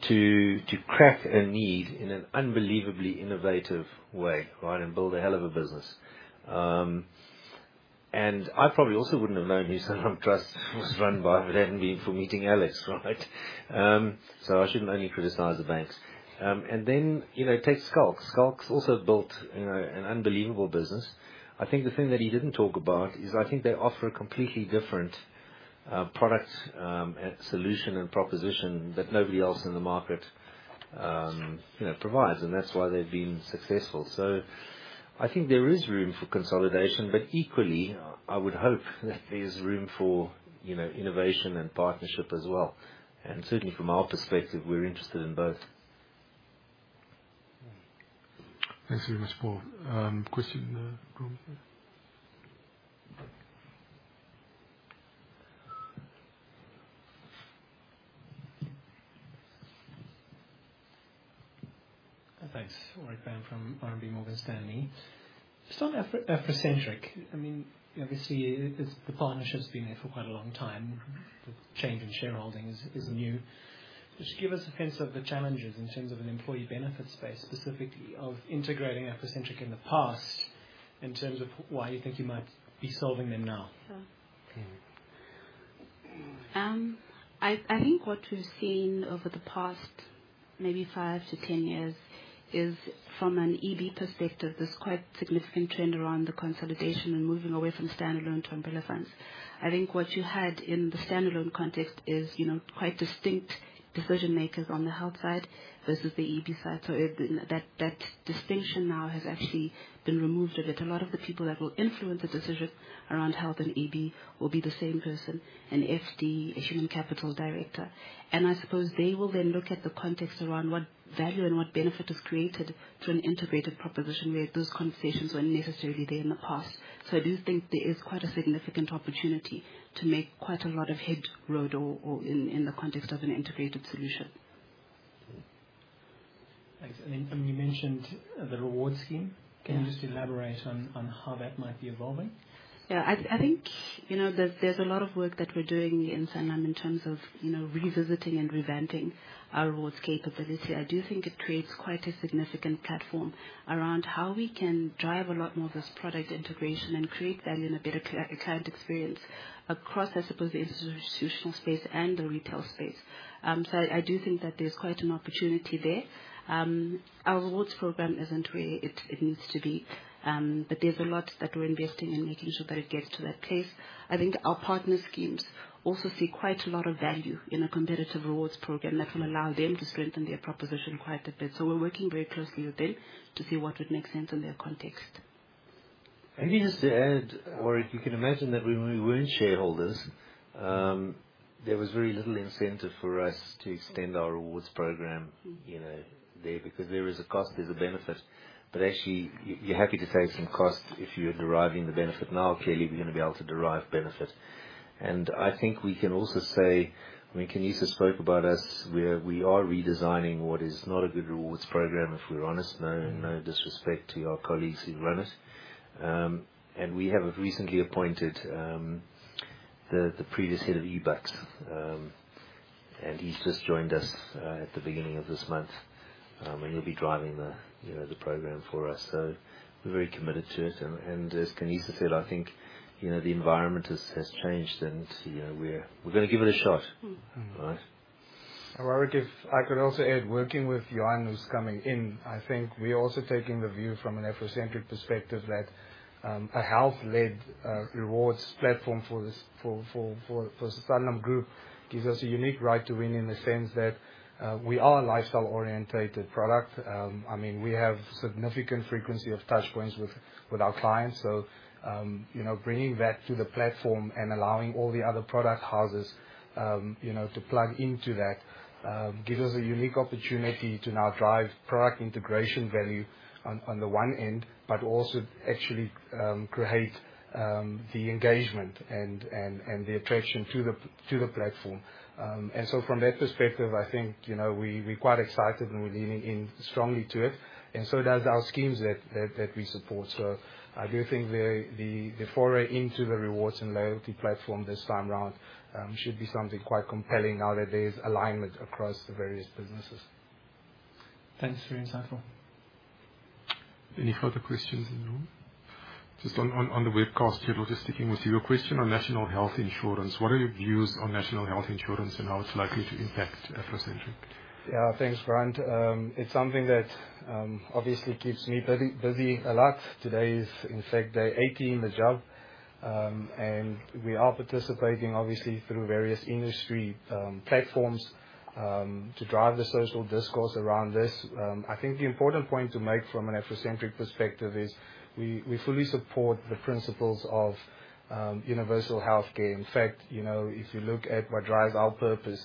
to crack a need in an unbelievably innovative way, right? And build a hell of a business. And I probably also wouldn't have known who Sanlam Trust was run by if it hadn't been for meeting Alex, right? So I shouldn't only criticize the banks. And then, you know, take Schalk. Schalk's also built, you know, an unbelievable business. I think the thing that he didn't talk about is I think they offer a completely different, product, and solution and proposition that nobody else in the market, you know, provides, and that's why they've been successful. So I think there is room for consolidation, but equally, I would hope that there's room for, you know, innovation and partnership as well. And certainly, from our perspective, we're interested in both. Thanks very much, Paul. Question, Grant? Thanks. Warwick Bam from RMB Morgan Stanley. Just on Afrocentric, I mean, obviously, it's the partnership's been there for quite a long time. The change in shareholding is new. Just give us a sense of the challenges in terms of an employee benefit space, specifically of integrating Afrocentric in the past, in terms of why you think you might be solving them now. Yeah. Mm-hmm. I think what we've seen over the past, maybe 5-10 years, is from an EB perspective, there's quite a significant trend around the consolidation and moving away from standalone to umbrella funds. I think what you had in the standalone context is, you know, quite distinct decision-makers on the health side versus the EB side. So, that distinction now has actually been removed a bit. A lot of the people that will influence the decision around health and EB will be the same person, an FD, a human capital director. I suppose they will then look at the context around what value and what benefit is created through an integrated proposition, where those conversations weren't necessarily there in the past. I do think there is quite a significant opportunity to make quite a lot of headway or in the context of an integrated solution. Thanks. And then, you mentioned, the reward scheme. Yeah. Can you just elaborate on how that might be evolving? Yeah, I think, you know, there's a lot of work that we're doing in Sanlam in terms of, you know, revisiting and revamping our rewards capability. I do think it creates quite a significant platform around how we can drive a lot more of this product integration and create then a better client experience across, I suppose, the institutional space and the retail space. So I do think that there's quite an opportunity there. Our rewards program isn't where it needs to be, but there's a lot that we're investing in making sure that it gets to that place. I think our partner schemes also see quite a lot of value in a competitive rewards program that will allow them to strengthen their proposition quite a bit. So we're working very closely with them to see what would make sense in their context.... Maybe just to add, or if you can imagine that when we weren't shareholders, there was very little incentive for us to extend our rewards program, you know, there, because there is a cost, there's a benefit. But actually, you're happy to save some cost if you are deriving the benefit. Now, clearly, we're gonna be able to derive benefit. And I think we can also say, I mean, Kanyisa spoke about us, where we are redesigning what is not a good rewards program, if we're honest. No, no disrespect to our colleagues who run it. And we have recently appointed the previous head of eBucks, and he's just joined us at the beginning of this month, and he'll be driving the, you know, the program for us. So we're very committed to it. As Kanyisa said, I think, you know, the environment has changed, and, you know, we're gonna give it a shot. Mm-hmm. All right? And Warwick, if I could also add, working with Johan, who's coming in, I think we are also taking the view from an Afrocentric perspective that a health-led rewards platform for the Sanlam Group gives us a unique right to win, in the sense that we are a lifestyle-oriented product. I mean, we have significant frequency of touchpoints with our clients. So, you know, bringing that to the platform and allowing all the other product houses, you know, to plug into that gives us a unique opportunity to now drive product integration value on the one end, but also actually create the engagement and the attraction to the platform. And so from that perspective, I think, you know, we, we're quite excited, and we're leaning in strongly to it, and so does our schemes that we support. So I do think the foray into the rewards and loyalty platform this time around should be something quite compelling now that there's alignment across the various businesses. Thanks, very insightful. Any further questions in the room? Just on the webcast, Gerald, just sticking with you. A question on national health insurance. What are your views on national health insurance and how it's likely to impact Afrocentric? Yeah. Thanks, Grant. It's something that obviously keeps me busy a lot. Today is, in fact, day 18 in the job. And we are participating, obviously, through various industry platforms to drive the social discourse around this. I think the important point to make from an Afrocentric perspective is we fully support the principles of universal healthcare. In fact, you know, if you look at what drives our purpose,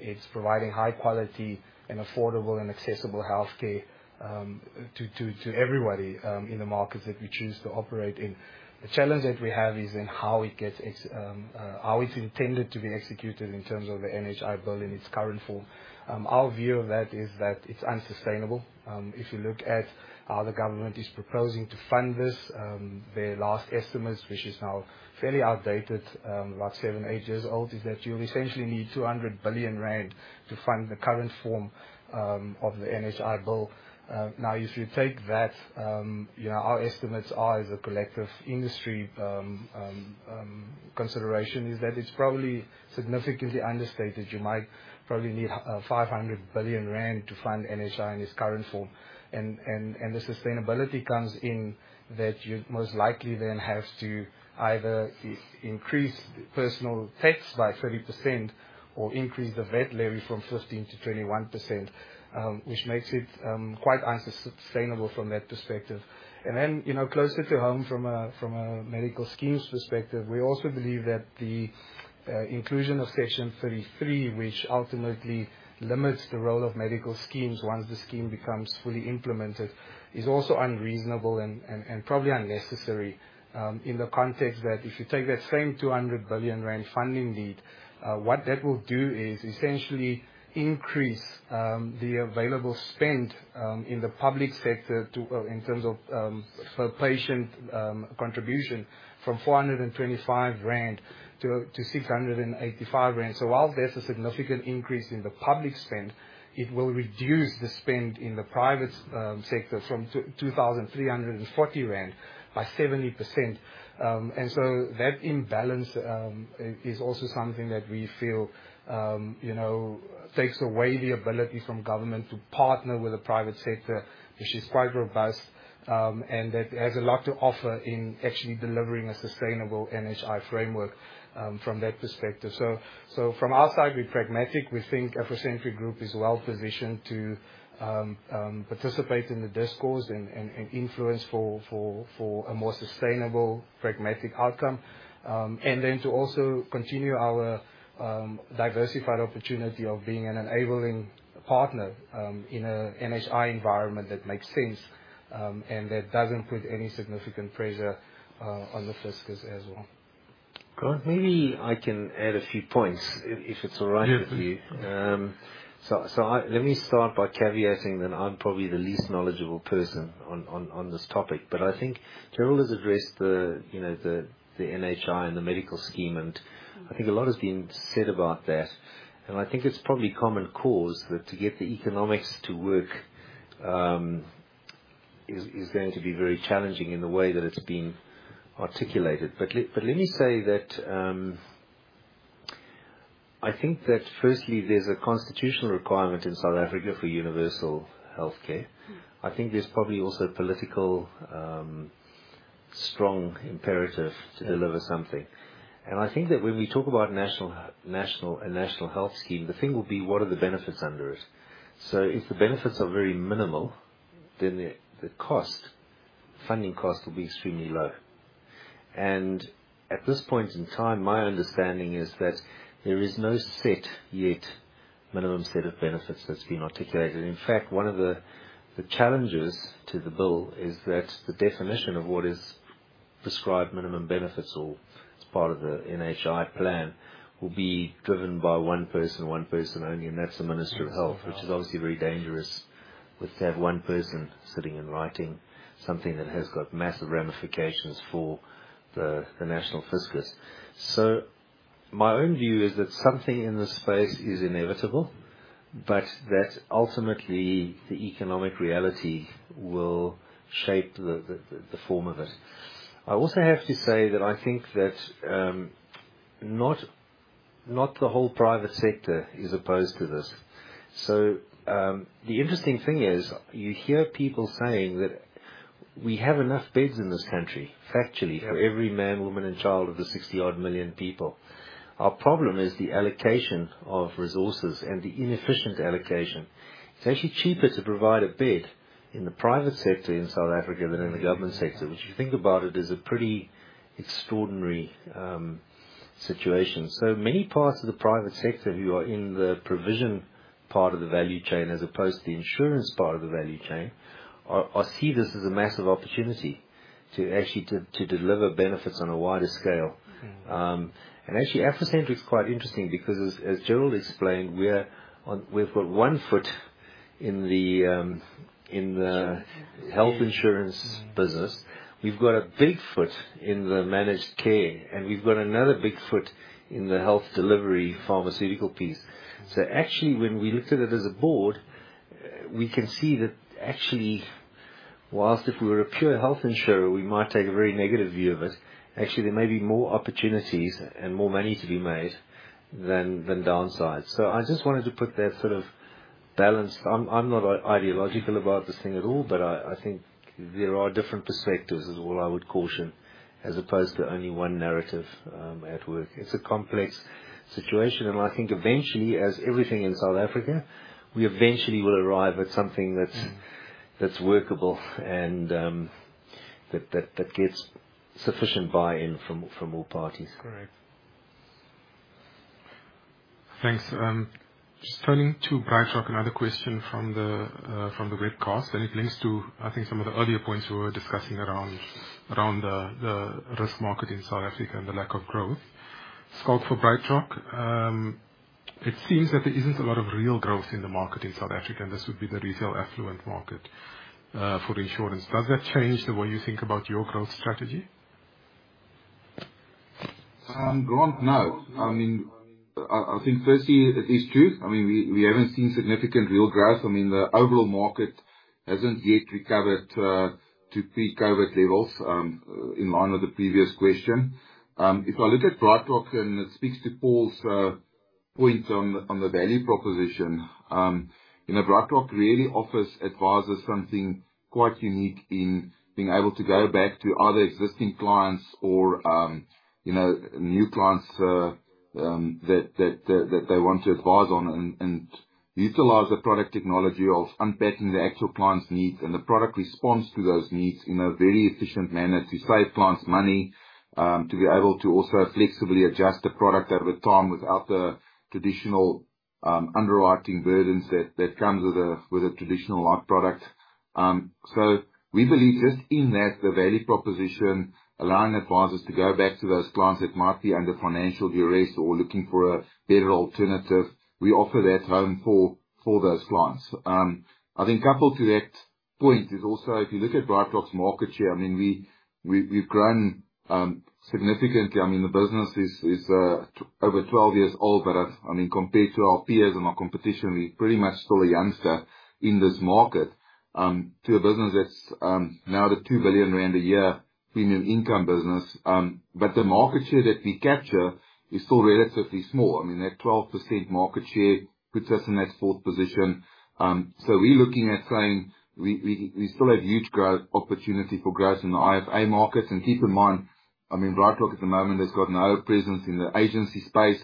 it's providing high quality and affordable and accessible healthcare to everybody in the markets that we choose to operate in. The challenge that we have is in how it's intended to be executed in terms of the NHI bill in its current form. Our view of that is that it's unsustainable. If you look at how the government is proposing to fund this, their last estimates, which is now fairly outdated, about 7-8 years old, is that you'll essentially need 200 billion rand to fund the current form of the NHI bill. Now, if you take that, you know, our estimates are, as a collective industry, consideration, is that it's probably significantly understated. You might probably need 500 billion rand to fund NHI in its current form. And the sustainability comes in that you'd most likely then have to either increase personal tax by 30% or increase the VAT levy from 15%-21%, which makes it quite unsustainable from that perspective. And then, you know, closer to home, from a medical schemes perspective, we also believe that the inclusion of Section 33, which ultimately limits the role of medical schemes once the scheme becomes fully implemented, is also unreasonable and probably unnecessary, in the context that if you take that same 200 billion rand funding need, what that will do is essentially increase the available spend in the public sector to, in terms of, per patient contribution from 425-685 rand. So while there's a significant increase in the public spend, it will reduce the spend in the private sector from 2,340 rand by 70%. And so that imbalance is also something that we feel, you know, takes away the ability from government to partner with the private sector, which is quite robust, and that has a lot to offer in actually delivering a sustainable NHI framework, from that perspective. So from our side, we're pragmatic. We think Afrocentric Group is well-positioned to participate in the discourse and influence for a more sustainable, pragmatic outcome. And then to also continue our diversified opportunity of being an enabling partner in a NHI environment that makes sense, and that doesn't put any significant pressure on the fiscus as well. Grant, maybe I can add a few points if it's all right with you. Yeah. So, let me start by caveating that I'm probably the least knowledgeable person on this topic, but I think Gerald has addressed the, you know, the NHI and the medical scheme, and I think a lot has been said about that. I think it's probably common cause that to get the economics to work is going to be very challenging in the way that it's been articulated. But let me say that I think that firstly, there's a constitutional requirement in South Africa for universal healthcare. I think there's probably also a political strong imperative to deliver something. And I think that when we talk about national health - a national health scheme, the thing will be, what are the benefits under it? So if the benefits are very minimal, then the cost, funding cost will be extremely low. And at this point in time, my understanding is that there is no set yet, minimum set of benefits that's been articulated. In fact, one of the challenges to the bill is that the definition of what is prescribed minimum benefits or as part of the NHI plan will be driven by one person, and one person only, and that's the Minister of Health. Which is obviously very dangerous, with that one person sitting and writing something that has got massive ramifications for the national fiscus. So my own view is that something in this space is inevitable, but that ultimately, the economic reality will shape the form of it. I also have to say that I think that, not, not the whole private sector is opposed to this. So, the interesting thing is, you hear people saying that we have enough beds in this country, factually, for every man, woman, and child of the 60-odd million people. Our problem is the allocation of resources and the inefficient allocation. It's actually cheaper to provide a bed in the private sector in South Africa than in the government sector, which, if you think about it, is a pretty extraordinary situation. So many parts of the private sector who are in the provision part of the value chain, as opposed to the insurance part of the value chain, are, are see this as a massive opportunity to actually to, to deliver benefits on a wider scale. And actually, Afrocentric is quite interesting because as Gerald explained, we are on-- we've got one foot in the in the health insurance business. We've got a big foot in the managed care, and we've got another big foot in the health delivery pharmaceutical piece. So actually, when we looked at it as a board, we can see that actually, whilst if we were a pure health insurer, we might take a very negative view of it. Actually, there may be more opportunities and more money to be made than downsides. So I just wanted to put that sort of balance. I'm not ideological about this thing at all, but I think there are different perspectives, is all I would caution, as opposed to only one narrative at work. It's a complex situation, and I think eventually, as everything in South Africa, we eventually will arrive at something that gets sufficient buy-in from all parties. Correct. Thanks. Just turning to BrightRock, another question from the, from the webcast, and it links to, I think, some of the earlier points we were discussing around, around, the risk market in South Africa and the lack of growth. Schalk, for BrightRock, it seems that there isn't a lot of real growth in the market in South Africa, and this would be the retail affluent market, for insurance. Does that change the way you think about your growth strategy? Grant, no. I mean, I think firstly, it is true. I mean, we haven't seen significant real growth. I mean, the overall market hasn't yet recovered to pre-COVID levels, in line with the previous question. If I look at BrightRock, and it speaks to Paul's point on the value proposition, you know, BrightRock really offers advisors something quite unique in being able to go back to either existing clients or, you know, new clients, that they want to advise on. And utilize the product technology of unbundling the actual client's needs, and the product responds to those needs in a very efficient manner to save clients money. To be able to also flexibly adjust the product over time without the traditional underwriting burdens that comes with a traditional life product. So we believe just in that, the value proposition, allowing advisors to go back to those clients that might be under financial duress or looking for a better alternative, we offer that home for those clients. I think coupled to that point is also, if you look at BrightRock's market share, I mean, we've grown significantly. I mean, the business is over 12 years old, but I mean, compared to our peers and our competition, we're pretty much still a youngster in this market. To a business that's now at 2 billion rand a year in an income business. But the market share that we capture is still relatively small. I mean, that 12% market share puts us in that fourth position. So we're looking at saying we still have huge growth opportunity for growth in the IFA markets. And keep in mind, I mean, BrightRock at the moment has got no presence in the agency space.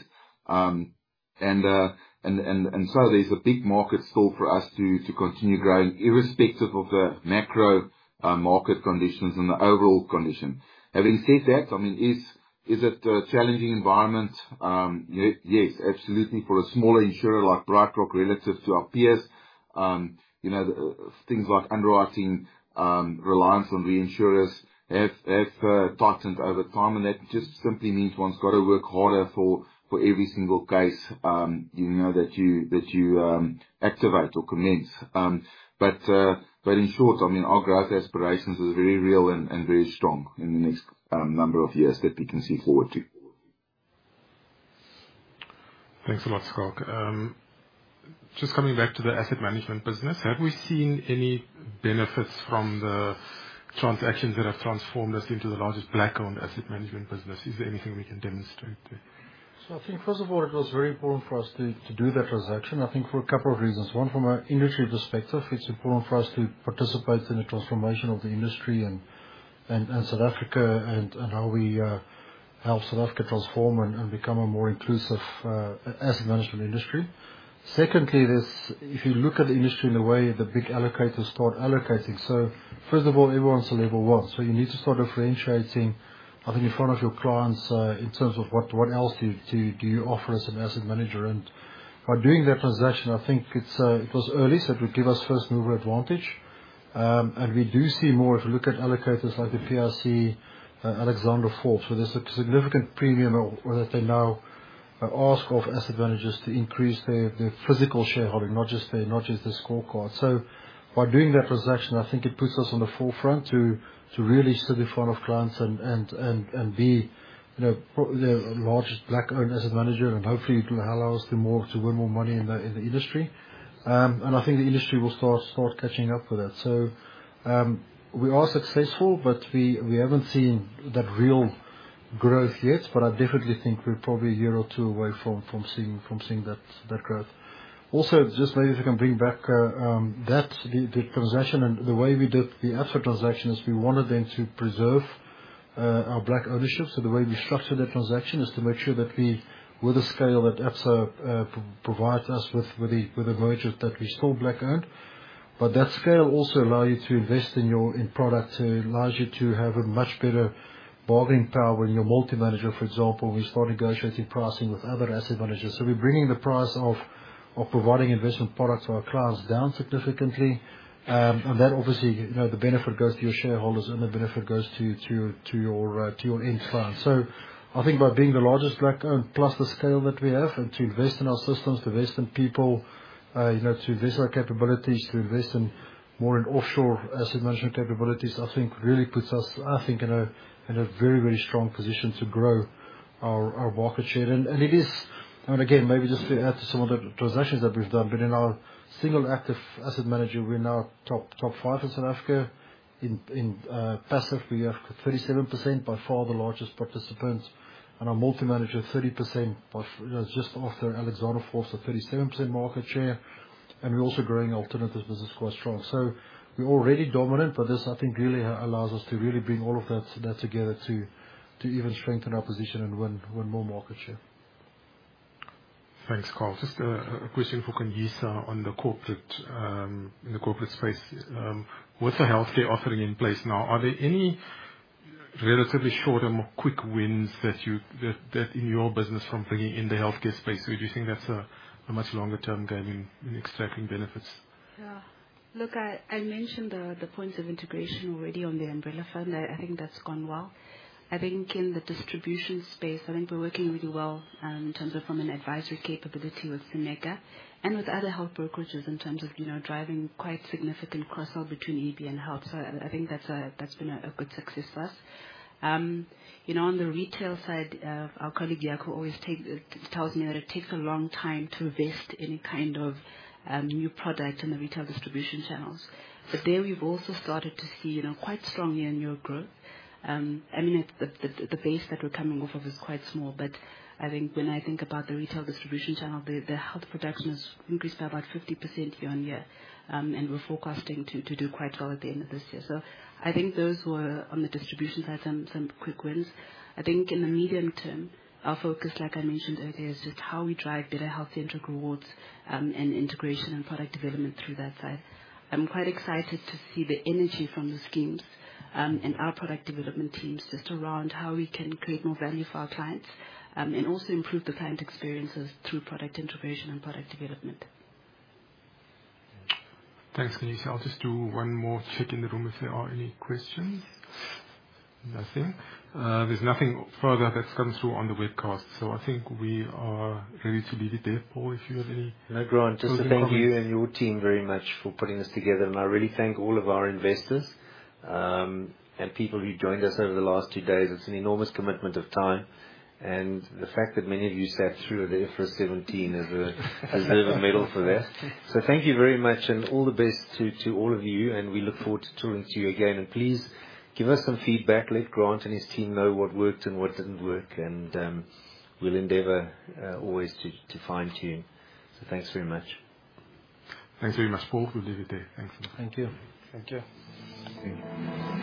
And so there's a big market still for us to continue growing, irrespective of the macro market conditions and the overall condition. Having said that, I mean, is it a challenging environment? Yes, absolutely, for a smaller insurer like BrightRock, relative to our peers, you know, things like underwriting, reliance on reinsurers have tightened over time. And that just simply means one's got to work harder for every single case, you know, that you activate or commence. But in short, I mean, our growth aspirations is very real and very strong in the next number of years that we can see forward to. Thanks a lot, Schalk. Just coming back to the asset management business, have we seen any benefits from the transactions that have transformed us into the largest black-owned asset management business? Is there anything we can demonstrate?... So I think, first of all, it was very important for us to do that transaction, I think, for a couple of reasons. One, from an industry perspective, it's important for us to participate in the transformation of the industry and South Africa, and how we help South Africa transform and become a more inclusive asset management industry. Secondly, there's, if you look at the industry in a way, the big allocators start allocating. So first of all, everyone's a level one, so you need to start differentiating, I think, in front of your clients in terms of what else do you offer as an asset manager? And by doing that transaction, I think it was early, so it would give us first-mover advantage. And we do see more if you look at allocators like the PIC, Alexander Forbes. So there's a significant premium or that they now ask of asset managers to increase their physical shareholding, not just their scorecard. So by doing that transaction, I think it puts us on the forefront to really sit in front of clients and be, you know, pro- the largest Black-owned asset manager, and hopefully it will allow us to win more money in the industry. And I think the industry will start catching up with that. So, we are successful, but we haven't seen that real growth yet, but I definitely think we're probably a year or two away from seeing that growth. Also, just maybe if I can bring back the transaction and the way we did the asset transaction, is we wanted then to preserve our Black ownership. So the way we structured that transaction is to make sure that we, with the scale that Absa provides us with, with the merger, that we're still Black-owned. But that scale also allow you to invest in your, in product, it allows you to have a much better bargaining power in your multi-manager. For example, we start negotiating pricing with other asset managers. So we're bringing the price of providing investment products to our clients down significantly. And that obviously, you know, the benefit goes to your shareholders, and the benefit goes to your end clients. So I think by being the largest Black-owned, plus the scale that we have, and to invest in our systems, to invest in people, you know, to invest in our capabilities, to invest in more in offshore asset management capabilities, I think really puts us, I think, in a, in a very, very strong position to grow our, our market share. And again, maybe just to add to some of the transactions that we've done, but in our single active asset manager, we're now top 5 in South Africa. In passive, we have 37%, by far the largest participants, and our multi-manager, 30%, but, you know, just after Alexander Forbes, a 37% market share, and we're also growing alternative business quite strong. We're already dominant, but this, I think, really allows us to really bring all of that, that together to, to even strengthen our position and win, win more market share. Thanks, Carl. Just a question for Kanyisa on the corporate in the corporate space. With the healthcare offering in place now, are there any relatively short-term, quick wins that in your business from bringing in the healthcare space? Or do you think that's a much longer-term game in extracting benefits? Yeah. Look, I mentioned the points of integration already on the umbrella fund. I think that's gone well. I think in the distribution space, I think we're working really well, in terms of from an advisory capability with Simeka and with other health brokerages, in terms of, you know, driving quite significant cross-sell between EB and health. So I think that's a, that's been a good success for us. You know, on the retail side, our colleague, Jaco, always tells me that it takes a long time to invest in kind of new product in the retail distribution channels. But there we've also started to see, you know, quite strong year-on-year growth. I mean, it's the base that we're coming off of is quite small, but I think when I think about the retail distribution channel, the health production has increased by about 50% year-on-year. And we're forecasting to do quite well at the end of this year. So I think those were, on the distribution side, some quick wins. I think in the medium term, our focus, like I mentioned earlier, is just how we drive better health integral rewards, and integration and product development through that side. I'm quite excited to see the energy from the schemes, and our product development teams just around how we can create more value for our clients, and also improve the client experiences through product integration and product development. Thanks, Kanyisa. I'll just do one more check in the room if there are any questions. Nothing. There's nothing further that's come through on the webcast, so I think we are ready to leave it there. Paul, if you have any. No, Grant, just to thank you and your team very much for putting this together. I really thank all of our investors and people who joined us over the last 2 days. It's an enormous commitment of time, and the fact that many of you sat through there for 17 is a bit of a medal for that. So thank you very much, and all the best to all of you, and we look forward to talking to you again. Please give us some feedback. Let Grant and his team know what worked and what didn't work, and we'll endeavor always to fine-tune. So thanks very much. Thanks very much, Paul. We'll leave it there. Thanks. Thank you. Thank you. Thank you.